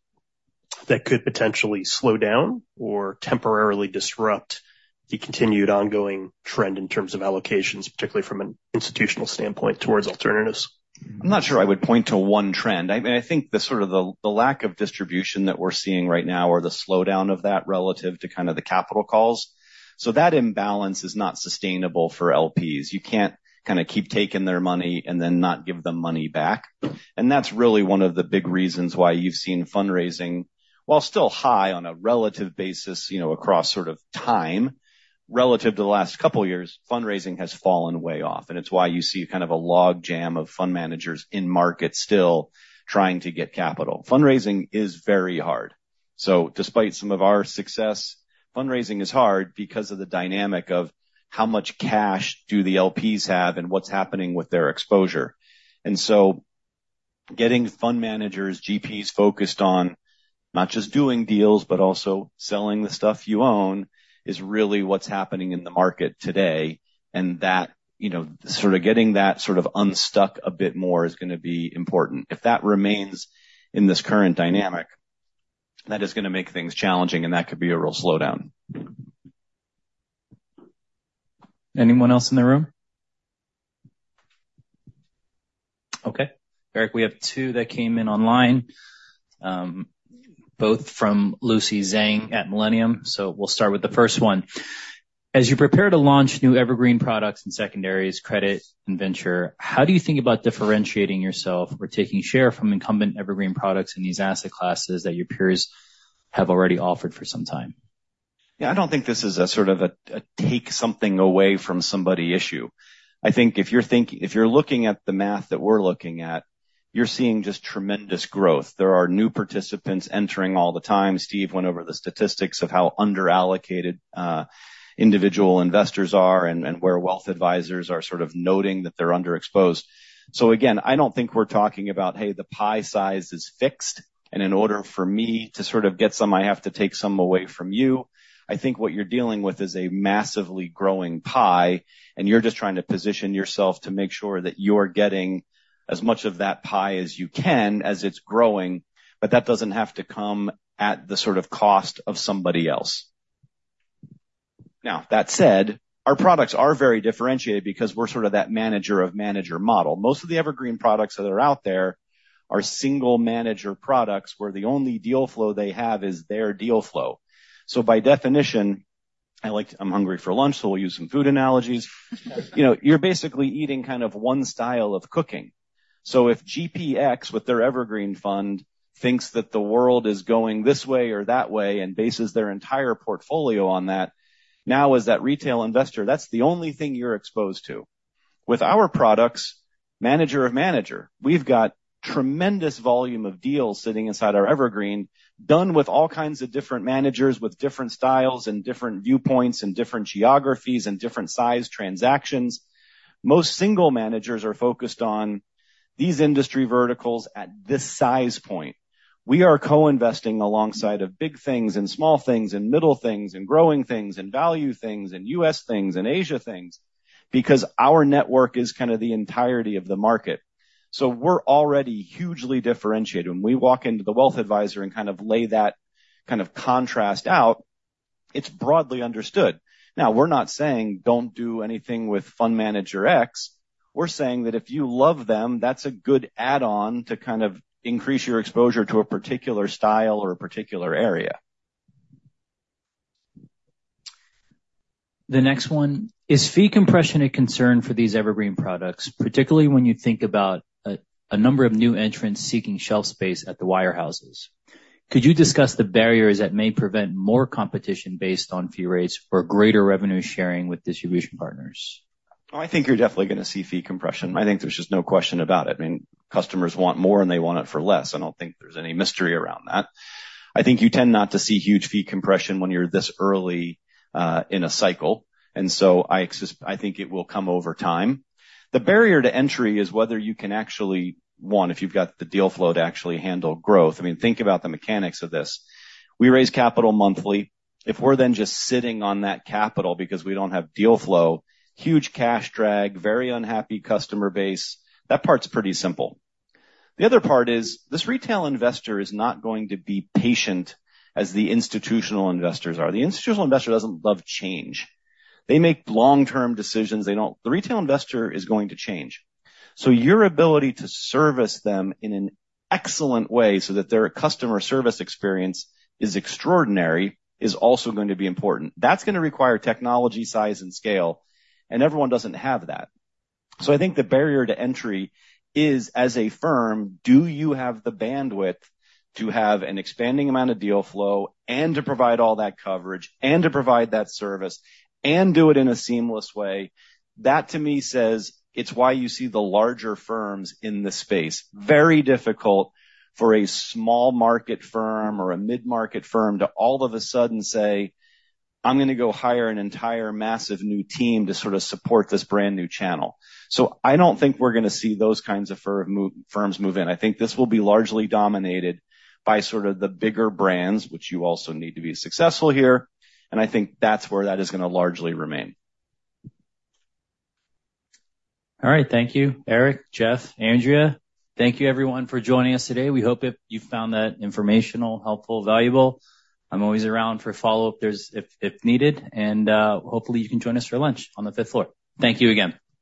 that could potentially slow down or temporarily disrupt the continued ongoing trend in terms of allocations, particularly from an institutional standpoint, towards alternatives? I'm not sure I would point to one trend. I think the sort of lack of distribution that we're seeing right now or the slowdown of that relative to kind of the capital calls, so that imbalance is not sustainable for LPs. You can't kind of keep taking their money and then not give them money back. And that's really one of the big reasons why you've seen fundraising, while still high on a relative basis, you know, across sort of time, relative to the last couple of years, fundraising has fallen way off, and it's why you see kind of a logjam of fund managers in market still trying to get capital. Fundraising is very hard. So despite some of our success, fundraising is hard because of the dynamic of how much cash do the LPs have and what's happening with their exposure. And so getting fund managers, GPs, focused on not just doing deals, but also selling the stuff you own, is really what's happening in the market today. That, you know, sort of getting that sort of unstuck a bit more is gonna be important. If that remains in this current dynamic, that is gonna make things challenging, and that could be a real slowdown. Anyone else in the room? Okay, Eric, we have two that came in online, both from Lucy Zhang at Millennium, so we'll start with the first one. As you prepare to launch new Evergreen products and secondaries, credit, and venture, how do you think about differentiating yourself or taking share from incumbent Evergreen products in these asset classes that your peers have already offered for some time? Yeah, I don't think this is a sort of a take something away from somebody issue. I think if you're looking at the math that we're looking at, you're seeing just tremendous growth. There are new participants entering all the time. Steve went over the statistics of how underallocated individual investors are and where wealth advisors are sort of noting that they're underexposed. So again, I don't think we're talking about, "Hey, the pie size is fixed, and in order for me to sort of get some, I have to take some away from you." I think what you're dealing with is a massively growing pie, and you're just trying to position yourself to make sure that you're getting as much of that pie as you can as it's growing, but that doesn't have to come at the sort of cost of somebody else.... Now, that said, our products are very differentiated because we're sort of that manager-of-manager model. Most of the evergreen products that are out there are single manager products, where the only deal flow they have is their deal flow. So by definition, I'm hungry for lunch, so we'll use some food analogies. You know, you're basically eating kind of one style of cooking. So if GP X, with their evergreen fund, thinks that the world is going this way or that way and bases their entire portfolio on that, now as that retail investor, that's the only thing you're exposed to. With our products, manager-of-manager, we've got tremendous volume of deals sitting inside our evergreen, done with all kinds of different managers, with different styles and different viewpoints and different geographies and different size transactions. Most single managers are focused on these industry verticals at this size point. We are co-investing alongside of big things and small things and middle things and growing things and value things and U.S. things and Asia things, because our network is kind of the entirety of the market. We're already hugely differentiated. When we walk into the wealth advisor and kind of lay that kind of contrast out, it's broadly understood. Now, we're not saying, "Don't do anything with fund manager X." We're saying that if you love them, that's a good add-on to kind of increase your exposure to a particular style or a particular area. The next one: Is fee compression a concern for these evergreen products, particularly when you think about a number of new entrants seeking shelf space at the wirehouses? Could you discuss the barriers that may prevent more competition based on fee rates or greater revenue sharing with distribution partners? I think you're definitely gonna see fee compression. I think there's just no question about it. I mean, customers want more, and they want it for less. I don't think there's any mystery around that. I think you tend not to see huge fee compression when you're this early in a cycle, and so I think it will come over time. The barrier to entry is whether you can actually, one, if you've got the deal flow to actually handle growth. I mean, think about the mechanics of this. We raise capital monthly. If we're then just sitting on that capital because we don't have deal flow, huge cash drag, very unhappy customer base. That part's pretty simple. The other part is, this retail investor is not going to be patient as the institutional investors are. The institutional investor doesn't love change. They make long-term decisions, they don't... The retail investor is going to change. So your ability to service them in an excellent way so that their customer service experience is extraordinary, is also going to be important. That's gonna require technology, size, and scale, and everyone doesn't have that. So I think the barrier to entry is, as a firm, do you have the bandwidth to have an expanding amount of deal flow and to provide all that coverage, and to provide that service, and do it in a seamless way? That, to me, says it's why you see the larger firms in this space. Very difficult for a small market firm or a mid-market firm to all of a sudden say, "I'm gonna go hire an entire massive new team to sort of support this brand-new channel." So I don't think we're gonna see those kinds of firms move in. I think this will be largely dominated by sort of the bigger brands, which you also need to be successful here, and I think that's where that is gonna largely remain. All right. Thank you, Eric, Jeff, Andrea. Thank you, everyone, for joining us today. We hope that you found that informational, helpful, valuable. I'm always around for follow-ups there, if needed, and hopefully, you can join us for lunch on the fifth floor. Thank you again.